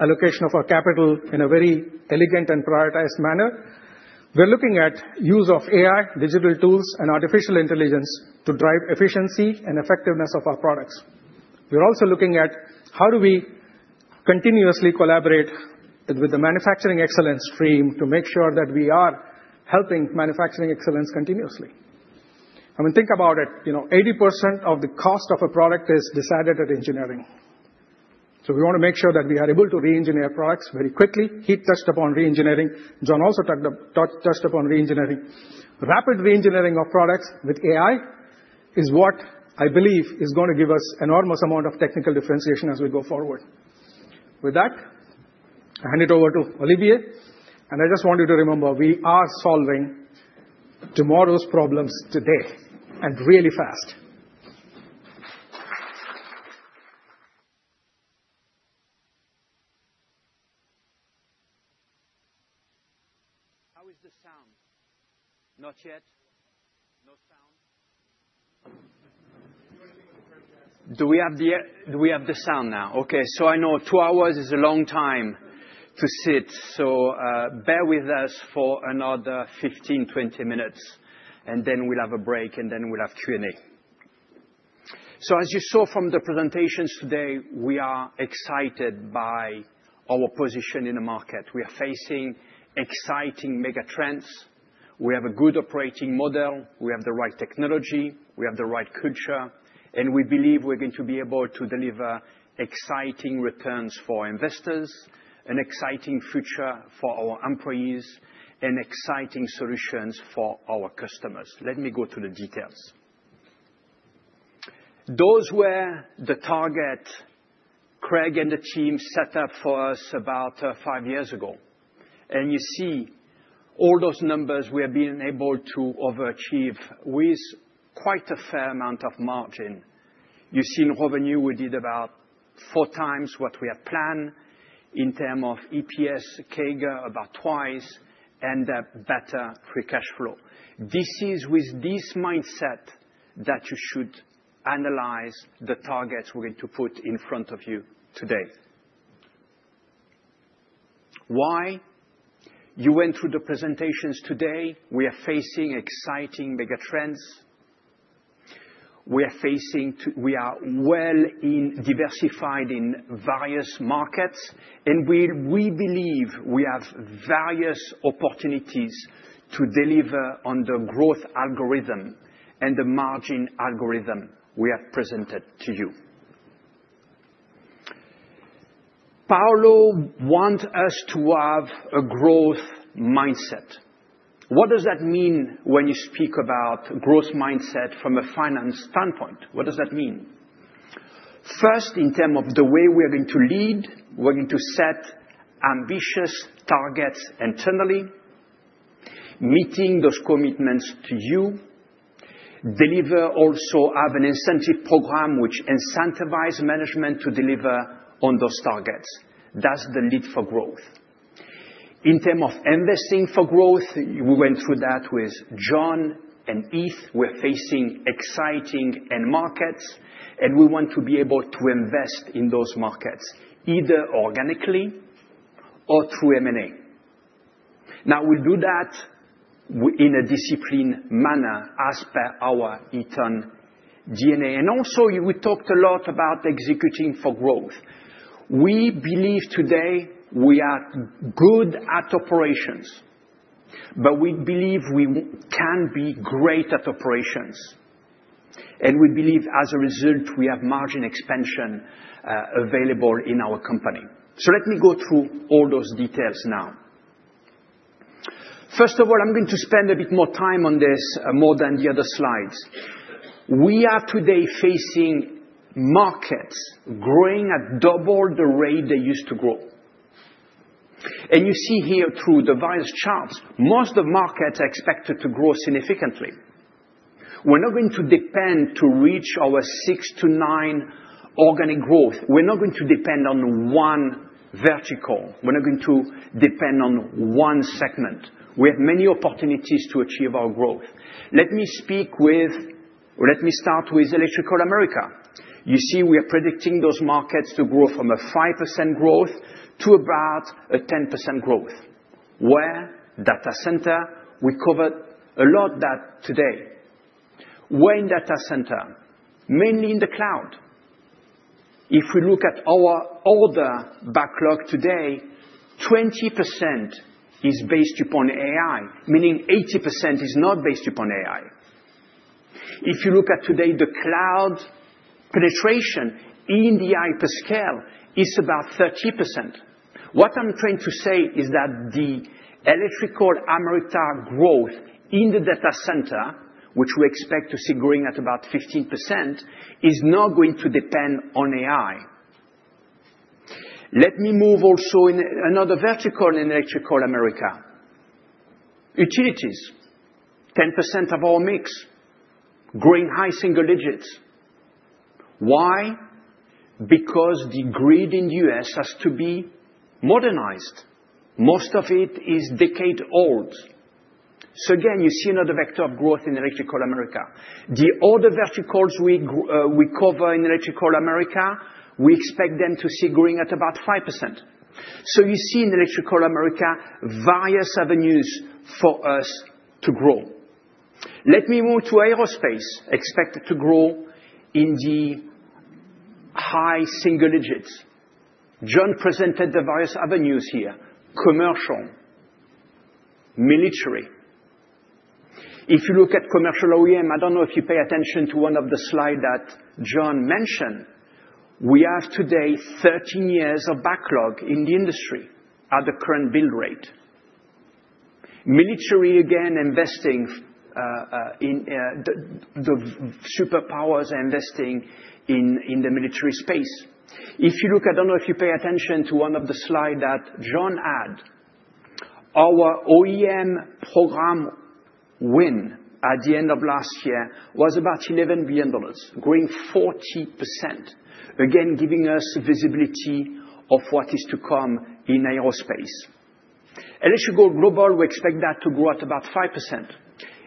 allocation of our capital in a very elegant and prioritized manner. We're looking at use of AI, digital tools, and artificial intelligence to drive efficiency and effectiveness of our products. We're also looking at how do we continuously collaborate with the manufacturing excellence stream to make sure that we are helping manufacturing excellence continuously. I mean, think about it. 80% of the cost of a product is decided at engineering. We want to make sure that we are able to re-engineer products very quickly. Heath touched upon re-engineering. John also touched upon re-engineering. Rapid re-engineering of products with AI is what I believe is going to give us an enormous amount of technical differentiation as we go forward. With that, I hand it over to Olivier. I just want you to remember, we are solving tomorrow's problems today and really fast. How is the sound? Not yet. No sound. Do we have the sound now? Okay. I know two hours is a long time to sit. Bear with us for another 15 minutes-20 minutes, and then we'll have a break, and then we'll have Q&A. As you saw from the presentations today, we are excited by our position in the market. We are facing exciting mega trends. We have a good operating model. We have the right technology. We have the right culture. We believe we're going to be able to deliver exciting returns for investors, an exciting future for our employees, and exciting solutions for our customers. Let me go to the details. Those were the targets Craig and the team set up for us about five years ago. You see all those numbers we have been able to overachieve with quite a fair amount of margin. You see in revenue, we did about four times what we had planned. In terms of EPS, CAGR, about twice, and a better free cash flow. This is with this mindset that you should analyze the targets we're going to put in front of you today. You went through the presentations today. We are facing exciting mega trends. We are well diversified in various markets, and we believe we have various opportunities to deliver on the growth algorithm and the margin algorithm we have presented to you. Paulo wants us to have a growth mindset. What does that mean when you speak about a growth mindset from a finance standpoint? What does that mean? First, in terms of the way we are going to lead, we're going to set ambitious targets internally, meeting those commitments to you, deliver also have an incentive program which incentivizes management to deliver on those targets. That's the lead for growth. In terms of investing for growth, we went through that with John and Heath. We're facing exciting end markets, and we want to be able to invest in those markets either organically or through M&A. Now, we'll do that in a disciplined manner as per our Eaton DNA. Also, we talked a lot about executing for growth. We believe today we are good at operations, but we believe we can be great at operations. We believe, as a result, we have margin expansion available in our company. Let me go through all those details now. First of all, I'm going to spend a bit more time on this more than the other slides. We are today facing markets growing at double the rate they used to grow. You see here through the various charts, most of the markets are expected to grow significantly. We're not going to depend to reach our 6%-9% organic growth. We're not going to depend on one vertical. We're not going to depend on one segment. We have many opportunities to achieve our growth. Let me start with Electrical America. You see, we are predicting those markets to grow from a 5% growth to about a 10% growth. Where data center, we covered a lot of that today. We're in data center, mainly in the cloud. If we look at our older backlog today, 20% is based upon AI, meaning 80% is not based upon AI. If you look at today, the cloud penetration in the hyperscale is about 30%. What I'm trying to say is that the Electrical America growth in the data center, which we expect to see growing at about 15%, is not going to depend on AI. Let me move also in another vertical in Electrical America. Utilities, 10% of our mix, growing high single digits. Why? Because the grid in the US has to be modernized. Most of it is decade-old. You see another vector of growth in Electrical America. The other verticals we cover in Electrical America, we expect them to see growing at about 5%. You see in Electrical America, various avenues for us to grow. Let me move to aerospace, expected to grow in the high single digits. John presented the various avenues here: commercial, military. If you look at commercial OEM, I do not know if you pay attention to one of the slides that John mentioned. We have today 13 years of backlog in the industry at the current build rate. Military, again, investing in the superpowers are investing in the military space. If you look, I do not know if you pay attention to one of the slides that John had. Our OEM program win at the end of last year was about $11 billion, growing 40%, again, giving us visibility of what is to come in aerospace. Electrical Global, we expect that to grow at about 5%.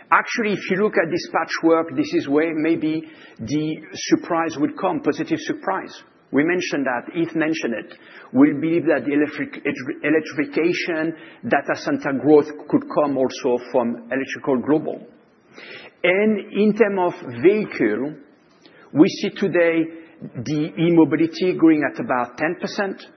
Actually, if you look at this patchwork, this is where maybe the surprise would come, positive surprise. We mentioned that, Heath mentioned it. We believe that the electrification data center growth could come also from Electrical Global. In terms of vehicle, we see today the e-mobility growing at about 10%.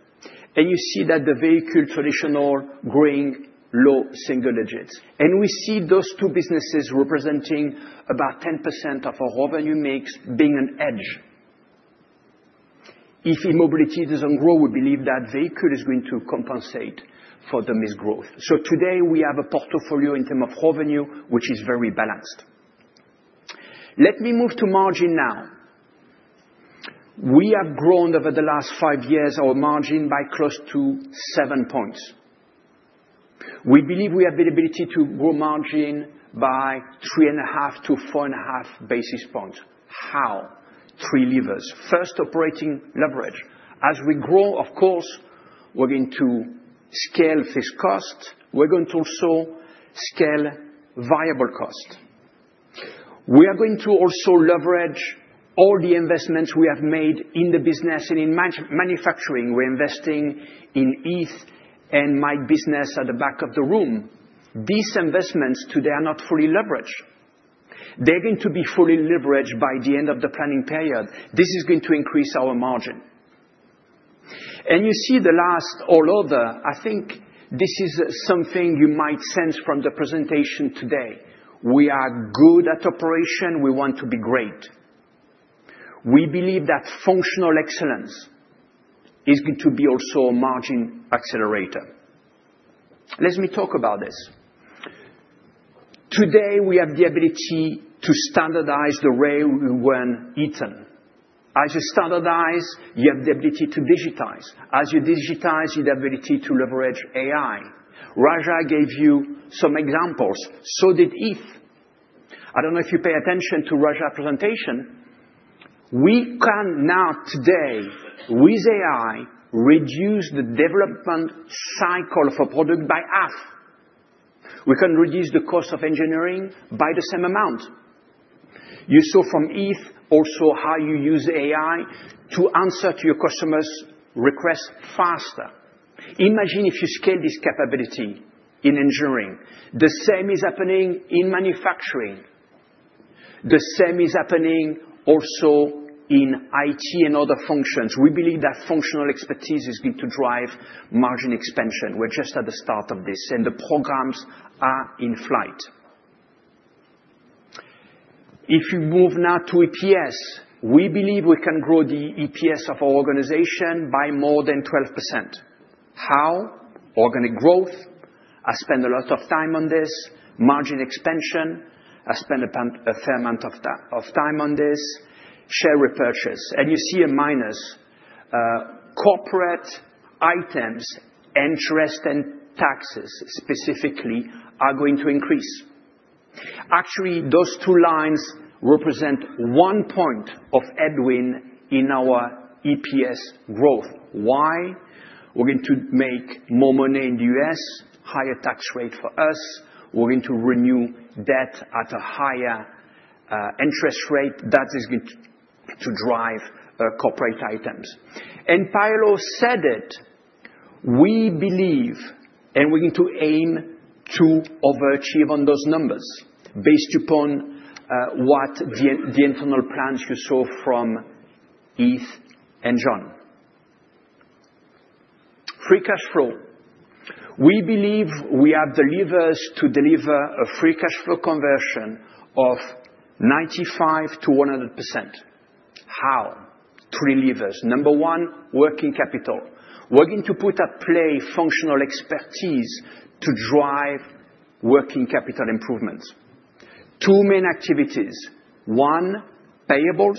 You see that the vehicle traditional growing low single digits. We see those two businesses representing about 10% of our revenue mix being an edge. If e-mobility doesn't grow, we believe that vehicle is going to compensate for the missed growth. Today, we have a portfolio in terms of revenue, which is very balanced. Let me move to margin now. We have grown over the last five years our margin by close to seven points. We believe we have the ability to grow margin by three and a half to four and a half basis points. How? Three levers. First, operating leverage. As we grow, of course, we're going to scale fixed costs. We're going to also scale variable costs. We are going to also leverage all the investments we have made in the business and in manufacturing. We're investing in Heath and my business at the back of the room. These investments today are not fully leveraged. They're going to be fully leveraged by the end of the planning period. This is going to increase our margin. You see the last all other, I think this is something you might sense from the presentation today. We are good at operation. We want to be great. We believe that functional excellence is going to be also a margin accelerator. Let me talk about this. Today, we have the ability to standardize the way we run Eaton. As you standardize, you have the ability to digitize. As you digitize, you have the ability to leverage AI. Raja gave you some examples. So did Heath. I don't know if you pay attention to Raja's presentation. We can now today, with AI, reduce the development cycle of a product by half. We can reduce the cost of engineering by the same amount. You saw from Heath also how you use AI to answer to your customers' requests faster. Imagine if you scale this capability in engineering. The same is happening in manufacturing. The same is happening also in IT and other functions. We believe that functional expertise is going to drive margin expansion. We're just at the start of this, and the programs are in flight. If you move now to EPS, we believe we can grow the EPS of our organization by more than 12%. How? Organic growth. I spend a lot of time on this. Margin expansion. I spend a fair amount of time on this. Share repurchase. You see a minus. Corporate items, interest, and taxes specifically are going to increase. Actually, those two lines represent one point of headwind in our EPS growth. Why? We're going to make more money in the US, higher tax rate for us. We're going to renew debt at a higher interest rate. That is going to drive corporate items. Paolo said it. We believe, and we're going to aim to overachieve on those numbers based upon what the internal plans you saw from Heath and John. Free cash flow. We believe we have the levers to deliver a free cash flow conversion of 95%-100%. How? Three levers. Number one, working capital. We're going to put at play functional expertise to drive working capital improvements. Two main activities. One, payables.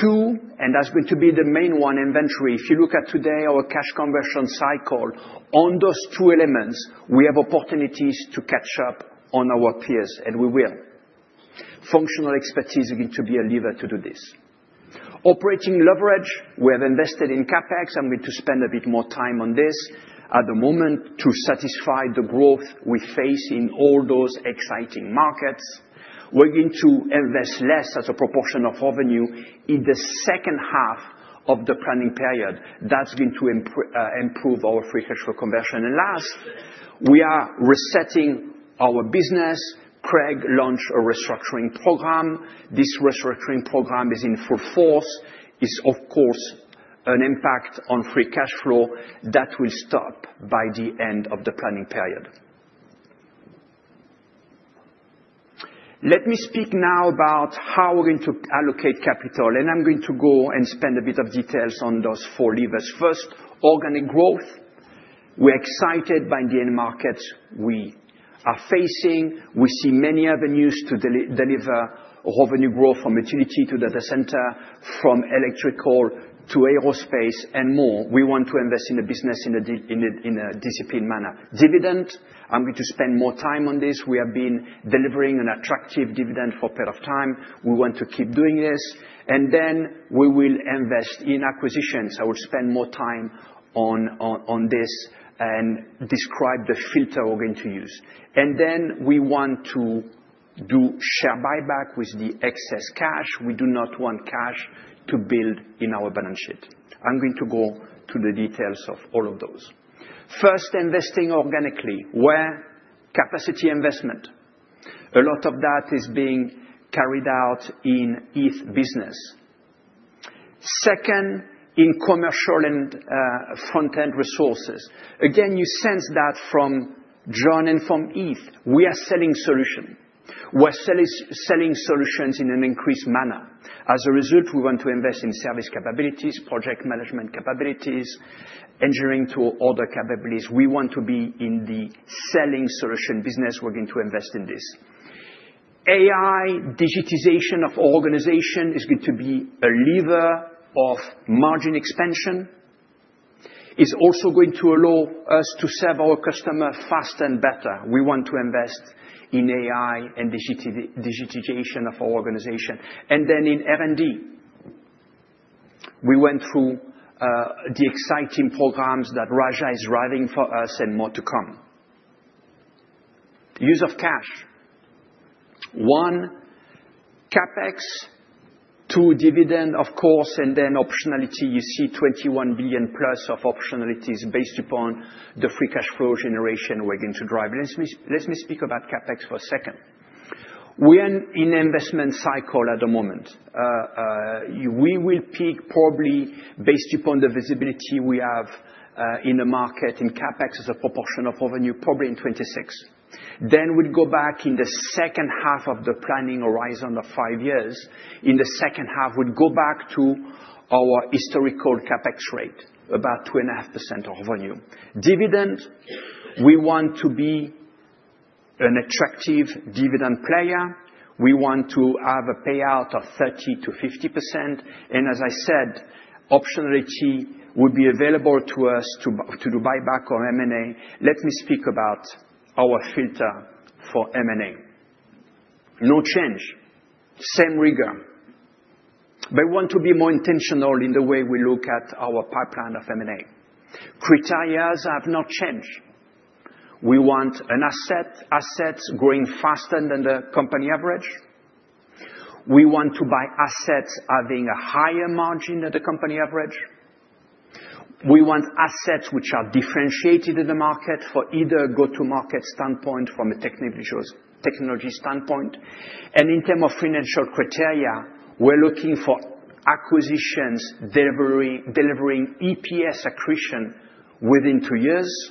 Two, and that's going to be the main one, inventory. If you look at today, our cash conversion cycle, on those two elements, we have opportunities to catch up on our peers, and we will. Functional expertise is going to be a lever to do this. Operating leverage. We have invested in CapEx. I'm going to spend a bit more time on this at the moment to satisfy the growth we face in all those exciting markets. We're going to invest less as a proportion of revenue in the second half of the planning period. That's going to improve our free cash flow conversion. Last, we are resetting our business. Craig launched a restructuring program. This restructuring program is in full force. It is, of course, an impact on free cash flow that will stop by the end of the planning period. Let me speak now about how we are going to allocate capital, and I am going to go and spend a bit of details on those four levers. First, organic growth. We are excited by the end markets we are facing. We see many avenues to deliver revenue growth from utility to data center, from electrical to aerospace and more. We want to invest in the business in a disciplined manner. Dividend. I am going to spend more time on this. We have been delivering an attractive dividend for a period of time. We want to keep doing this. Then we will invest in acquisitions. I will spend more time on this and describe the filter we're going to use. We want to do share buyback with the excess cash. We do not want cash to build in our balance sheet. I'm going to go to the details of all of those. First, investing organically. Where? Capacity investment. A lot of that is being carried out in Heath business. Second, in commercial and front-end resources. Again, you sense that from John and from Heath. We are selling solutions. We're selling solutions in an increased manner. As a result, we want to invest in service capabilities, project management capabilities, engineering to other capabilities. We want to be in the selling solution business. We're going to invest in this. AI digitization of our organization is going to be a lever of margin expansion. It's also going to allow us to serve our customer faster and better. We want to invest in AI and digitization of our organization. And then in R&D, we went through the exciting programs that Raja is driving for us and more to come. Use of cash. One, CapEx. Two, dividend, of course, and then optionality. You see $21 billion plus of optionalities based upon the free cash flow generation we're going to drive. Let me speak about CapEx for a second. We are in an investment cycle at the moment. We will peak probably based upon the visibility we have in the market in CapEx as a proportion of revenue, probably in 2026. Then we'll go back in the second half of the planning horizon of five years. In the second half, we'd go back to our historical CapEx rate, about 2.5% of revenue. Dividend. We want to be an attractive dividend player. We want to have a payout of 30%-50%. As I said, optionality would be available to us to do buyback or M&A. Let me speak about our filter for M&A. No change. Same rigor. We want to be more intentional in the way we look at our pipeline of M&A. Criteria have not changed. We want assets growing faster than the company average. We want to buy assets having a higher margin than the company average. We want assets which are differentiated in the market for either go-to-market standpoint or from a technology standpoint. In terms of financial criteria, we are looking for acquisitions delivering EPS accretion within two years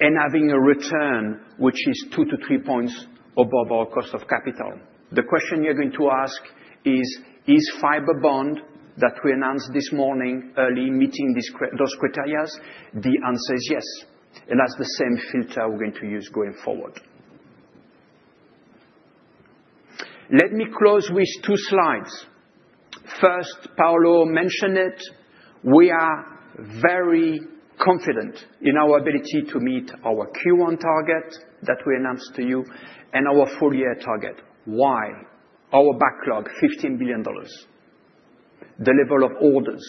and having a return which is two to three percentage points above our cost of capital. The question you're going to ask is, is Fibrebond that we announced this morning early meeting those criteria? The answer is yes. That's the same filter we're going to use going forward. Let me close with two slides. First, Paolo mentioned it. We are very confident in our ability to meet our Q1 target that we announced to you and our full-year target. Why? Our backlog, $15 billion. The level of orders,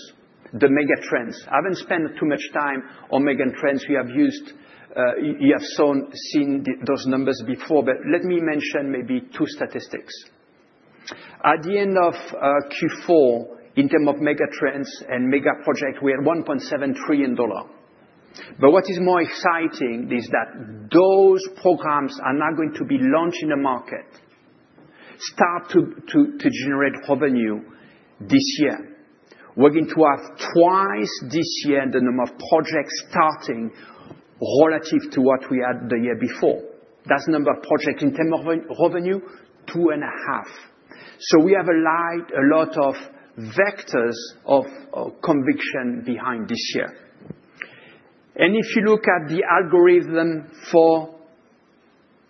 the mega trends. I haven't spent too much time on mega trends. You have seen those numbers before, but let me mention maybe two statistics. At the end of Q4, in terms of mega trends and mega projects, we had $1.7 trillion. What is more exciting is that those programs are now going to be launched in the market, start to generate revenue this year. We're going to have twice this year the number of projects starting relative to what we had the year before. That's the number of projects in terms of revenue, two and a half. We have a lot of vectors of conviction behind this year. If you look at the algorithm for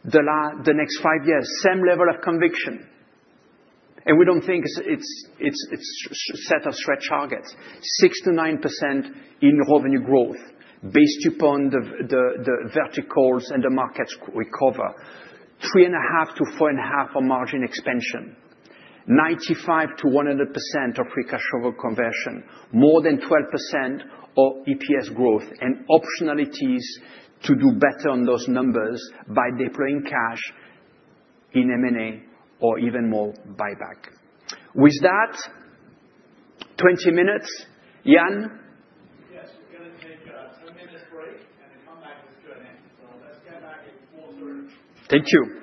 the next five years, same level of conviction. We don't think it's set or stretch targets. 6%-9% in revenue growth based upon the verticals and the markets we cover. 3.5%-4.5% for margin expansion. 95%-100% of free cash flow conversion. More than 12% of EPS growth. Optionalities to do better on those numbers by deploying cash in M&A or even more buyback. With that, 20 minutes. Yan? Thank you.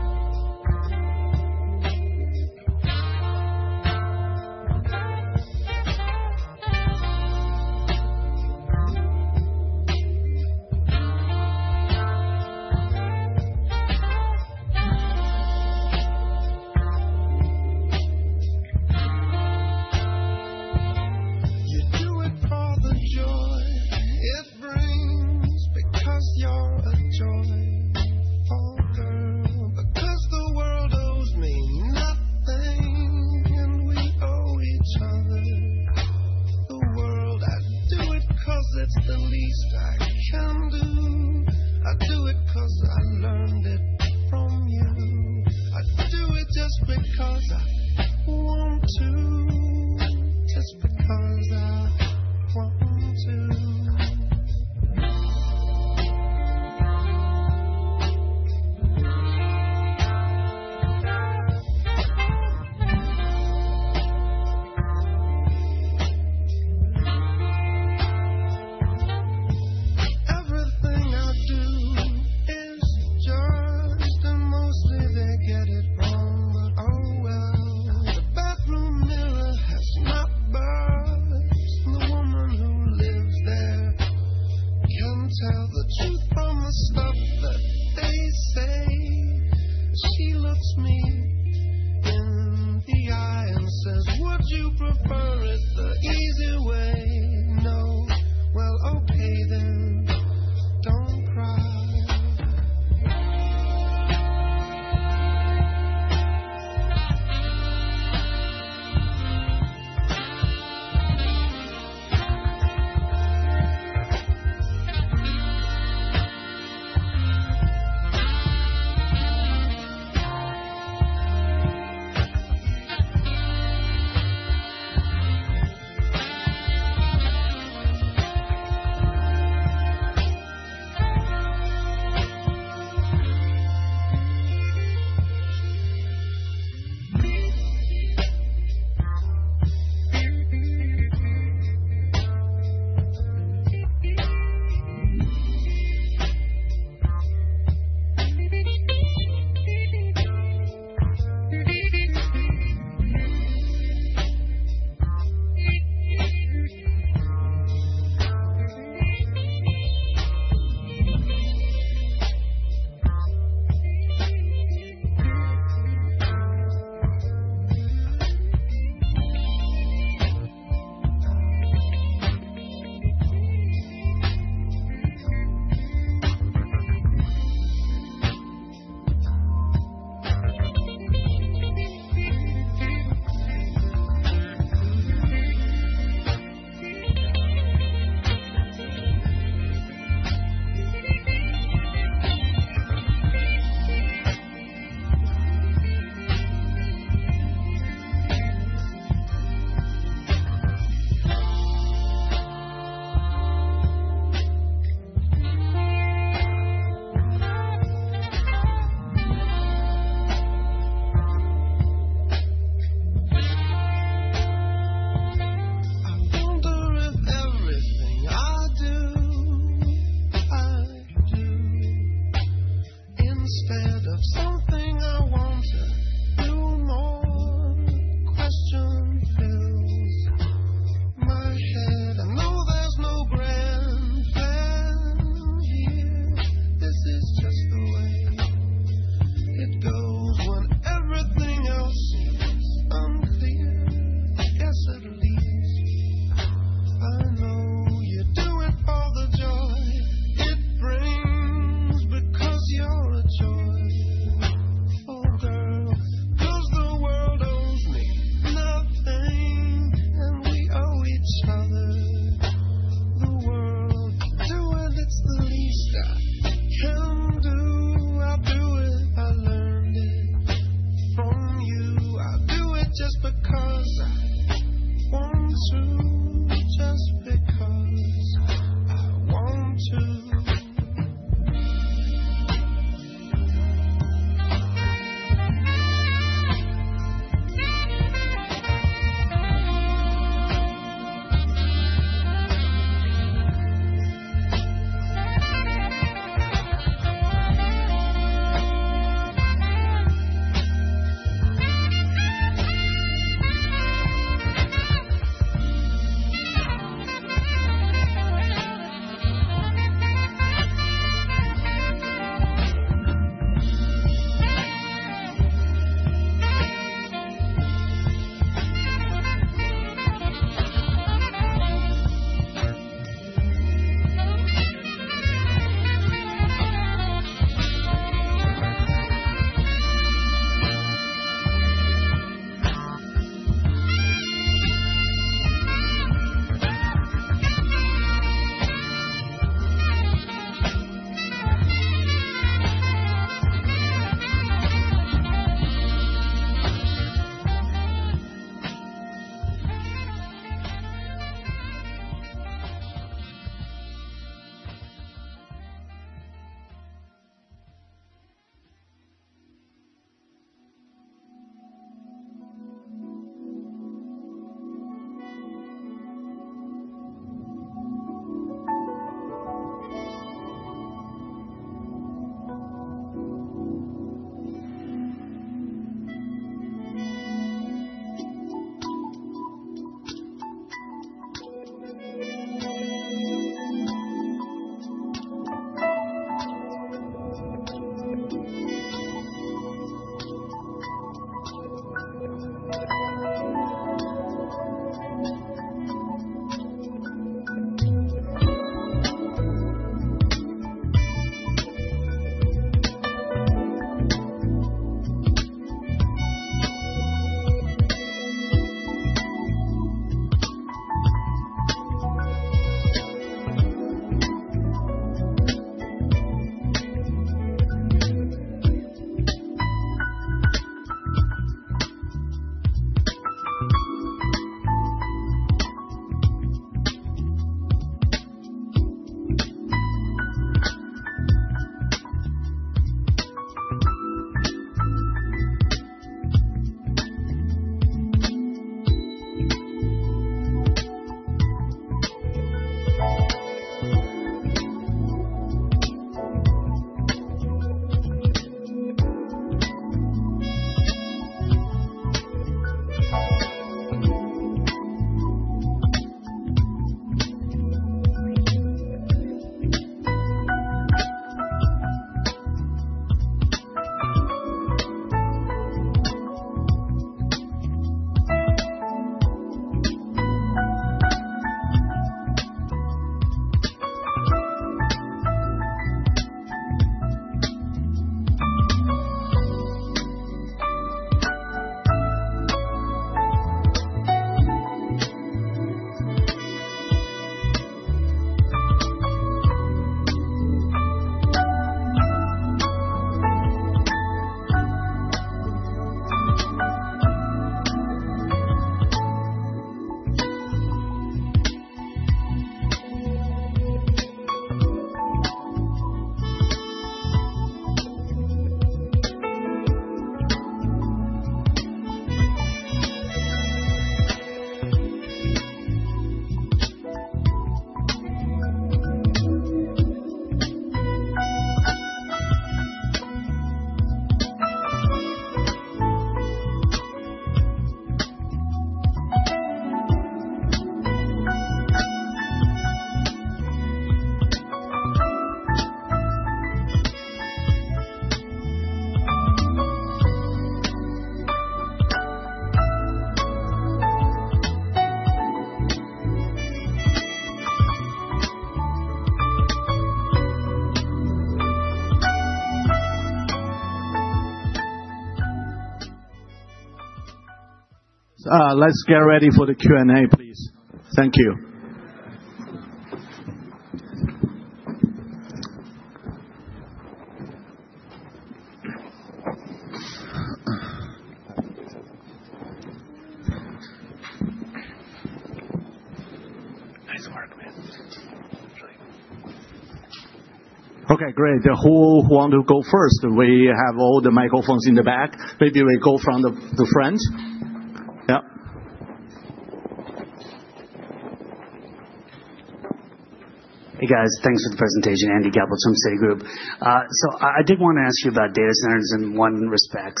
Hey, guys. Thanks for the presentation. Andrew Labelle, Citi Group. I did want to ask you about data centers in one respect.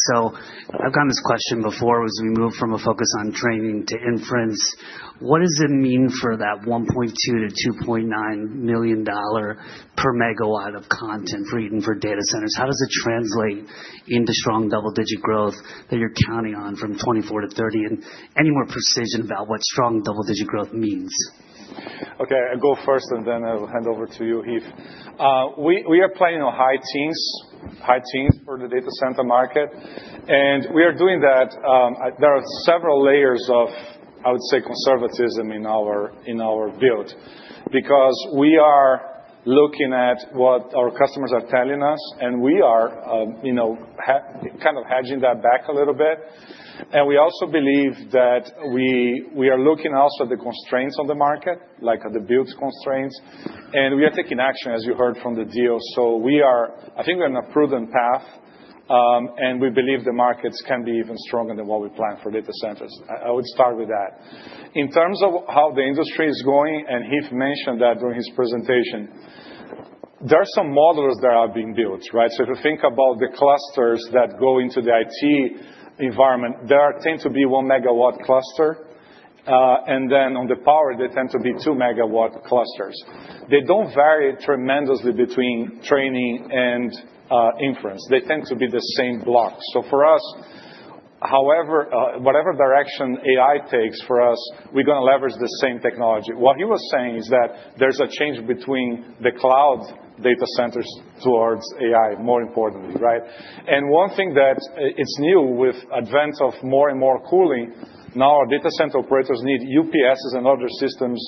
I've gotten this question before as we move from a focus on training to inference. What does it mean for that $1.2 million to $2.9 million per MW of content even for data centers? How does it translate into strong double-digit growth that you're counting on from 2024 to 2030? Any more precision about what strong double-digit growth means? Okay, I'll go first and then I'll hand over to you, Heath. We are planning on high teens, high teens for the data center market. We are doing that. There are several layers of, I would say, conservatism in our build because we are looking at what our customers are telling us, and we are kind of hedging that back a little bit. We also believe that we are looking also at the constraints on the market, like the build constraints. We are taking action, as you heard from the deal. I think we're on a prudent path, and we believe the markets can be even stronger than what we plan for data centers. I would start with that. In terms of how the industry is going, and Heath mentioned that during his presentation, there are some models that are being built, right? If you think about the clusters that go into the IT environment, there tend to be one MW cluster. On the power, they tend to be 2 MW clusters. They do not vary tremendously between training and inference. They tend to be the same block. For us, whatever direction AI takes for us, we're going to leverage the same technology. What he was saying is that there is a change between the cloud data centers towards AI, more importantly, right? One thing that is new with the advent of more and more cooling, now our data center operators need UPSs and other systems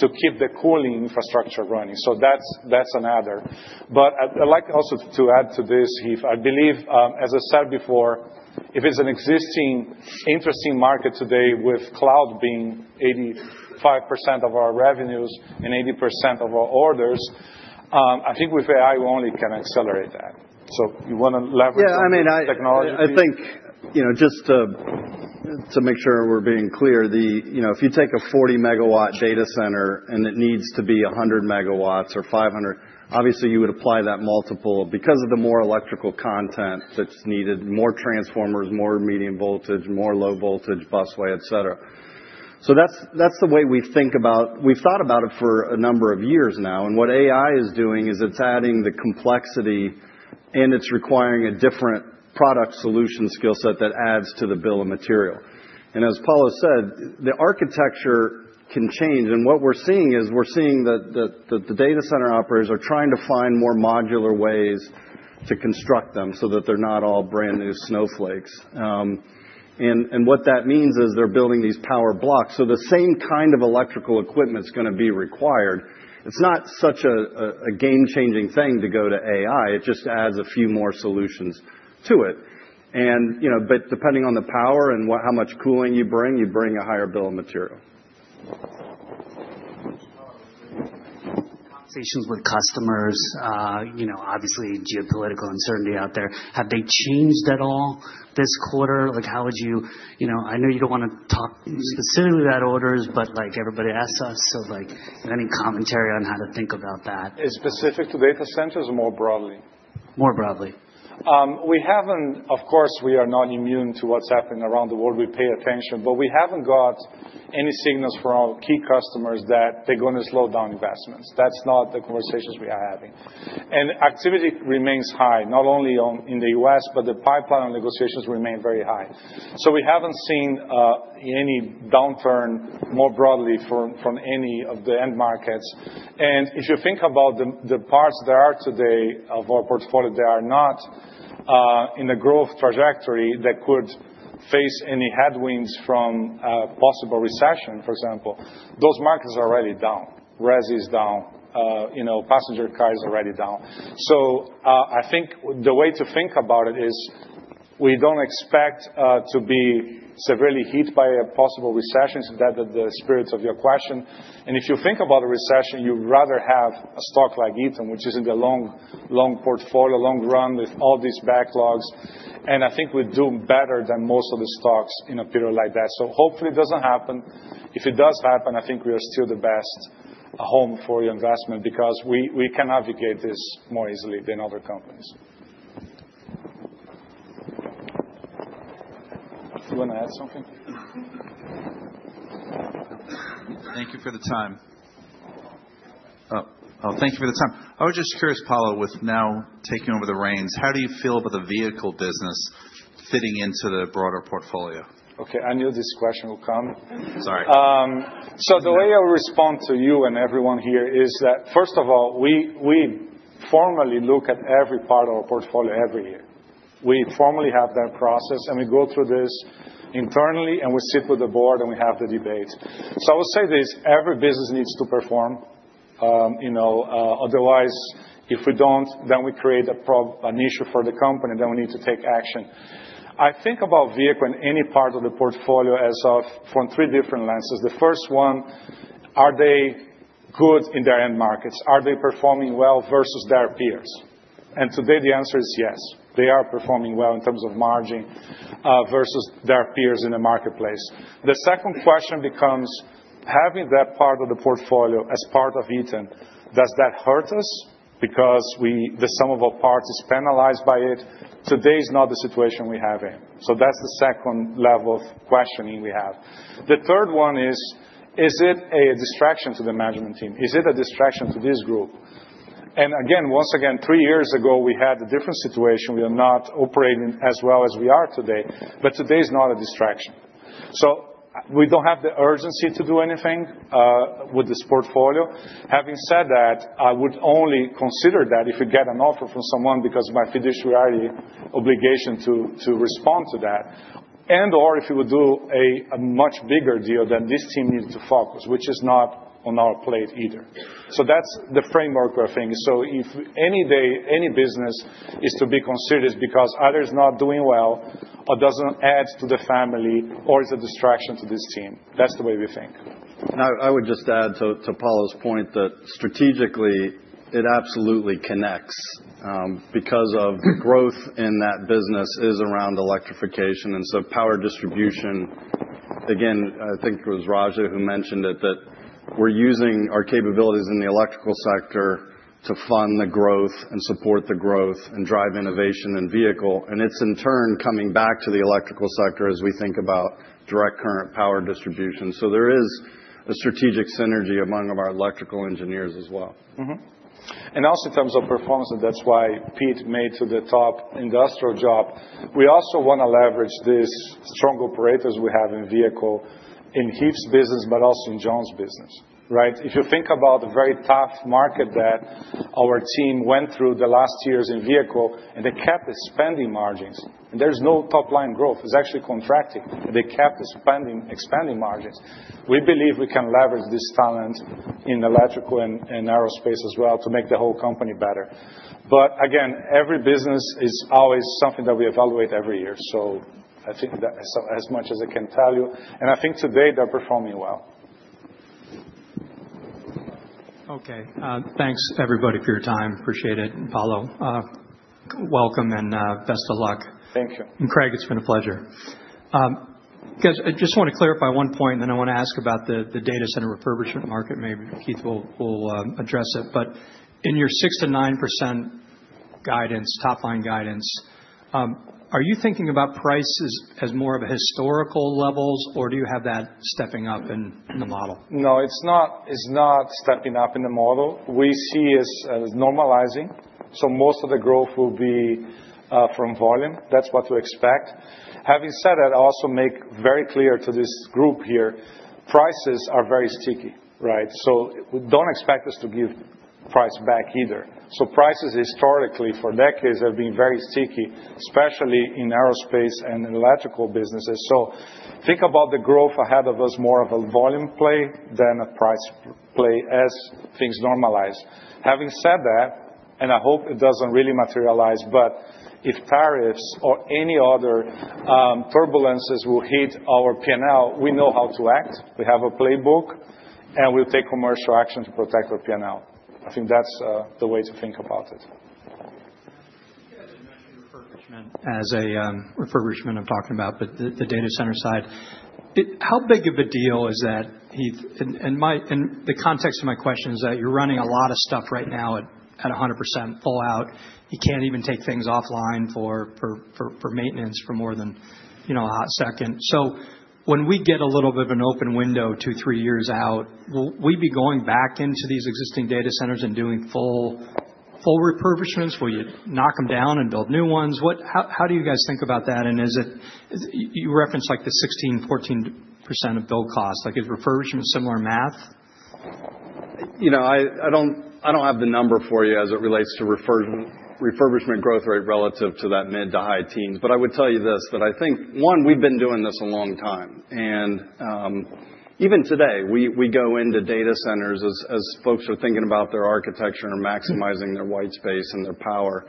to keep the cooling infrastructure running. That is another. I would also like to add to this, Heath. I believe, as I said before, if it is an existing interesting market today with cloud being 85% of our revenues and 80% of our orders, I think with AI, we only can accelerate that. You want to leverage that technology. Yeah, I mean, I think just to make sure we are being clear, if you take a 40-MW data center and it needs to be 100 MW or 500 MW, obviously you would apply that multiple because of the more electrical content that is needed, more transformers, more medium voltage, more low voltage busway, etc. That is the way we think about it. We've thought about it for a number of years now. What AI is doing is it's adding the complexity, and it's requiring a different product solution skill set that adds to the bill of material. As Paulo said, the architecture can change. What we're seeing is we're seeing that the data center operators are trying to find more modular ways to construct them so that they're not all brand new snowflakes. What that means is they're building these power blocks. The same kind of electrical equipment is going to be required. It's not such a game-changing thing to go to AI. It just adds a few more solutions to it. Depending on the power and how much cooling you bring, you bring a higher bill of material. Conversations with customers, obviously geopolitical uncertainty out there. Have they changed at all this quarter? How would you—I know you do not want to talk specifically about orders, but everybody asks us. Any commentary on how to think about that? Is it specific to data centers or more broadly? More broadly. Of course, we are not immune to what is happening around the world. We pay attention. We have not got any signals from our key customers that they are going to slow down investments. That is not the conversations we are having. Activity remains high, not only in the US, but the pipeline negotiations remain very high. We have not seen any downturn more broadly from any of the end markets. If you think about the parts there are today of our portfolio, they are not in a growth trajectory that could face any headwinds from a possible recession, for example. Those markets are already down. REZ is down. Passenger cars are already down. I think the way to think about it is we don't expect to be severely hit by a possible recession, if that's the spirit of your question. If you think about a recession, you'd rather have a stock like Eaton, which is in the long portfolio, long run with all these backlogs. I think we do better than most of the stocks in a period like that. Hopefully it doesn't happen. If it does happen, I think we are still the best home for your investment because we can navigate this more easily than other companies. Do you want to add something? Thank you for the time. Oh, thank you for the time. I was just curious, Paulo, with now taking over the reins, how do you feel about the vehicle business fitting into the broader portfolio? Okay, I knew this question would come. Sorry. The way I'll respond to you and everyone here is that, first of all, we formally look at every part of our portfolio every year. We formally have that process, and we go through this internally, and we sit with the board, and we have the debate. I will say this: every business needs to perform. Otherwise, if we don't, then we create an issue for the company that we need to take action. I think about vehicle and any part of the portfolio from three different lenses. The first one, are they good in their end markets? Are they performing well versus their peers? Today, the answer is yes. They are performing well in terms of margin versus their peers in the marketplace. The second question becomes, having that part of the portfolio as part of Eaton, does that hurt us because some of our parts are penalized by it? Today is not the situation we have here. That is the second level of questioning we have. The third one is, is it a distraction to the management team? Is it a distraction to this group? Once again, three years ago, we had a different situation. We are not operating as well as we are today. Today is not a distraction. We do not have the urgency to do anything with this portfolio. Having said that, I would only consider that if we get an offer from someone because of my fiduciary obligation to respond to that, and/or if we would do a much bigger deal than this team needs to focus, which is not on our plate either. That's the framework we're thinking. If any business is to be considered, it's because others are not doing well or doesn't add to the family or is a distraction to this team. That's the way we think. I would just add to Paulo's point that strategically, it absolutely connects because the growth in that business is around electrification and power distribution. I think it was Raja who mentioned it, that we're using our capabilities in the electrical sector to fund the growth and support the growth and drive innovation in vehicle. It's, in turn, coming back to the electrical sector as we think about direct current power distribution. There is a strategic synergy among our electrical engineers as well. Also in terms of performance, and that's why Pete made it to the top industrial job, we want to leverage these strong operators we have in vehicle in Heath's business, but also in John's business, right? If you think about a very tough market that our team went through the last years in vehicle, and they kept expanding margins, and there's no top-line growth. It's actually contracting. They kept expanding margins. We believe we can leverage this talent in electrical and aerospace as well to make the whole company better. Again, every business is always something that we evaluate every year. I think that's as much as I can tell you. I think today they're performing well. Okay. Thanks, everybody, for your time. Appreciate it. Paulo, welcome and best of luck. Thank you. Craig, it's been a pleasure. Guys, I just want to clarify one point, and then I want to ask about the data center refurbishment market. Maybe Keith will address it. In your 6%-9% guidance, top-line guidance, are you thinking about prices as more of historical levels, or do you have that stepping up in the model? No, it's not stepping up in the model. We see it as normalizing. Most of the growth will be from volume. That's what we expect. Having said that, I also make very clear to this group here, prices are very sticky, right? Don't expect us to give price back either. Prices historically for decades have been very sticky, especially in aerospace and electrical businesses. Think about the growth ahead of us more of a volume play than a price play as things normalize. Having said that, and I hope it doesn't really materialize, but if tariffs or any other turbulences will hit our P&L, we know how to act. We have a playbook, and we'll take commercial action to protect our P&L. I think that's the way to think about it. You mentioned refurbishment as a refurbishment I'm talking about, but the data center side. How big of a deal is that, Heath? The context of my question is that you're running a lot of stuff right now at 100% full out. You can't even take things offline for maintenance for more than a hot second. When we get a little bit of an open window two, three years out, will we be going back into these existing data centers and doing full refurbishments? Will you knock them down and build new ones? How do you guys think about that? You referenced the 16%, 14% of build cost. Is refurbishment similar math? I do not have the number for you as it relates to refurbishment growth rate relative to that mid to high teens. I would tell you this, that I think, one, we have been doing this a long time. Even today, we go into data centers as folks are thinking about their architecture and maximizing their white space and their power.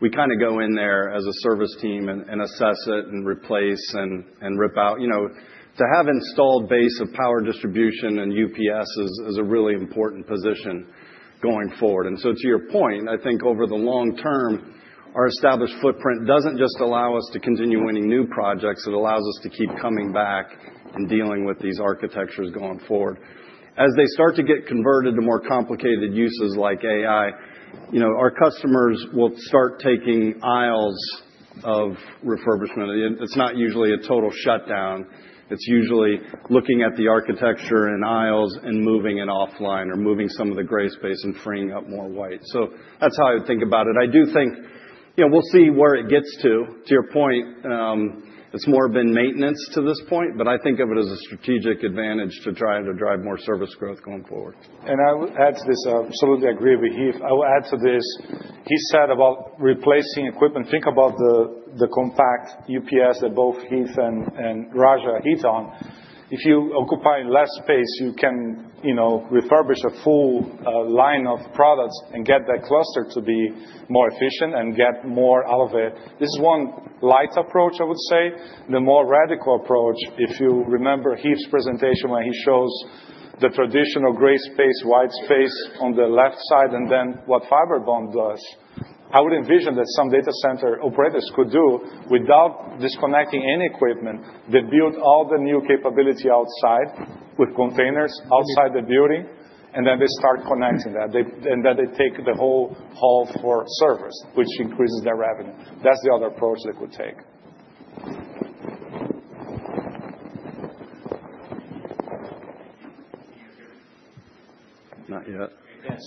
We kind of go in there as a service team and assess it and replace and rip out. To have an installed base of power distribution and UPS is a really important position going forward. To your point, I think over the long term, our established footprint does not just allow us to continue winning new projects. It allows us to keep coming back and dealing with these architectures going forward. As they start to get converted to more complicated uses like AI, our customers will start taking aisles of refurbishment. It's not usually a total shutdown. It's usually looking at the architecture and aisles and moving it offline or moving some of the gray space and freeing up more white. That is how I would think about it. I do think we'll see where it gets to. To your point, it's more been maintenance to this point, but I think of it as a strategic advantage to try to drive more service growth going forward. I will add to this. I absolutely agree with Heath. I will add to this. He said about replacing equipment, think about the compact UPS that both Heath and Raja hit on. If you occupy less space, you can refurbish a full line of products and get that cluster to be more efficient and get more out of it. This is one light approach, I would say. The more radical approach, if you remember Heath's presentation where he shows the traditional gray space, white space on the left side, and then what Fibrebond does, I would envision that some data center operators could do without disconnecting any equipment. They build all the new capability outside with containers outside the building, and then they start connecting that. They take the whole hall for service, which increases their revenue. That is the other approach they could take. I guess just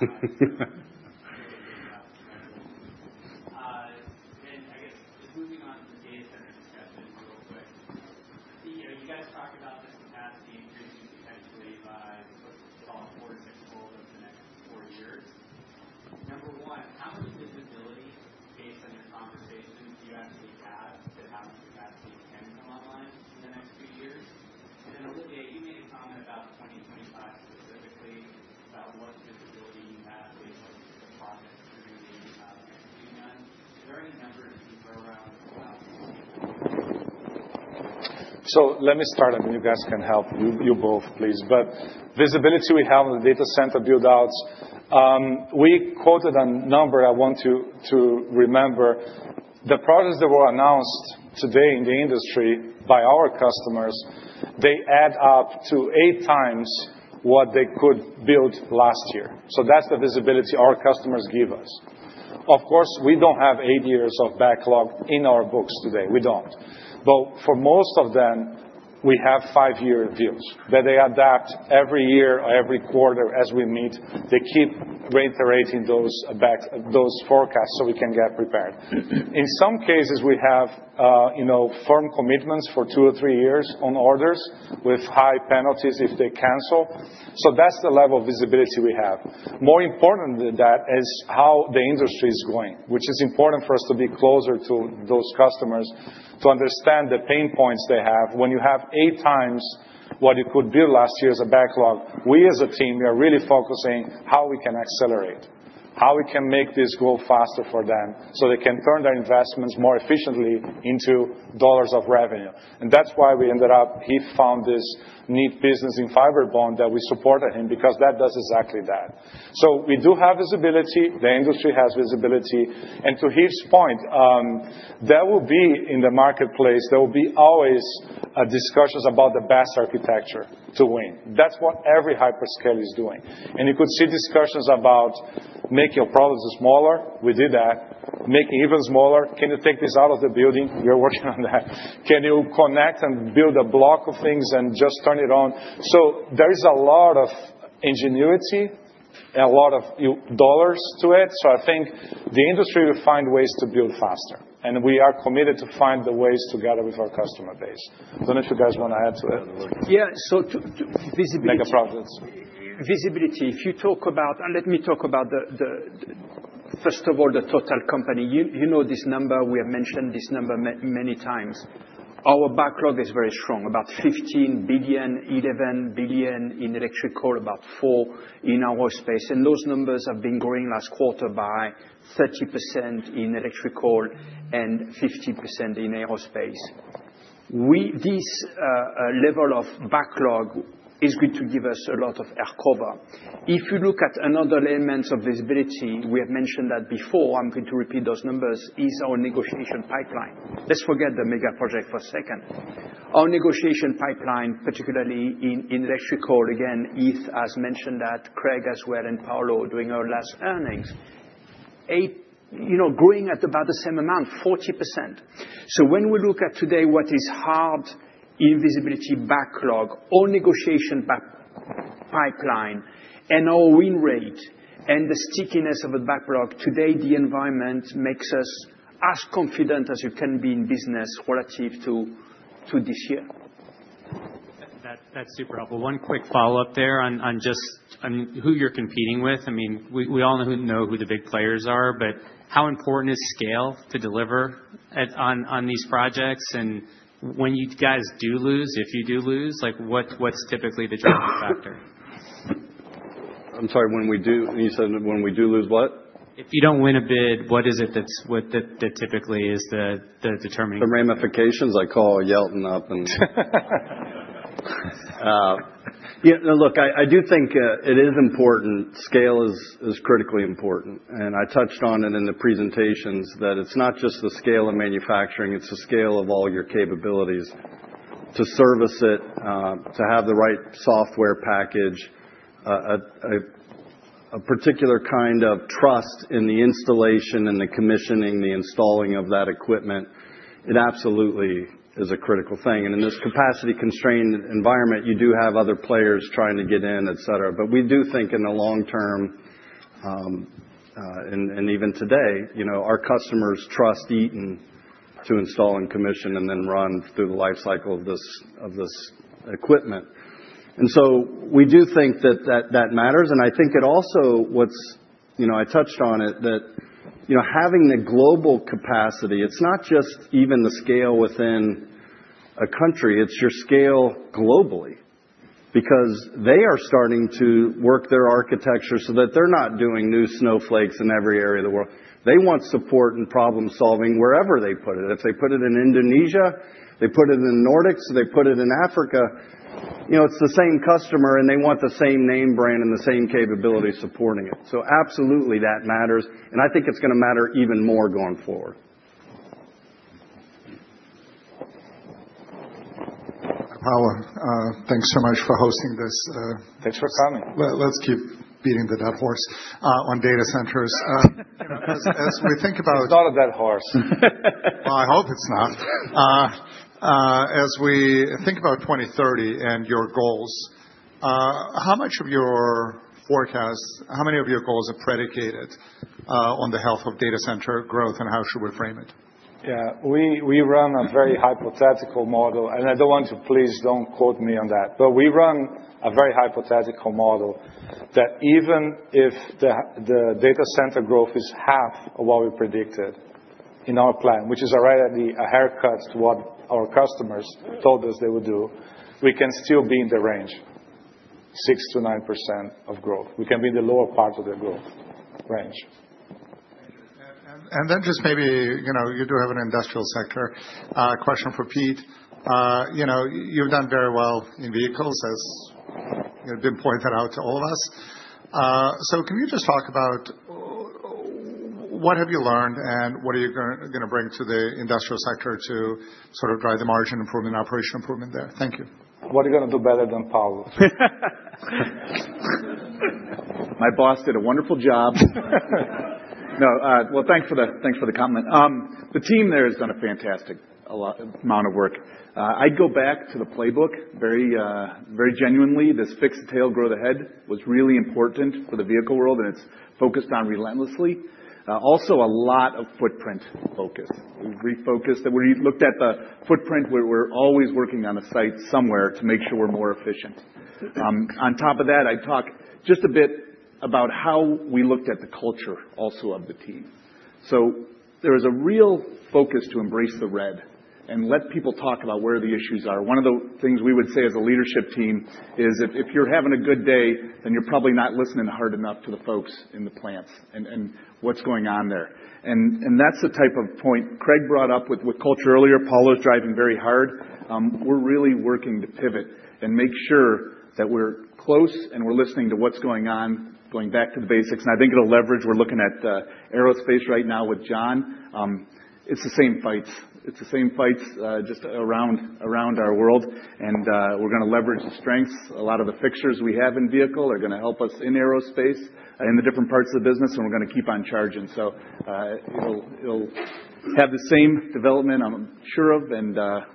moving on to the data center discussion real quick, you guys talked about the capacity increasing potentially by what's called four- to sixfold over the next four years. Number one, how much visibility based on your conversations do you actually have to how much capacity can come online in the next few years? The other day, you made a comment about 2025 specifically about what visibility you have based on the projects you're going to be executing on. Is there any number you can throw around? Let me start. I mean, you guys can help, you both, please. Visibility we have on the data center buildouts, we quoted a number I want to remember. The projects that were announced today in the industry by our customers, they add up to eight times what they could build last year. That's the visibility our customers give us. Of course, we don't have eight years of backlog in our books today. We don't. For most of them, we have five-year deals that they adapt every year or every quarter as we meet. They keep reiterating those forecasts so we can get prepared. In some cases, we have firm commitments for two or three years on orders with high penalties if they cancel. That's the level of visibility we have. More important than that is how the industry is going, which is important for us to be closer to those customers to understand the pain points they have when you have eight times what you could build last year as a backlog. We, as a team, are really focusing on how we can accelerate, how we can make this grow faster for them so they can turn their investments more efficiently into dollars of revenue. That is why we ended up—Heath found this neat business in Fibrebond that we supported him because that does exactly that. We do have visibility. The industry has visibility. To Heath's point, there will be in the marketplace, there will be always discussions about the best architecture to win. That is what every hyperscale is doing. You could see discussions about making your products smaller. We did that. Making even smaller. Can you take this out of the building? We are working on that. Can you connect and build a block of things and just turn it on? There is a lot of ingenuity and a lot of dollars to it. I think the industry will find ways to build faster. We are committed to find the ways together with our customer base. I don't know if you guys want to add to it. Yeah. Visibility. Make a project. Visibility. If you talk about—and let me talk about, first of all, the total company. You know this number. We have mentioned this number many times. Our backlog is very strong, about $15 billion, $11 billion in electrical, about $4 billion in aerospace. Those numbers have been growing last quarter by 30% in electrical and 50% in aerospace. This level of backlog is going to give us a lot of air cover. If you look at another element of visibility, we have mentioned that before. I'm going to repeat those numbers, is our negotiation pipeline. Let's forget the mega project for a second. Our negotiation pipeline, particularly in electrical, again, Heath has mentioned that, Craig as well, and Paulo during our last earnings, growing at about the same amount, 40%. When we look at today, what is hard in visibility backlog, all negotiation pipeline, and our win rate and the stickiness of a backlog, today, the environment makes us as confident as you can be in business relative to this year. That's super helpful. One quick follow-up there on who you're competing with. I mean, we all know who the big players are, but how important is scale to deliver on these projects? When you guys do lose, if you do lose, what's typically the driving factor? I'm sorry. When we do—and you said when we do lose what? If you don't win a bid, what is it that typically is the determining factor? The ramifications. I call Yelton up and look, I do think it is important. Scale is critically important. I touched on it in the presentations that it's not just the scale of manufacturing. It's the scale of all your capabilities to service it, to have the right software package, a particular kind of trust in the installation and the commissioning, the installing of that equipment. It absolutely is a critical thing. In this capacity-constrained environment, you do have other players trying to get in, etc. We do think in the long term, and even today, our customers trust Eaton to install and commission and then run through the lifecycle of this equipment. We do think that that matters. I think it also—what's—I touched on it, that having the global capacity, it's not just even the scale within a country. It's your scale globally because they are starting to work their architecture so that they're not doing new snowflakes in every area of the world. They want support and problem-solving wherever they put it. If they put it in Indonesia, they put it in the Nordics, they put it in Africa, it's the same customer, and they want the same name brand and the same capability supporting it. That matters. I think it's going to matter even more going forward. Paulo, thanks so much for hosting this. Thanks for coming. Let's keep beating the dead horse on data centers. As we think about it. It's not a dead horse. I hope it's not. As we think about 2030 and your goals, how much of your forecast, how many of your goals are predicated on the health of data center growth and how should we frame it? Yeah. We run a very hypothetical model. I don't want to—please don't quote me on that. We run a very hypothetical model that even if the data center growth is half of what we predicted in our plan, which is already a haircut to what our customers told us they would do, we can still be in the range, 6%-9% of growth. We can be in the lower part of the growth range. Maybe you do have an industrial sector question for Pete. You've done very well in vehicles, as been pointed out to all of us. Can you just talk about what have you learned and what are you going to bring to the industrial sector to sort of drive the margin improvement, operation improvement there? Thank you. What are you going to do better than Paulo? My boss did a wonderful job. No. Thanks for the comment. The team there has done a fantastic amount of work. I'd go back to the playbook very genuinely. This fix the tail, grow the head was really important for the vehicle world, and it's focused on relentlessly. Also, a lot of footprint focus. We refocused. We looked at the footprint. We're always working on a site somewhere to make sure we're more efficient. On top of that, I'd talk just a bit about how we looked at the culture also of the team. There was a real focus to embrace the red and let people talk about where the issues are. One of the things we would say as a leadership team is if you're having a good day, then you're probably not listening hard enough to the folks in the plants and what's going on there. That's the type of point Craig brought up with culture earlier. Paulo's driving very hard. We're really working to pivot and make sure that we're close and we're listening to what's going on, going back to the basics. I think it'll leverage. We're looking at aerospace right now with John. It's the same fights. It's the same fights just around our world. We're going to leverage the strengths. A lot of the fixtures we have in vehicle are going to help us in aerospace and the different parts of the business. We're going to keep on charging. It'll have the same development, I'm sure of.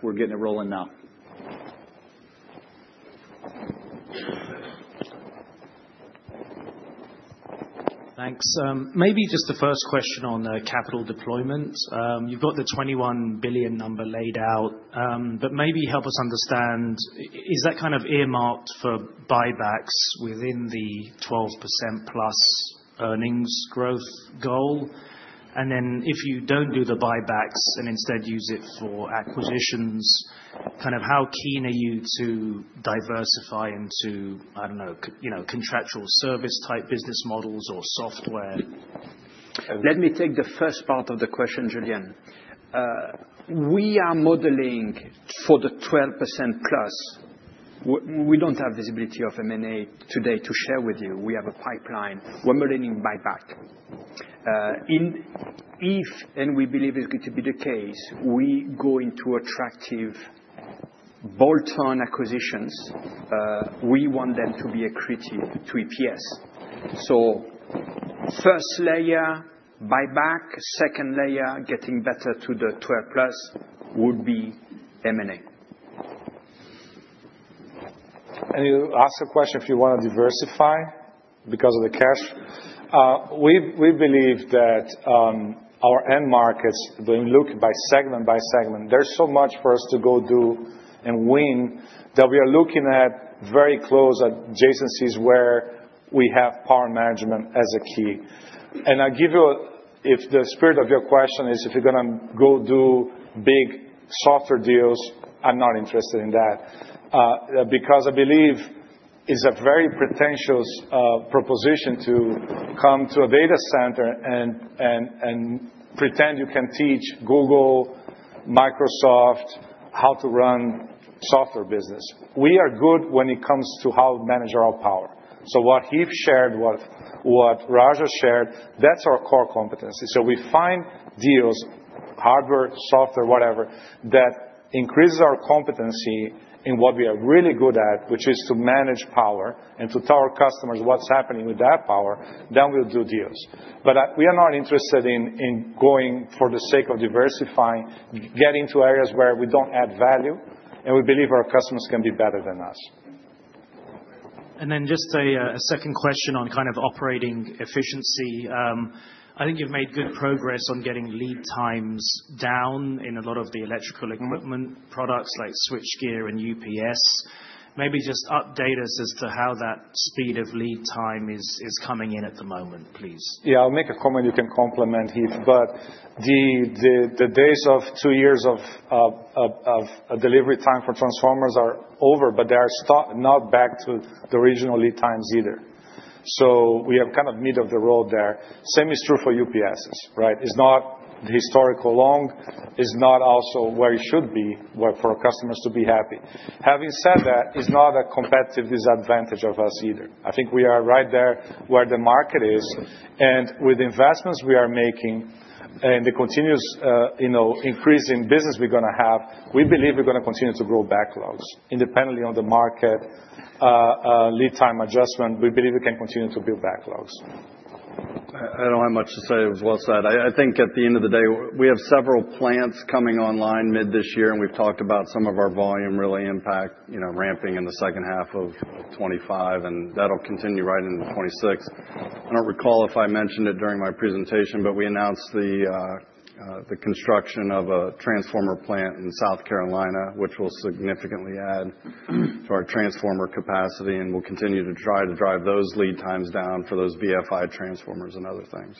We're getting it rolling now. Thanks. Maybe just the first question on capital deployment. You've got the $21 billion number laid out, but maybe help us understand, is that kind of earmarked for buybacks within the 12%+ earnings growth goal? If you don't do the buybacks and instead use it for acquisitions, kind of how keen are you to diversify into, I don't know, contractual service type business models or software? Let me take the first part of the question, Julian. We are modeling for the 12%+. We don't have visibility of M&A today to share with you. We have a pipeline. We're modeling buyback. If, and we believe it's going to be the case, we go into attractive bolt-on acquisitions, we want them to be accretive to EPS. First layer buyback, second layer getting better to the 12%+ would be M&A. You asked a question if you want to diversify because of the cash. We believe that our end markets, when we look by segment by segment, there's so much for us to go do and win that we are looking at very close adjacencies where we have power management as a key. I'll give you a—if the spirit of your question is if you're going to go do big software deals, I'm not interested in that because I believe it's a very pretentious proposition to come to a data center and pretend you can teach Google, Microsoft how to run software business. We are good when it comes to how to manage our power. What Heath shared, what Raja shared, that's our core competency. We find deals, hardware, software, whatever, that increases our competency in what we are really good at, which is to manage power and to tell our customers what's happening with that power. We'll do deals. We are not interested in going for the sake of diversifying, getting to areas where we do not add value, and we believe our customers can be better than us. Just a second question on kind of operating efficiency. I think you have made good progress on getting lead times down in a lot of the electrical equipment products like switchgear and UPS. Maybe just update us as to how that speed of lead time is coming in at the moment, please. Yeah. I will make a comment. You can complement, Heath. The days of two years of delivery time for transformers are over, but they are not back to the original lead times either. We are kind of mid of the road there. Same is true for UPSs, right? It is not historically long. It is not also where it should be for our customers to be happy. Having said that, it's not a competitive disadvantage of us either. I think we are right there where the market is. With the investments we are making and the continuous increase in business we're going to have, we believe we're going to continue to grow backlogs independently of the market lead time adjustment. We believe we can continue to build backlogs. I don't have much to say of what's that. I think at the end of the day, we have several plants coming online mid this year, and we've talked about some of our volume really impact ramping in the second half of 2025, and that'll continue right into 2026. I don't recall if I mentioned it during my presentation, but we announced the construction of a transformer plant in South Carolina, which will significantly add to our transformer capacity. We will continue to try to drive those lead times down for those VFI transformers and other things.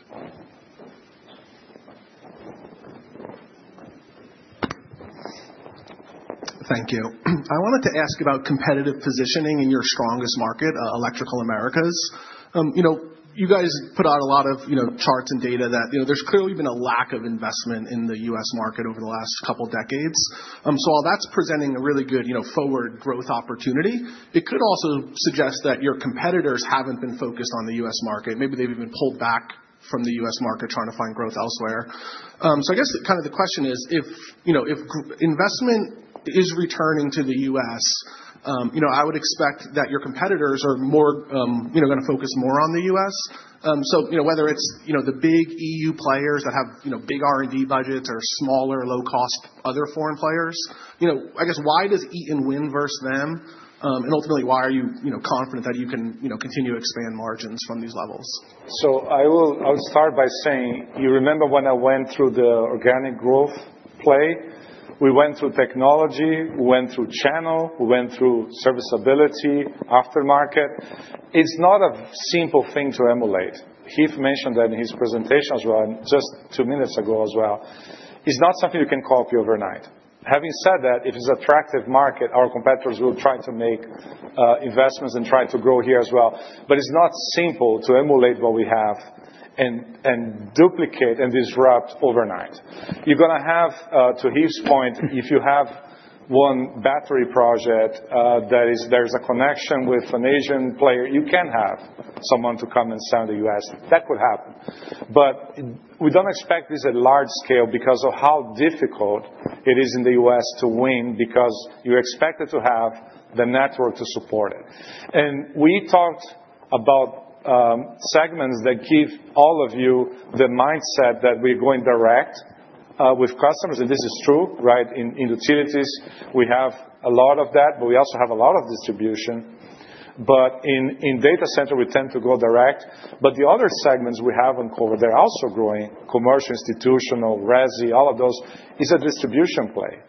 Thank you. I wanted to ask about competitive positioning in your strongest market, Electrical Americas. You guys put out a lot of charts and data that there's clearly been a lack of investment in the U.S. market over the last couple of decades. While that's presenting a really good forward growth opportunity, it could also suggest that your competitors have not been focused on the U.S. market. Maybe they have even pulled back from the U.S. market trying to find growth elsewhere. I guess the question is, if investment is returning to the U.S., I would expect that your competitors are going to focus more on the U.S. Whether it's the big EU players that have big R&D budgets or smaller, low-cost other foreign players, I guess, why does Eaton win versus them? Ultimately, why are you confident that you can continue to expand margins from these levels? I'll start by saying, you remember when I went through the organic growth play? We went through technology. We went through channel. We went through serviceability, aftermarket. It's not a simple thing to emulate. Heath mentioned that in his presentations just two minutes ago as well. It's not something you can copy overnight. Having said that, if it's an attractive market, our competitors will try to make investments and try to grow here as well. It's not simple to emulate what we have and duplicate and disrupt overnight. You're going to have, to Heath's point, if you have one battery project that is there's a connection with an Asian player, you can have someone to come and sell in the US. That could happen. We do not expect this at large scale because of how difficult it is in the U.S. to win because you're expected to have the network to support it. We talked about segments that give all of you the mindset that we're going direct with customers. This is true, right? In utilities, we have a lot of that, but we also have a lot of distribution. In data center, we tend to go direct. The other segments we have on core, they're also growing: commercial, institutional, resi, all of those. It's a distribution play.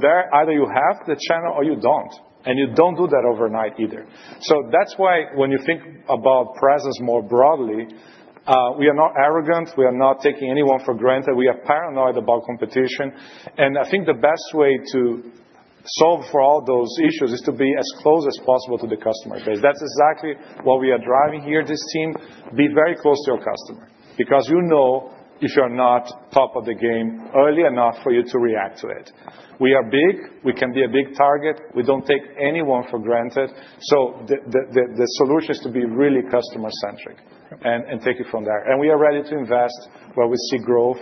There either you have the channel or you do not. You do not do that overnight either. That is why when you think about presence more broadly, we are not arrogant. We are not taking anyone for granted. We are paranoid about competition. I think the best way to solve for all those issues is to be as close as possible to the customer base. That is exactly what we are driving here, this team. Be very close to your customer because you know if you are not top of the game early enough for you to react to it. We are big. We can be a big target. We do not take anyone for granted. The solution is to be really customer-centric and it from there. We are ready to invest where we see growth.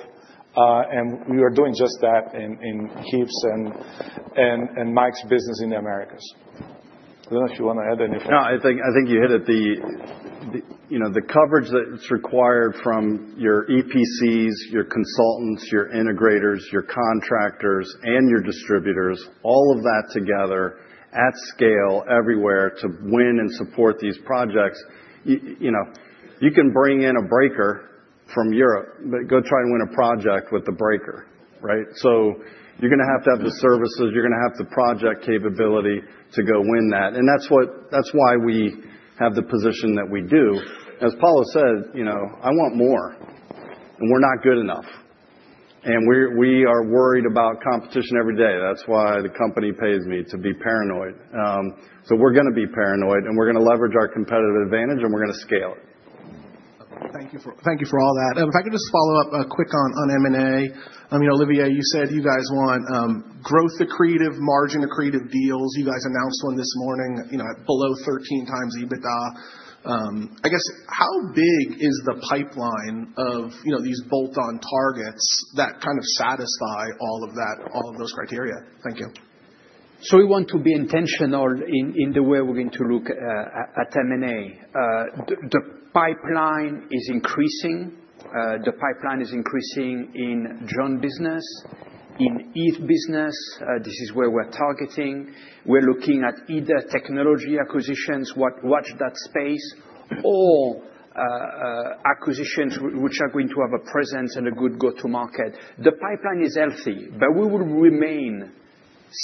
We are doing just that in Heath's and Mike's business in the Americas. I do not know if you want to add anything. No, I think you hit it. The coverage that's required from your EPCs, your consultants, your integrators, your contractors, and your distributors, all of that together at scale everywhere to win and support these projects. You can bring in a breaker from Europe, but go try and win a project with the breaker, right? You are going to have to have the services. You are going to have the project capability to go win that. That is why we have the position that we do. As Paulo said, I want more. We are not good enough. We are worried about competition every day. That is why the company pays me to be paranoid. We are going to be paranoid. We are going to leverage our competitive advantage, and we are going to scale it. Thank you for all that. If I could just follow up quick on M&A. Olivier, you said you guys want growth, accretive margin, accretive deals. You guys announced one this morning at below 13x EBITDA. I guess how big is the pipeline of these bolt-on targets that kind of satisfy all of those criteria? Thank you. We want to be intentional in the way we're going to look at M&A. The pipeline is increasing. The pipeline is increasing in John business, in Eaton business. This is where we're targeting. We're looking at either technology acquisitions, watch that space, or acquisitions which are going to have a presence and a good go-to-market. The pipeline is healthy, but we will remain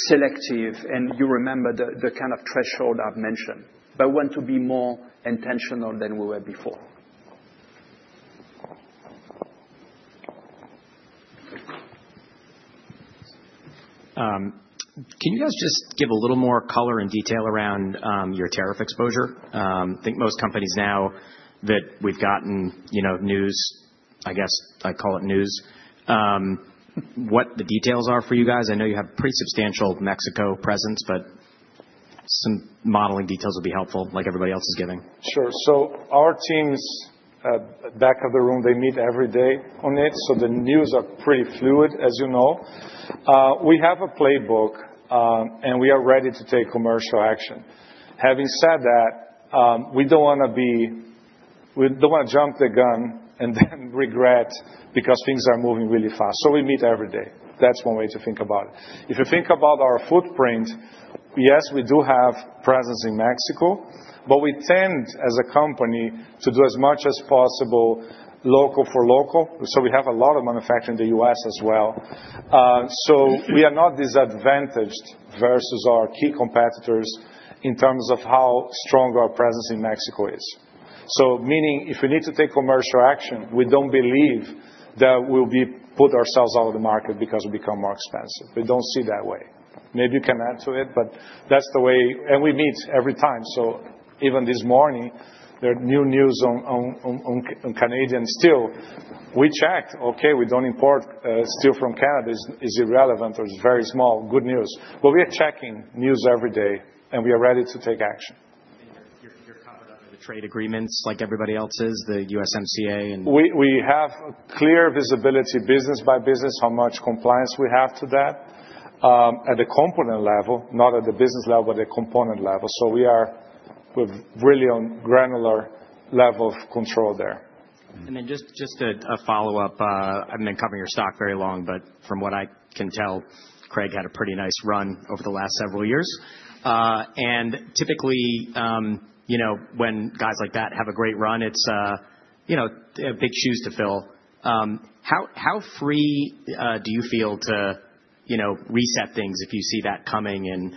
selective. You remember the kind of threshold I've mentioned. We want to be more intentional than we were before. Can you guys just give a little more color and detail around your tariff exposure? I think most companies now that we've gotten news, I guess I call it news, what the details are for you guys? I know you have pretty substantial Mexico presence, but some modeling details would be helpful, like everybody else is giving. Sure. Our teams, back of the room, they meet every day on it. The news are pretty fluid, as you know. We have a playbook, and we are ready to take commercial action. Having said that, we don't want to jump the gun and then regret because things are moving really fast. We meet every day. That's one way to think about it. If you think about our footprint, yes, we do have presence in Mexico, but we tend as a company to do as much as possible local for local. We have a lot of manufacturing in the U.S. as well. We are not disadvantaged versus our key competitors in terms of how strong our presence in Mexico is. Meaning if we need to take commercial action, we do not believe that we will put ourselves out of the market because we become more expensive. We do not see it that way. Maybe you can add to it, but that is the way. We meet every time. Even this morning, there are new news on Canadian steel. We checked, we do not import steel from Canada. It is irrelevant or it is very small. Good news. We are checking news every day, and we are ready to take action. You are covered under the trade agreements like everybody else is, the USMCA and? We have clear visibility business by business, how much compliance we have to that at the component level, not at the business level, but at the component level. We're really on granular level of control there. Just a follow-up. I've been covering your stock very long, but from what I can tell, Craig had a pretty nice run over the last several years. Typically, when guys like that have a great run, it's big shoes to fill. How free do you feel to reset things if you see that coming and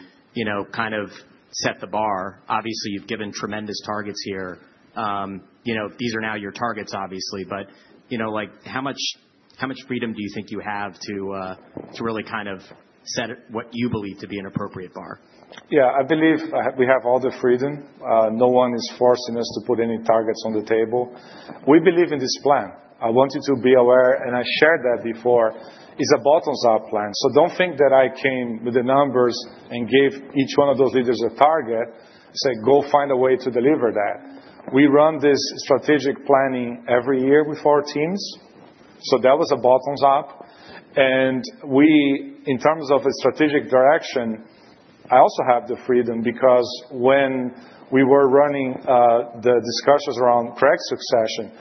kind of set the bar? Obviously, you've given tremendous targets here. These are now your targets, obviously. How much freedom do you think you have to really kind of set what you believe to be an appropriate bar? Yeah. I believe we have all the freedom. No one is forcing us to put any targets on the table. We believe in this plan. I want you to be aware, and I shared that before. It's a bottoms-up plan. So don't think that I came with the numbers and gave each one of those leaders a target. I said, "Go find a way to deliver that." We run this strategic planning every year with our teams. That was a bottoms-up. In terms of a strategic direction, I also have the freedom because when we were running the discussions around Craig's succession,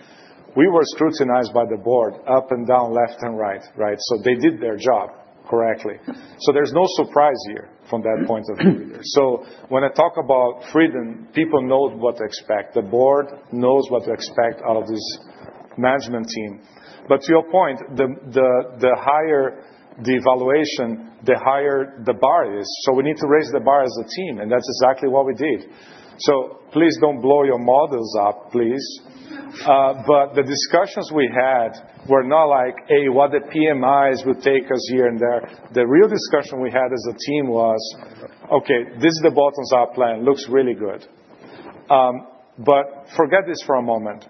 we were scrutinized by the board, up and down, left and right, right? They did their job correctly. There's no surprise here from that point of view. When I talk about freedom, people know what to expect. The board knows what to expect out of this management team. To your point, the higher the evaluation, the higher the bar is. We need to raise the bar as a team. That is exactly what we did. Please do not blow your models up, please. The discussions we had were not like, "Hey, what the PMIs will take us here and there." The real discussion we had as a team was, "Okay, this is the bottoms-up plan. Looks really good." Forget this for a moment.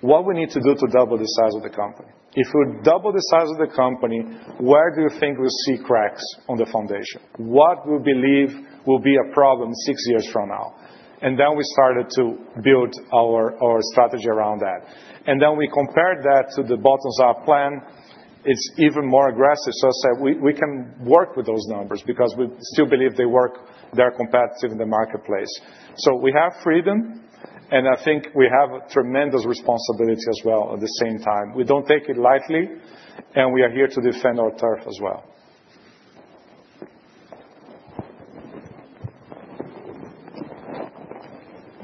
What do we need to do to double the size of the company? If we double the size of the company, where do you think we will see cracs on the foundation? What do we believe will be a problem six years from now. We started to build our strategy around that. We compared that to the bottoms-up plan. It is even more aggressive. I said, "We can work with those numbers because we still believe they work. They're competitive in the marketplace." We have freedom, and I think we have tremendous responsibility as well at the same time. We don't take it lightly, and we are here to defend our turf as well.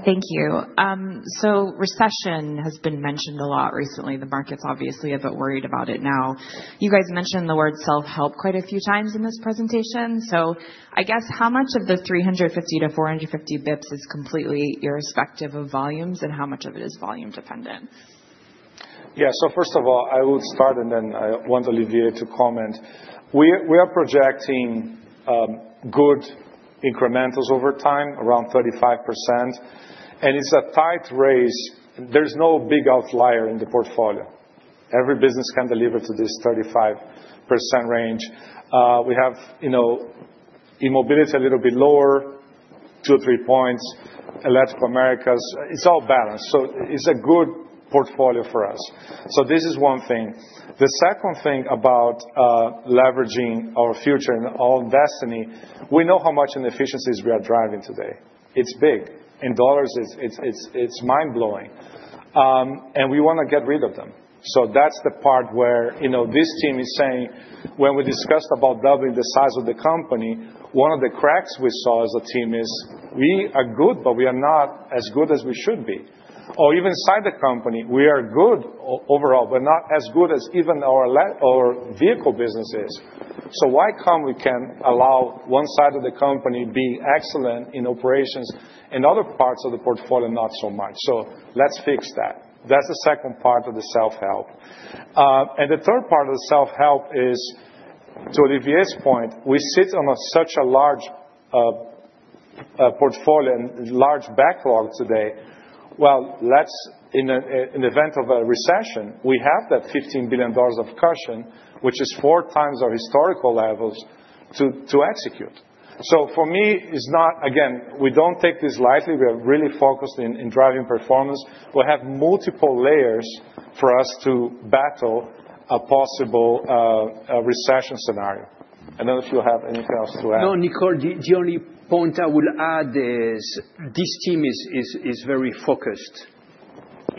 Thank you. Recession has been mentioned a lot recently. The markets obviously are a bit worried about it now. You guys mentioned the word self-help quite a few times in this presentation. I guess how much of the 350 basis points-450 basis points is completely irrespective of volumes, and how much of it is volume-dependent? Yeah. First of all, I would start, and then I want Olivier to comment. We are projecting good incrementals over time, around 35%. It's a tight race. There's no big outlier in the portfolio. Every business can deliver to this 35% range. We have immobility a little bit lower, two or three points. Electric Americas, it's all balanced. It is a good portfolio for us. This is one thing. The second thing about leveraging our future and our own destiny, we know how much inefficiencies we are driving today. It is big. In dollars, it is mind-blowing. We want to get rid of them. That is the part where this team is saying when we discussed about doubling the size of the company, one of the cracks we saw as a team is we are good, but we are not as good as we should be. Even inside the company, we are good overall, but not as good as even our vehicle business is. Why can't we allow one side of the company being excellent in operations and other parts of the portfolio not so much. Let's fix that. That's the second part of the self-help. The third part of the self-help is, to Olivier's point, we sit on such a large portfolio and large backlog today. In the event of a recession, we have that $15 billion of cushion, which is four times our historical levels, to execute. For me, it's not again, we don't take this lightly. We are really focused in driving performance. We have multiple layers for us to battle a possible recession scenario. I don't know if you have anything else to add. No, the only point I will add is this team is very focused.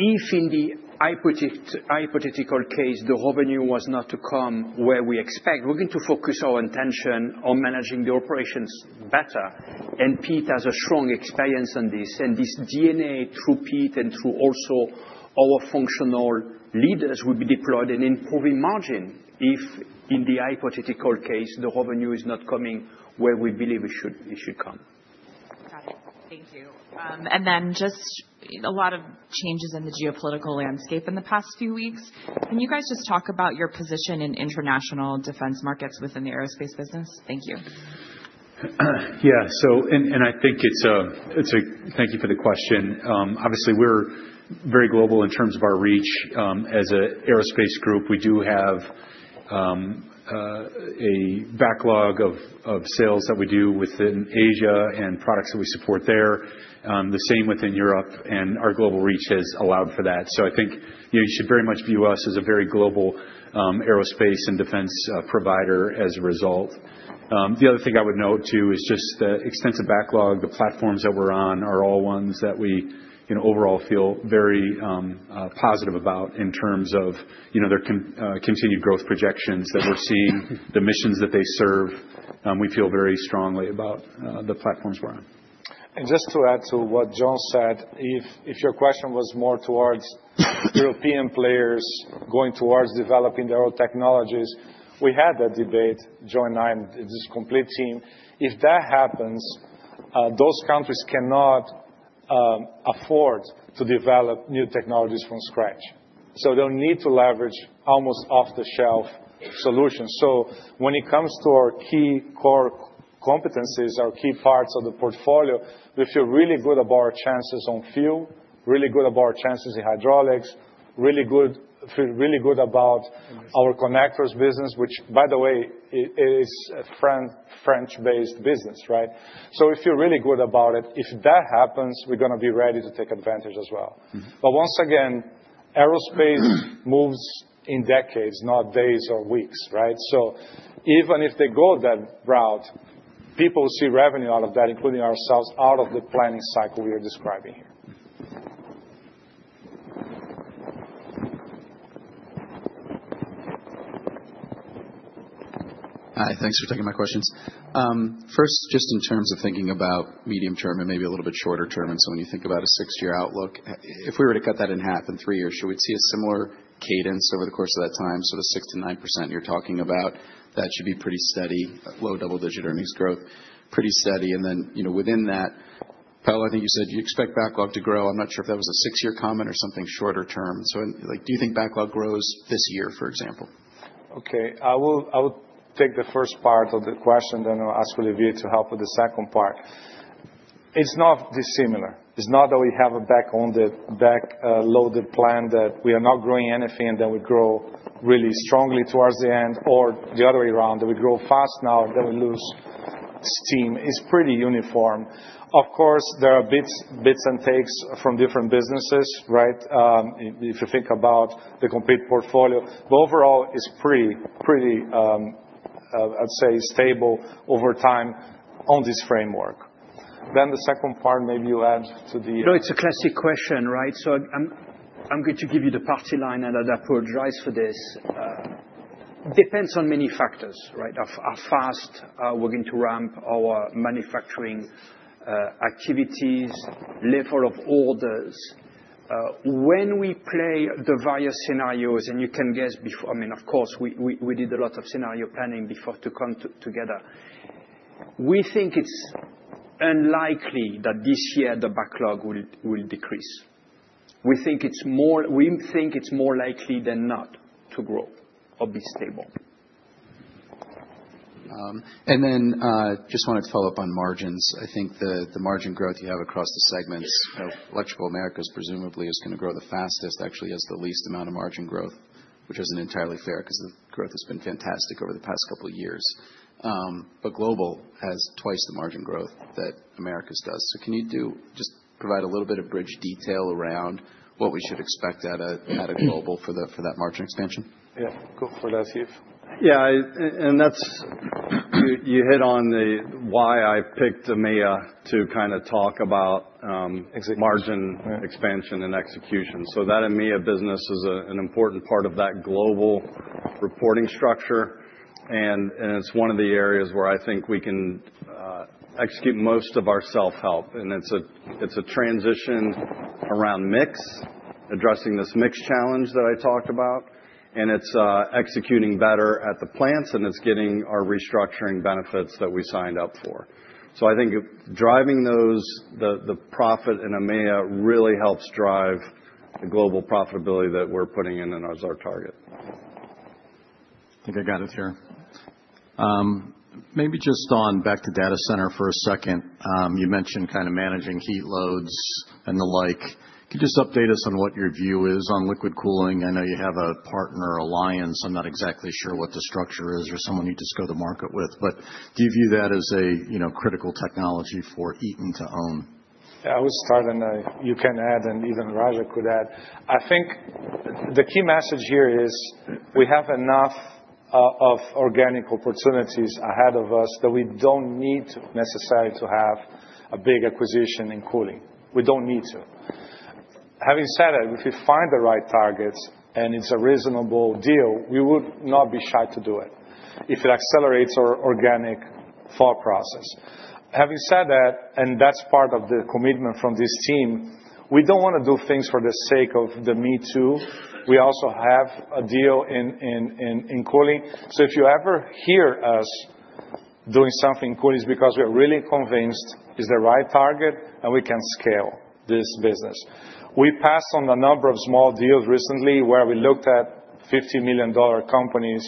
If in the hypothetical case the revenue was not to come where we expect, we're going to focus our attention on managing the operations better. Pete has a strong experience on this. This DNA through Pete and through also our functional leaders will be deployed and improving margin if in the hypothetical case the revenue is not coming where we believe it should come. Got it. Thank you. Just a lot of changes in the geopolitical landscape in the past few weeks. Can you guys just talk about your position in international defense markets within the aerospace business? Thank you. Yeah. I think it's a thank you for the question. Obviously, we're very global in terms of our reach. As an aerospace group, we do have a backlog of sales that we do within Asia and products that we support there, the same within Europe. Our global reach has allowed for that. I think you should very much view us as a very global aerospace and defense provider as a result. The other thing I would note too is just the extensive backlog. The platforms that we're on are all ones that we overall feel very positive about in terms of their continued growth projections that we're seeing, the missions that they serve. We feel very strongly about the platforms we're on. Just to add to what John said, if your question was more towards European players going towards developing their own technologies, we had that debate, John and I, and this complete team. If that happens, those countries cannot afford to develop new technologies from scratch. They'll need to leverage almost off-the-shelf solutions. When it comes to our key core competencies, our key parts of the portfolio, we feel really good about our chances on fuel, really good about our chances in hydraulics, really good about our connectors business, which, by the way, is a French-based business, right? We feel really good about it. If that happens, we're going to be ready to take advantage as well. Once again, aerospace moves in decades, not days or weeks, right? Even if they go that route, people see revenue out of that, including ourselves, out of the planning cycle we are describing here. Hi. Thanks for taking my questions. First, just in terms of thinking about medium term and maybe a little bit shorter term. When you think about a six-year outlook, if we were to cut that in half in three years, should we see a similar cadence over the course of that time, sort of 6%-9% you're talking about? That should be pretty steady, low double-digit earnings growth, pretty steady. Within that, Paulo, I think you said you expect backlog to grow. I'm not sure if that was a six-year comment or something shorter term. Do you think backlog grows this year, for example? Okay. I will take the first part of the question, then I'll ask Olivier to help with the second part. It's not dissimilar. It's not that we have a backloaded plan that we are not growing anything and then we grow really strongly towards the end or the other way around, that we grow fast now and then we lose steam. It's pretty uniform. Of course, there are bits and takes from different businesses, right, if you think about the complete portfolio. Overall, it's pretty, I'd say, stable over time on this framework. The second part, maybe you add to the No, it's a classic question, right? I'm going to give you the party line, and I'd apologize for this. Depends on many factors, right? How fast we're going to ramp our manufacturing activities, level of orders. When we play the various scenarios, and you can guess before—I mean, of course, we did a lot of scenario planning before to come together. We think it's unlikely that this year the backlog will decrease. We think it's more likely than not to grow or be stable. I just wanted to follow up on margins. I think the margin growth you have across the segments of Electrical Americas presumably is going to grow the fastest. Actually, it has the least amount of margin growth, which isn't entirely fair because the growth has been fantastic over the past couple of years. Global has twice the margin growth that Americas does. Can you just provide a little bit of bridge detail around what we should expect at a Global for that margin expansion? Yeah. Go for that, Heath. Yeah. You hit on why I picked EMEA to kind of talk about margin expansion and execution. That EMEA business is an important part of that global reporting structure. It is one of the areas where I think we can execute most of our self-help. It is a transition around mix, addressing this mix challenge that I talked about. It's executing better at the plants, and it's getting our restructuring benefits that we signed up for. I think driving the profit in EMEA really helps drive the global profitability that we're putting in as our target. I think I got it here. Maybe just back to data center for a second. You mentioned kind of managing heat loads and the like. Can you just update us on what your view is on liquid cooling? I know you have a partner alliance. I'm not exactly sure what the structure is or someone you just go to market with. Do you view that as a critical technology for Eaton to own? Yeah. I will start, and you can add, and even Raja could add. I think the key message here is we have enough of organic opportunities ahead of us that we do not need necessarily to have a big acquisition in cooling. We do not need to. Having said that, if we find the right targets and it is a reasonable deal, we would not be shy to do it if it accelerates our organic thought process. Having said that, and that is part of the commitment from this team, we do not want to do things for the sake of the me too. We also have a deal in cooling. If you ever hear us doing something in cooling, it is because we are really convinced it is the right target, and we can scale this business. We passed on a number of small deals recently where we looked at $50 million companies,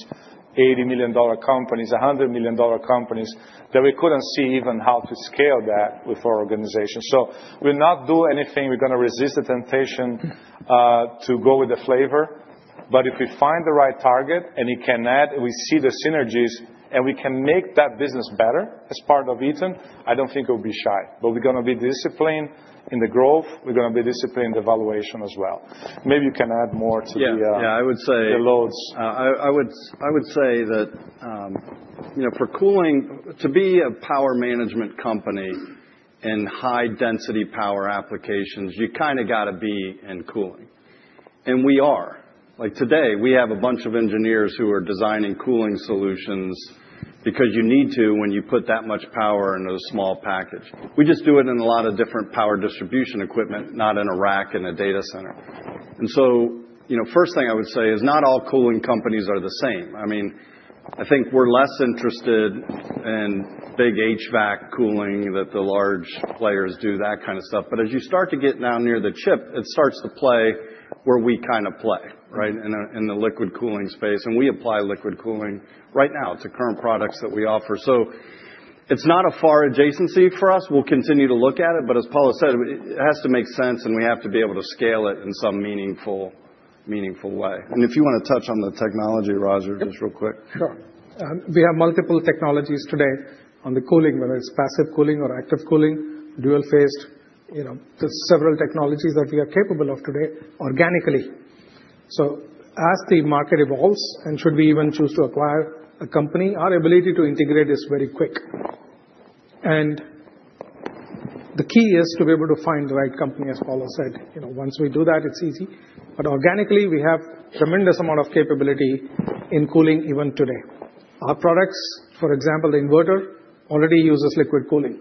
$80 million companies, $100 million companies that we could not see even how to scale that with our organization. We will not do anything. We are going to resist the temptation to go with the flavor. If we find the right target and we can add, and we see the synergies, and we can make that business better as part of Eaton, I do not think we will be shy. We are going to be disciplined in the growth. We are going to be disciplined in the valuation as well. Maybe you can add more to the. Yeah. Yeah. I would say. The loads. I would say that for cooling, to be a power management company in high-density power applications, you kind of got to be in cooling. And we are. Today, we have a bunch of engineers who are designing cooling solutions because you need to when you put that much power into a small package. We just do it in a lot of different power distribution equipment, not in a rack in a data center. The first thing I would say is not all cooling companies are the same. I mean, I think we're less interested in big HVAC cooling that the large players do, that kind of stuff. As you start to get down near the chip, it starts to play where we kind of play, right, in the liquid cooling space. We apply liquid cooling right now to current products that we offer. It is not a far adjacency for us. We'll continue to look at it. As Paulo said, it has to make sense, and we have to be able to scale it in some meaningful way. If you want to touch on the technology, Raja, just real quick. Sure. We have multiple technologies today on the cooling, whether it's passive cooling or active cooling, dual-faced. There are several technologies that we are capable of today organically. As the market evolves, and should we even choose to acquire a company, our ability to integrate is very quick. The key is to be able to find the right company, as Paulo said. Once we do that, it's easy. Organically, we have a tremendous amount of capability in cooling even today. Our products, for example, the inverter already uses liquid cooling.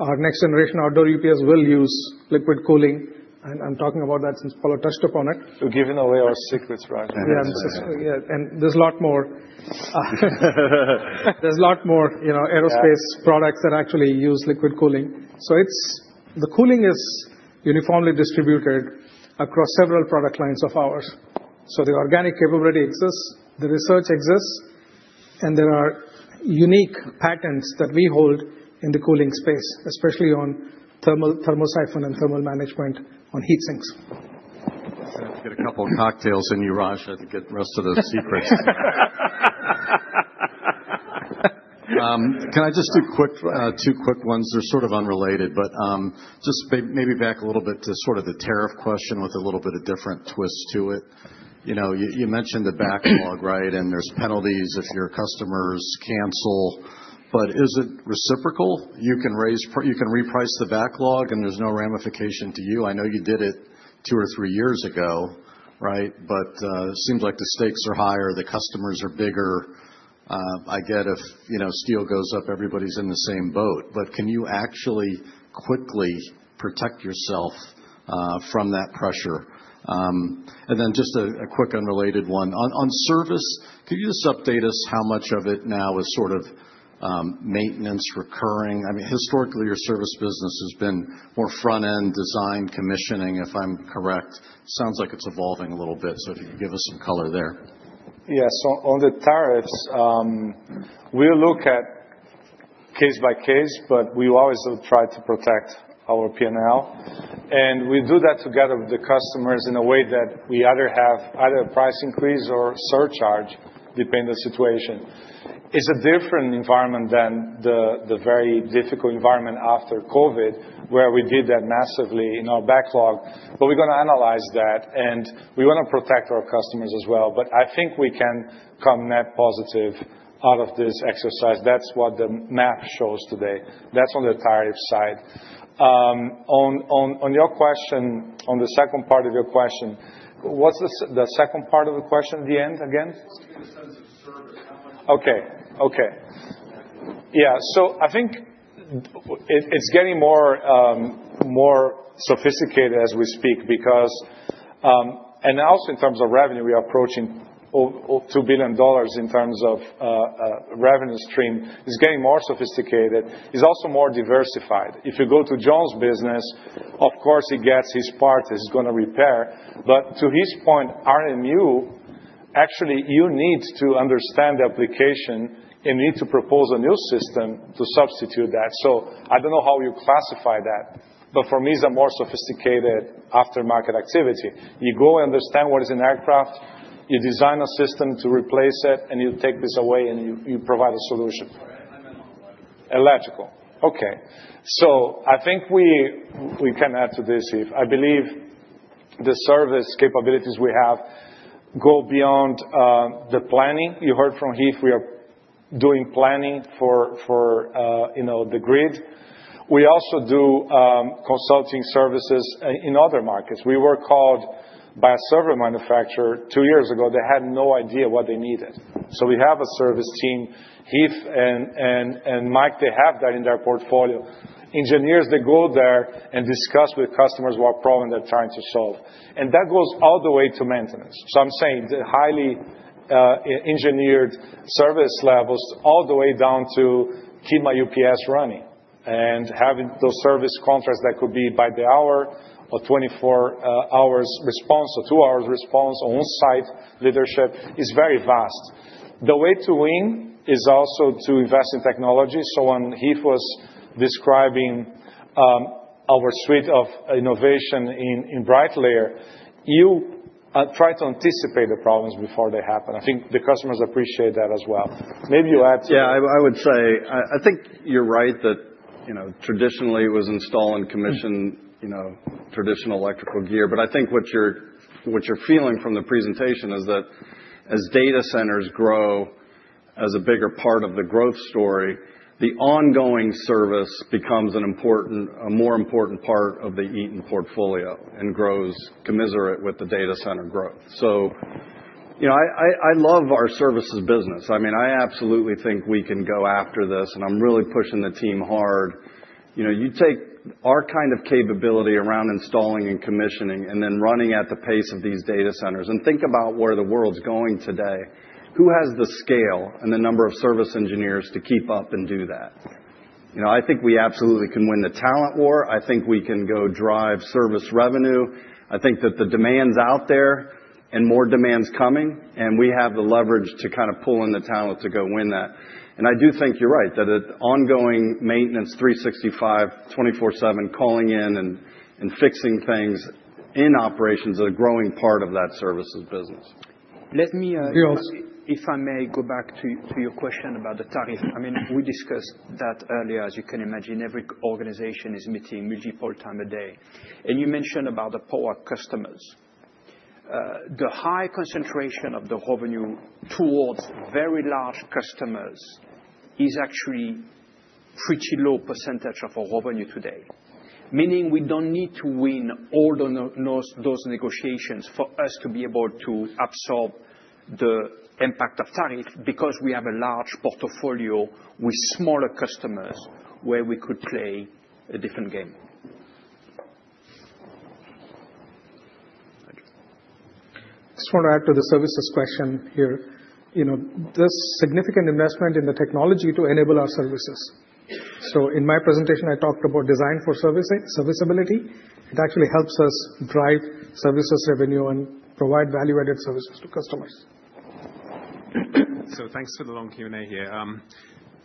Our next-generation outdoor UPS will use liquid cooling. I'm talking about that since Paulo touched upon it. You're giving away our secrets, Raja. Yeah. There's a lot more. There's a lot more aerospace products that actually use liquid cooling. The cooling is uniformly distributed across several product lines of ours. The organic capability exists, the research exists, and there are unique patents that we hold in the cooling space, especially on thermosiphon and thermal management on heat sinks. I've got a couple of cocktails in you, Raja, to get the rest of those secrets. Can I just do two quick ones? They're sort of unrelated. Just maybe back a little bit to sort of the tariff question with a little bit of different twist to it. You mentioned the backlog, right? There's penalties if your customers cancel. Is it reciprocal? You can reprice the backlog, and there's no ramification to you. I know you did it two or three years ago, right? It seems like the stakes are higher. The customers are bigger. I get if steel goes up, everybody's in the same boat. Can you actually quickly protect yourself from that pressure? A quick unrelated one. On service, can you just update us how much of it now is sort of maintenance recurring? I mean, historically, your service business has been more front-end design commissioning, if I'm correct. Sounds like it's evolving a little bit. If you could give us some co lor there. Yes. On the tariffs, we'll look at case by case, but we always will try to protect our P&L. We do that together with the customers in a way that we either have either a price increase or surcharge depending on the situation. It's a different environment than the very difficult environment after COVID where we did that massively in our backlog. We're going to analyze that, and we want to protect our customers as well. I think we can come net positive out of this exercise. That's what the map shows today. That's on the tariff side. On your question, on the second part of your question, what's the second part of the question at the end again? Just in the sense of service. Okay. Yeah. I think it's getting more sophisticated as we speak because and also in terms of revenue, we are approaching $2 billion in terms of revenue stream. It's getting more sophisticated. It's also more diversified. If you go to John's business, of course, he gets his part. He's going to repair. To his point, RMU, actually, you need to understand the application, and you need to propose a new system to substitute that. I do not know how you classify that. For me, it is a more sophisticated aftermarket activity. You go and understand what is in aircraft, you design a system to replace it, and you take this away, and you provide a solution. Electrical. Electrical Okay. I think we can add to this, Heath. I believe the service capabilities we have go beyond the planning. You heard from Heath. We are doing planning for the grid. We also do consulting services in other markets. We were called by a server manufacturer two years ago. They had no idea what they needed. We have a service team. Heath and Mike, they have that in their portfolio. Engineers, they go there and discuss with customers what problem they're trying to solve. That goes all the way to maintenance. I'm saying the highly engineered service levels all the way down to keep my UPS running. Having those service contracts that could be by the hour or 24-hour response or 2-hour response or on-site leadership is very vast. The way to win is also to invest in technology. When Heath was describing our suite of innovation in BrightLayer, you try to anticipate the problems before they happen. I think the customers appreciate that as well. Maybe you add to. Yeah. I would say I think you're right that traditionally, it was install and commission traditional electrical gear. I think what you're feeling from the presentation is that as data centers grow as a bigger part of the growth story, the ongoing service becomes a more important part of the Eaton portfolio and grows commiserate with the data center growth. I love our services business. I mean, I absolutely think we can go after this, and I'm really pushing the team hard. You take our kind of capability around installing and commissioning and then running at the pace of these data centers and think about where the world's going today. Who has the scale and the number of service engineers to keep up and do that? I think we absolutely can win the talent war. I think we can go drive service revenue. I think that the demand's out there and more demand's coming, and we have the leverage to kind of pull in the talent to go win that. I do think you're right that ongoing maintenance 365, 24/7, calling in and fixing things in operations is a growing part of that services business. Let me, if I may, go back to your question about the tariff. I mean, we discussed that earlier. As you can imagine, every organization is meeting multiple times a day. You mentioned about the power customers. The high concentration of the revenue towards very large customers is actually a pretty low percentage of our revenue today, meaning we don't need to win all those negotiations for us to be able to absorb the impact of tariff because we have a large portfolio with smaller customers where we could play a different game. I just want to add to the services question here. There's significant investment in the technology to enable our services. In my presentation, I talked about design for serviceability. It actually helps us drive services revenue and provide value-added services to customers. Thanks for the long Q&A here.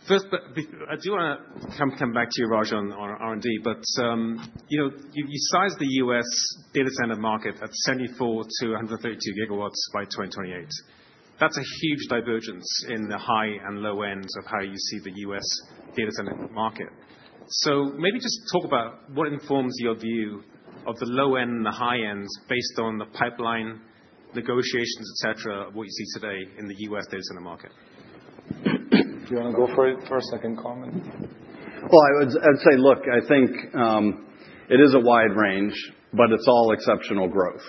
First, I do want to come back to you, Raja, on R&D. You sized the U.S. data center market at 74 GW-132 GW by 2028. That's a huge divergence in the high and low ends of how you see the U.S. data center market. Maybe just talk about what informs your view of the low end and the high end based on the pipeline negotiations, etc., of what you see today in the U.S. data center market. Do you want to go for it first, I can comment? I would say, look, I think it is a wide range, but it's all exceptional growth,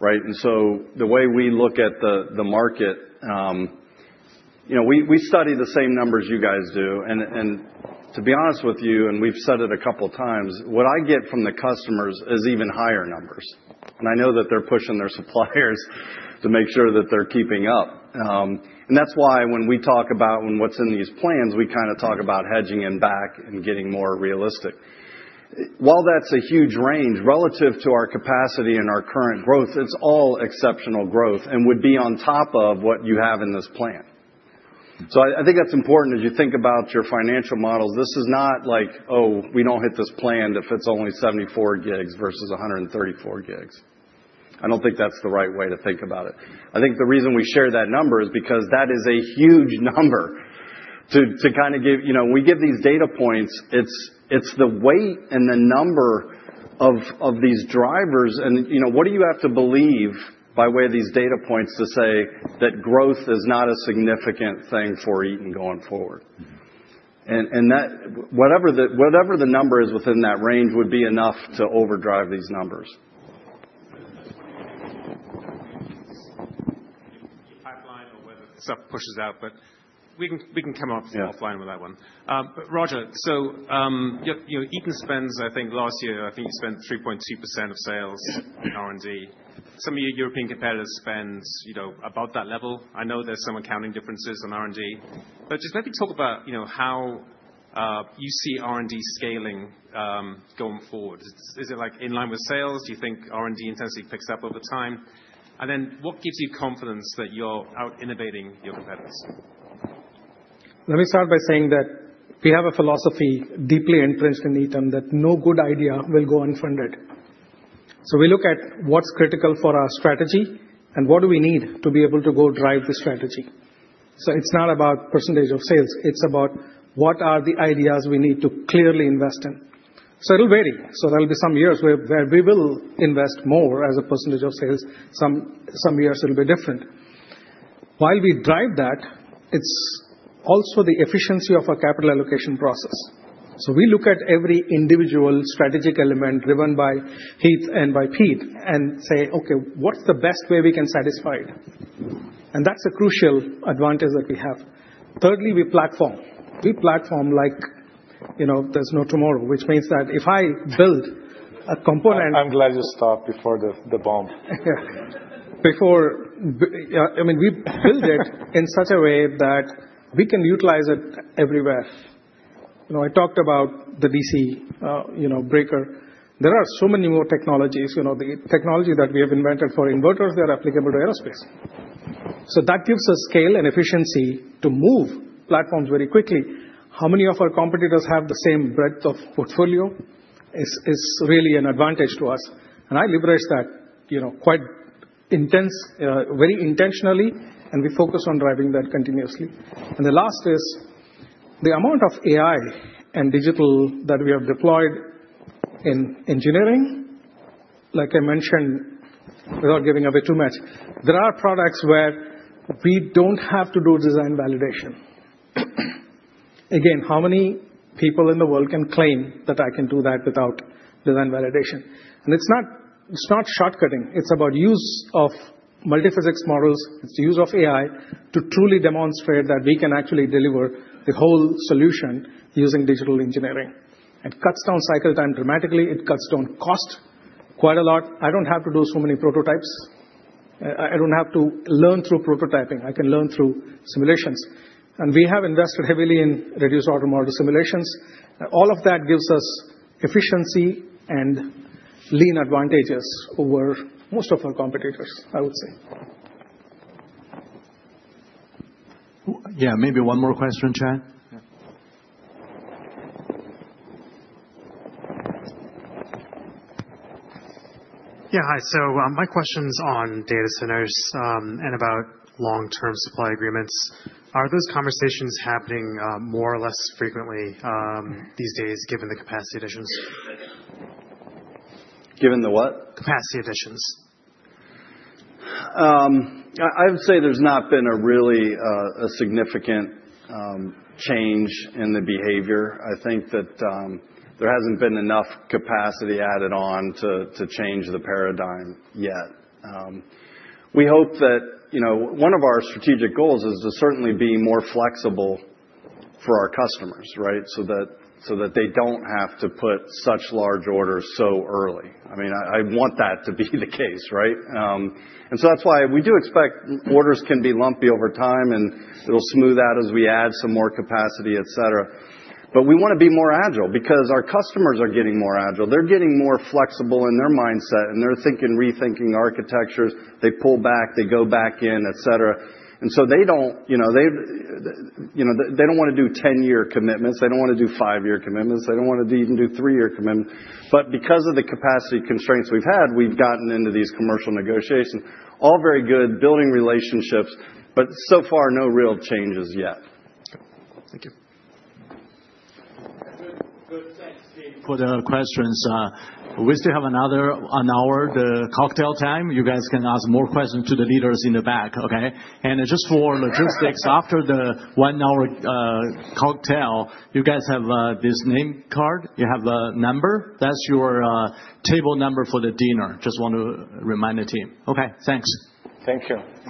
right? The way we look at the market, we study the same numbers you guys do. To be honest with you, and we've said it a couple of times, what I get from the customers is even higher numbers. I know that they're pushing their suppliers to make sure that they're keeping up. That is why when we talk about what's in these plans, we kind of talk about hedging and back and getting more realistic. While that's a huge range relative to our capacity and our current growth, it's all exceptional growth and would be on top of what you have in this plan. I think that's important as you think about your financial models. This is not like, "Oh, we don't hit this plan if it's only 74 GW versus 134 GW." I don't think that's the right way to think about it. I think the reason we share that number is because that is a huge number to kind of give, we give these data points. It's the weight and the number of these drivers. What do you have to believe by way of these data points to say that growth is not a significant thing for Eaton going forward? Whatever the number is within that range would be enough to overdrive these numbers. Pipeline or whether stuff pushes out. We can come offline with that one. Raja. Eaton spends, I think, last year, I think you spent 3.2% of sales in R&D. Some of your European competitors spend about that level. I know there's some accounting differences on R&D. Just maybe talk about how you see R&D scaling going forward. Is it in line with sales? Do you think R&D intensity picks up over time? What gives you confidence that you're out innovating your competitors? Let me start by saying that we have a philosophy deeply entrenched in Eaton that no good idea will go unfunded. We look at what's critical for our strategy and what we need to be able to go drive the strategy. It's not about percentage of sales. It's about what are the ideas we need to clearly invest in. It'll vary. There'll be some years where we will invest more as a percentage of sales. Some years, it'll be different. While we drive that, it's also the efficiency of our capital allocation process. We look at every individual strategic element driven by Heath and by Pete and say, "Okay, what's the best way we can satisfy it?" That's a crucial advantage that we have. Thirdly, we platform. We platform like there's no tomorrow, which means that if I build a component. I'm glad you stopped before the bomb. Yeah. I mean, we build it in such a way that we can utilize it everywhere. I talked about the DC breaker. There are so many more technologies. The technology that we have invented for inverters, they're applicable to aerospace. That gives us scale and efficiency to move platforms very quickly. How many of our competitors have the same breadth of portfolio is really an advantage to us. I leverage that quite very intentionally, and we focus on driving that continuously. The last is the amount of AI and digital that we have deployed in engineering. Like I mentioned, without giving away too much, there are products where we do not have to do design validation. Again, how many people in the world can claim that I can do that without design validation? It is not shortcutting. It is about use of multiphysics models. It is the use of AI to truly demonstrate that we can actually deliver the whole solution using digital engineering. It cuts down cycle time dramatically. It cuts down cost quite a lot. I do not have to do so many prototypes. I do not have to learn through prototyping. I can learn through simulations. We have invested heavily in reduced order model simulations. All of that gives us efficiency and lean advantages over most of our competitors, I would say. Yeah. Maybe one more question, team. Yeah. Hi. My question's on data centers and about long-term supply agreements. Are those conversations happening more or less frequently these days given the capacity additions? Given the what? Capacity additions. I would say there's not been a really significant change in the behavior. I think that there hasn't been enough capacity added on to change the paradigm yet. We hope that one of our strategic goals is to certainly be more flexible for our customers, right, so that they don't have to put such large orders so early. I mean, I want that to be the case, right? That's why we do expect orders can be lumpy over time, and it'll smooth out as we add some more capacity, etc. We want to be more agile because our customers are getting more agile. They're getting more flexible in their mindset, and they're thinking, rethinking architectures. They pull back. They go back in, etc. They don't want to do 10-year commitments. They don't want to do 5-year commitments. They don't want to even do 3-year commitments. Because of the capacity constraints we've had, we've gotten into these commercial negotiations. All very good building relationships, but so far, no real changes yet. Thank you. Good. Thanks, put in our questions. We still have another hour, the cocktail time. You guys can ask more questions to the leaders in the back, okay? Just for logistics, after the one-hour cocktail, you guys have this name card. You have a number. That's your table number for the dinner. Just want to remind the team. Okay. Thanks. Thank you.